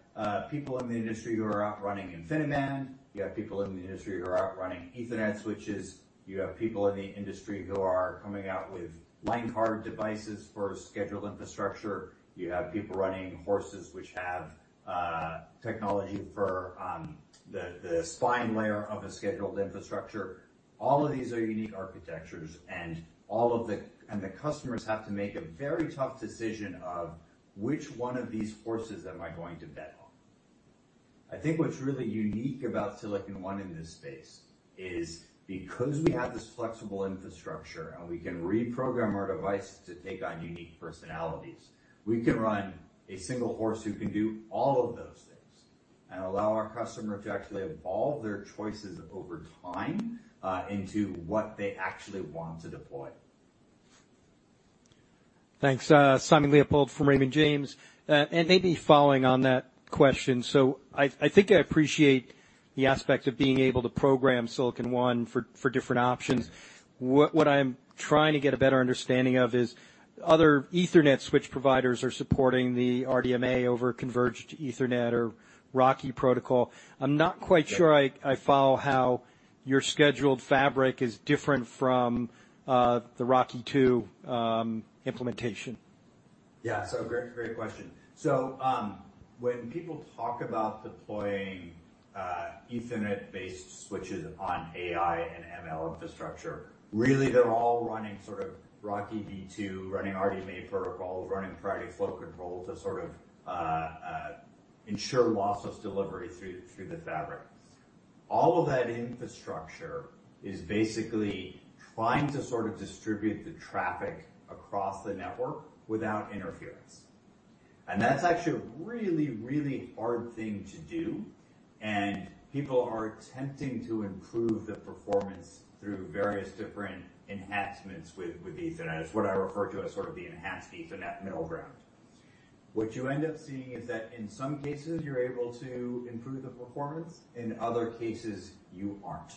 people in the industry who are out running InfiniBand. You have people in the industry who are out running Ethernet switches. You have people in the industry who are coming out with line card devices for scheduled infrastructure. You have people running horses which have technology for the spine layer of a scheduled infrastructure. All of these are unique architectures, and the customers have to make a very tough decision of which one of these horses am I going to bet on? I think what's really unique about Silicon One in this space is because we have this flexible infrastructure, and we can reprogram our device to take on unique personalities, we can run a single horse who can do all of those things and allow our customer to actually evolve their choices over time, into what they actually want to deploy. Thanks. Simon Leopold from Raymond James. Maybe following on that question. I think I appreciate the aspect of being able to program Silicon One for different options. What I'm trying to get a better understanding of is other Ethernet switch providers are supporting the RDMA over Converged Ethernet or RoCE protocol. I'm not quite sure. Yeah. I follow how your scheduled fabric is different from the RoCEv2 implementation? Yeah. Great, great question. When people talk about deploying Ethernet-based switches on AI and ML infrastructure, really, they're all running sort of RoCEv2, running RDMA protocols, running priority flow control to sort of ensure lossless delivery through the fabric. All of that infrastructure is basically trying to sort of distribute the traffic across the network without interference. That's actually a really, really hard thing to do, and people are attempting to improve the performance through various different enhancements with Ethernet. It's what I refer to as sort of the enhanced Ethernet middle ground. What you end up seeing is that in some cases, you're able to improve the performance, in other cases you aren't.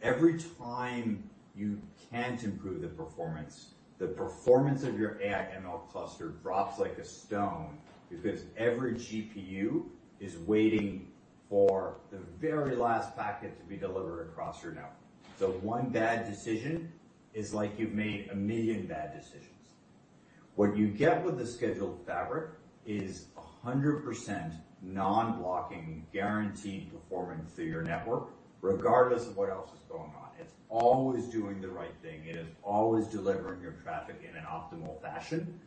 Every time you can't improve the performance, the performance of your AI ML cluster drops like a stone because every GPU is waiting for the very last packet to be delivered across your network. One bad decision is like you've made a million bad decisions. What you get with the scheduled fabric is 100% non-blocking, guaranteed performance through your network, regardless of what else is going on. It's always doing the right thing. It is always delivering your traffic in an optimal fashion,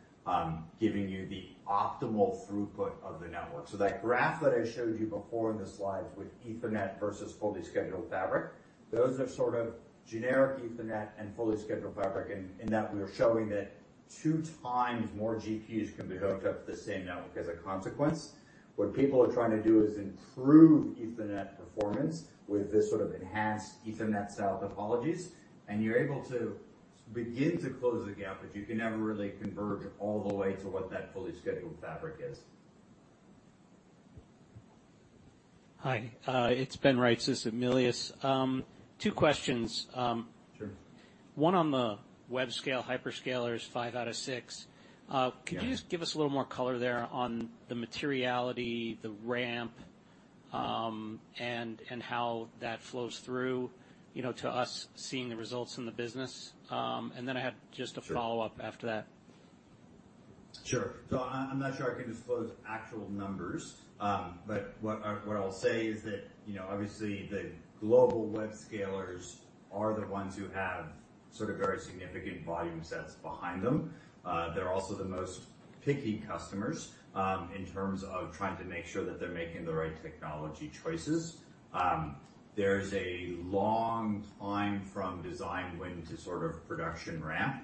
giving you the optimal throughput of the network. That graph that I showed you before in the slides with Ethernet versus fully scheduled fabric, those are sort of generic Ethernet and fully scheduled fabric. In that, we are showing that 2x more GPUs can be hooked up to the same network as a consequence. What people are trying to do is improve Ethernet performance with this sort of enhanced Ethernet cell topologies, and you're able to begin to close the gap, but you can never really converge all the way to what that fully scheduled fabric is. Hi, it's Ben Reitzes, Melius. Two questions. Sure. One on the web scale, hyperscalers, five out of six. Yeah. Can you just give us a little more color there on the materiality, the ramp, and how that flows through, you know, to us seeing the results in the business? Then I had Sure. Follow-up after that. Sure. I'm not sure I can disclose actual numbers. What I, what I'll say is that, you know, obviously the global web scalers are the ones who have sort of very significant volume sets behind them. They're also the most picky customers, in terms of trying to make sure that they're making the right technology choices. There's a long time from design win to sort of production ramp.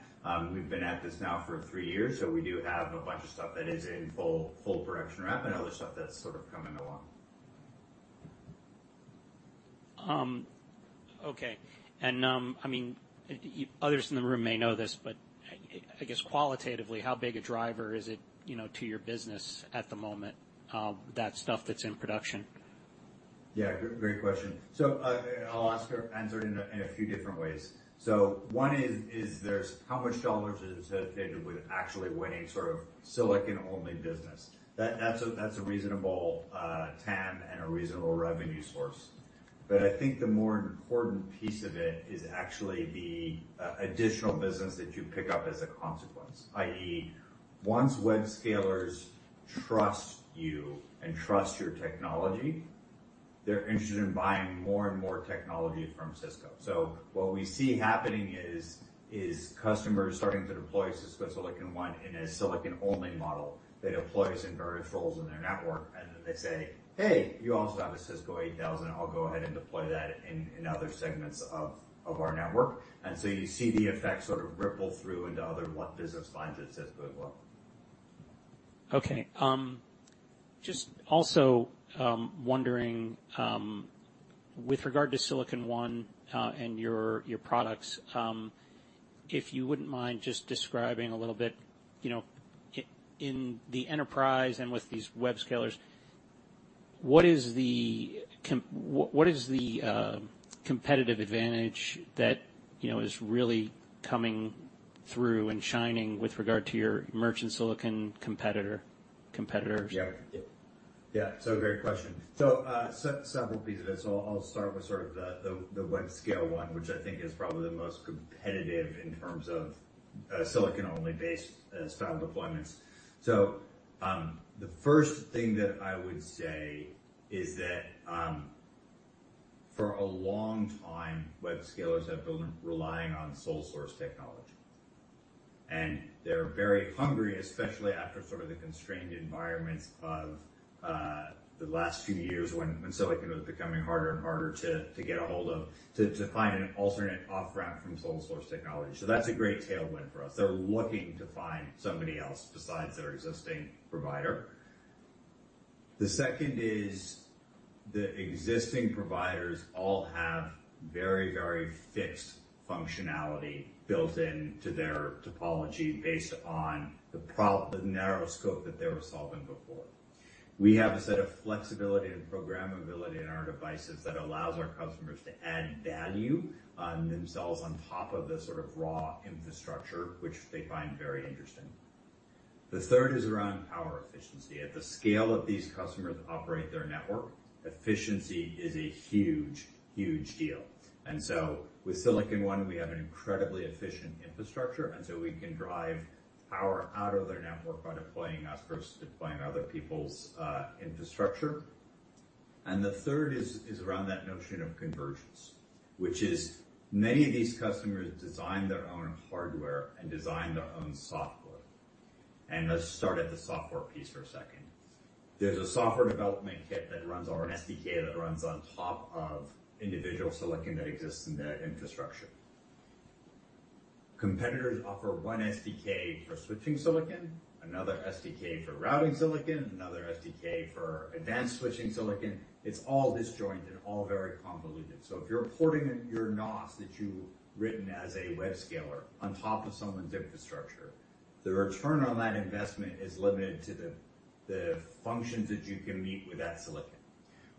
We've been at this now for three years, so we do have a bunch of stuff that is in full production ramp and other stuff that's sort of coming along. Okay. I mean, others in the room may know this, but I guess qualitatively, how big a driver is it, you know, to your business at the moment, that stuff that's in production? Yeah, good, great question. I'll ask or answer it in a few different ways. One is there's how much dollars is associated with actually winning sort of silicon-only business. That's a reasonable TAM and a reasonable revenue source. I think the more important piece of it is actually the additional business that you pick up as a consequence, i.e., once web scalers trust you and trust your technology, they're interested in buying more and more technology from Cisco. What we see happening is customers starting to deploy Cisco Silicon One in a silicon-only model that employs in various roles in their network, and then they say, "Hey, you also have a Cisco 8000. I'll go ahead and deploy that in other segments of our network." You see the effect sort of ripple through into other what business lines at Cisco as well. Okay. Just also, wondering, with regard to Silicon One, and your products, if you wouldn't mind just describing a little bit, you know, in the enterprise and with these web scalers, what is the competitive advantage that, you know, is really coming through and shining with regard to your merchant silicon competitors? Yeah, yeah, great question. Several pieces of this. I'll start with sort of the web scale one, which I think is probably the most competitive in terms of silicon-only based style deployments. For a long time, web scalers have been relying on sole source technology. They're very hungry, especially after sort of the constrained environments of the last few years, when silicon was becoming harder and harder to get a hold of, to find an alternate off-ramp from sole source technology. That's a great tailwind for us. They're looking to find somebody else besides their existing provider. The second is, the existing providers all have very fixed functionality built into their topology based on the narrow scope that they were solving before. We have a set of flexibility and programmability in our devices that allows our customers to add value on themselves on top of the sort of raw infrastructure, which they find very interesting. The third is around power efficiency. At the scale of these customers operate their network, efficiency is a huge, huge deal. So with Silicon One, we have an incredibly efficient infrastructure, and so we can drive power out of their network by deploying us versus deploying other people's infrastructure. The third is around that notion of convergence, which is many of these customers design their own hardware and design their own software. Let's start at the software piece for a second. There's a software development kit that runs our SDK, that runs on top of individual silicon that exists in their infrastructure. Competitors offer one SDK for switching silicon, another SDK for routing silicon, another SDK for advanced switching silicon. It's all disjoint and all very convoluted. If you're porting your NOS that you've written as a web scaler on top of someone's infrastructure, the return on that investment is limited to the functions that you can meet with that silicon.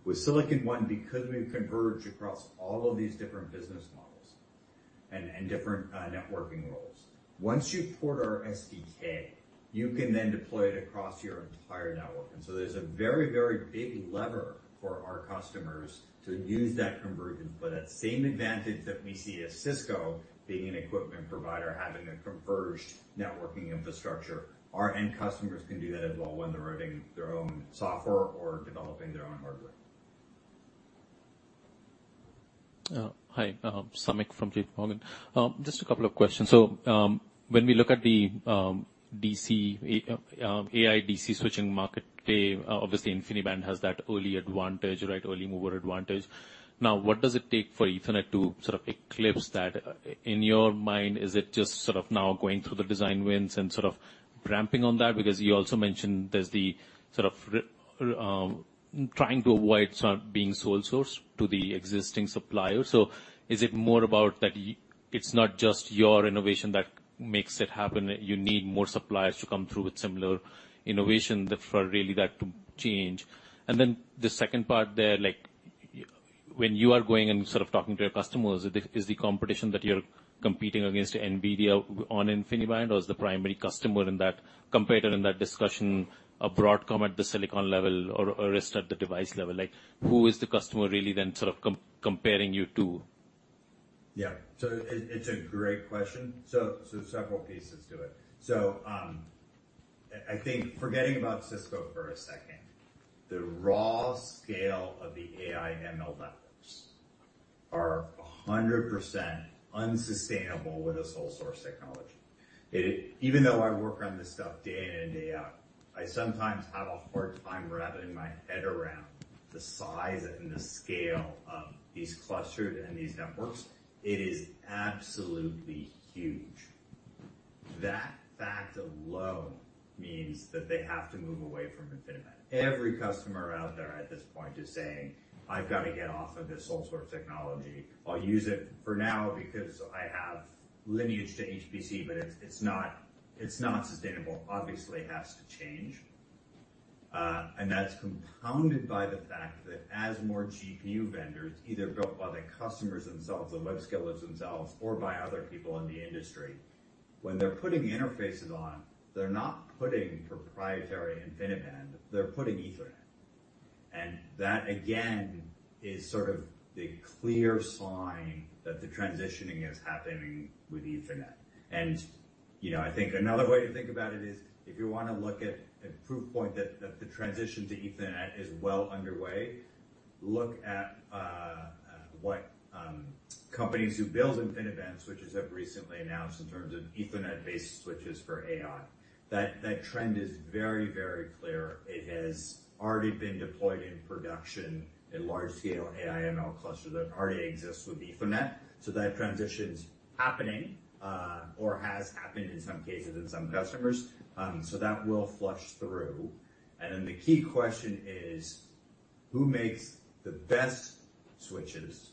With Silicon One, because we've converged across all of these different business models and different networking roles, once you port our SDK, you can then deploy it across your entire network. There's a very, very big lever for our customers to use that convergence. That same advantage that we see as Cisco being an equipment provider, having a converged networking infrastructure, our end customers can do that as well when they're writing their own software or developing their own hardware. Hi, Samik from J.P. Morgan. Just a couple of questions. When we look at the D.C., AI D.C. switching market today, obviously InfiniBand has that early advantage, right, early mover advantage. Now, what does it take for Ethernet to sort of eclipse that? In your mind, is it just sort of now going through the design wins and sort of ramping on that? Because you also mentioned there's the sort of trying to avoid sort of being sole source to the existing supplier. Is it more about that it's not just your innovation that makes it happen, that you need more suppliers to come through with similar innovation for really that to change? The second part there, like when you are going and sort of talking to your customers, is the competition that you're competing against NVIDIA on InfiniBand, or is the primary customer in that competitor in that discussion, a Broadcom at the silicon level or rest at the device level? Like, who is the customer really then sort of comparing you to? Yeah. It's a great question. Several pieces to it. I think forgetting about Cisco for a second, the raw scale of the AI ML networks are 100% unsustainable with a sole source technology. Even though I work on this stuff day in and day out, I sometimes have a hard time wrapping my head around the size and the scale of these clustered and these networks. It is absolutely huge. That fact alone means that they have to move away from InfiniBand. Every customer out there at this point is saying, "I've got to get off of this sole source technology. I'll use it for now because I have lineage to HPC, but it's not sustainable." Obviously, it has to change. That's compounded by the fact that as more GPU vendors, either built by the customers themselves, the web scalers themselves, or by other people in the industry, when they're putting interfaces on, they're not putting proprietary InfiniBand, they're putting Ethernet. That, again, is sort of the clear sign that the transitioning is happening with Ethernet. You know, I think another way to think about it is, if you want to look at a proof point that the transition to Ethernet is well underway, look at what companies who build InfiniBand switches have recently announced in terms of Ethernet-based switches for AI. That trend is very, very clear. It has already been deployed in production at large-scale AI ML clusters that already exist with Ethernet. That transition is happening or has happened in some cases in some customers. That will flush through. The key question is: Who makes the best switches?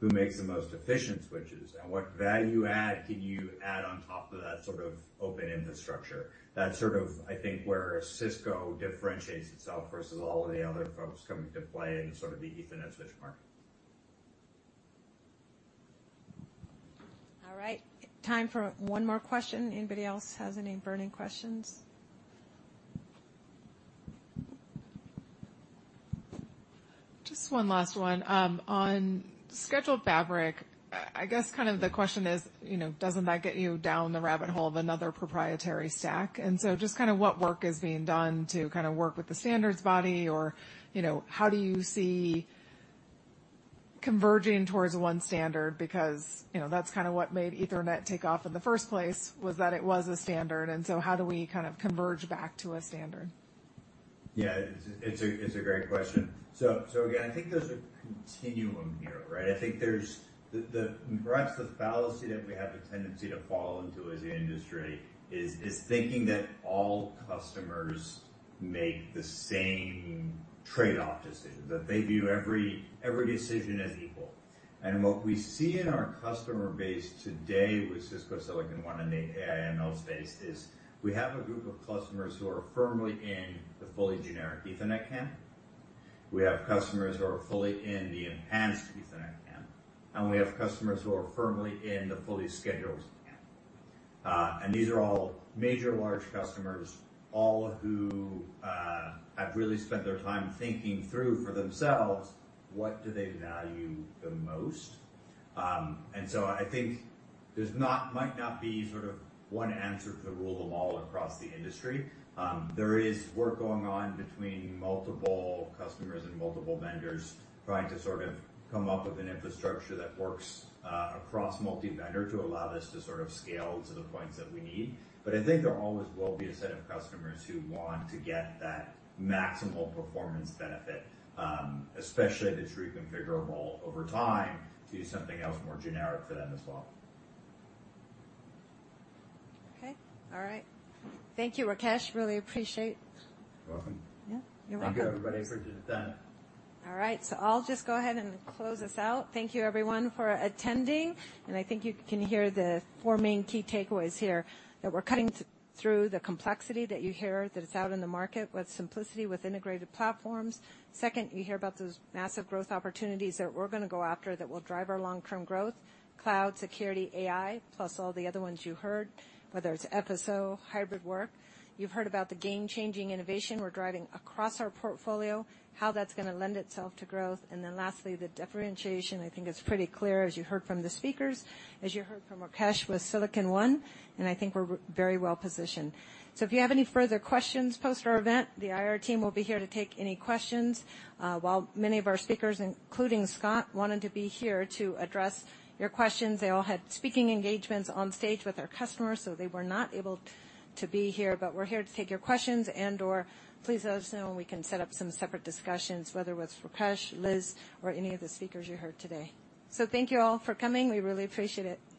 Who makes the most efficient switches, and what value add can you add on top of that sort of open infrastructure? That's sort of, I think, where Cisco differentiates itself versus all of the other folks coming to play in sort of the Ethernet switch market. All right. Time for one more question. Anybody else has any burning questions? Just one last one. Scheduled fabric, I guess kind of the question is, you know, doesn't that get you down the rabbit hole of another proprietary stack? Just kind of what work is being done to kind of work with the standards body or, you know, how do you see converging towards one standard? You know, that's kind of what made Ethernet take off in the first place, was that it was a standard. How do we kind of converge back to a standard? It's a great question. Again, I think there's a continuum here, right? I think there's the perhaps the fallacy that we have a tendency to fall into as an industry is thinking that all customers make the same trade-off decisions, that they view every decision as equal. What we see in our customer base today with Cisco Silicon One in the AI/ML space is we have a group of customers who are firmly in the fully generic Ethernet camp. We have customers who are fully in the enhanced Ethernet camp, and we have customers who are firmly in the fully scheduled camp. These are all major large customers, all who have really spent their time thinking through for themselves, what do they value the most? I think there's not, might not be sort of one answer to rule them all across the industry. There is work going on between multiple customers and multiple vendors trying to sort of come up with an infrastructure that works, across multi-vendor to allow this to sort of scale to the points that we need. I think there always will be a set of customers who want to get that maximal performance benefit, especially if it's reconfigurable over time, to something else more generic for them as well. Okay. All right. Thank you, Rakesh. Really appreciate. You're welcome. Yeah, you're welcome. Thank you, everybody, for doing that. All right, I'll just go ahead and close this out. Thank you, everyone, for attending. I think you can hear the four main key takeaways here. That we're cutting through the complexity that you hear that is out in the market with simplicity, with integrated platforms. Second, you hear about those massive growth opportunities that we're going to go after that will drive our long-term growth, cloud, security, AI, plus all the other ones you heard, whether it's FSO, hybrid work. You've heard about the game-changing innovation we're driving across our portfolio, how that's going to lend itself to growth. Lastly, the differentiation, I think is pretty clear, as you heard from the speakers, as you heard from Rakesh with Silicon One, and I think we're very well positioned. If you have any further questions post our event, the IR team will be here to take any questions. While many of our speakers, including Scott, wanted to be here to address your questions, they all had speaking engagements on stage with our customers, so they were not able to be here. We're here to take your questions and/or please let us know, and we can set up some separate discussions, wether with Rakesh, Liz, or any of the speakers you heard today. Thank you all for coming. We really appreciate it.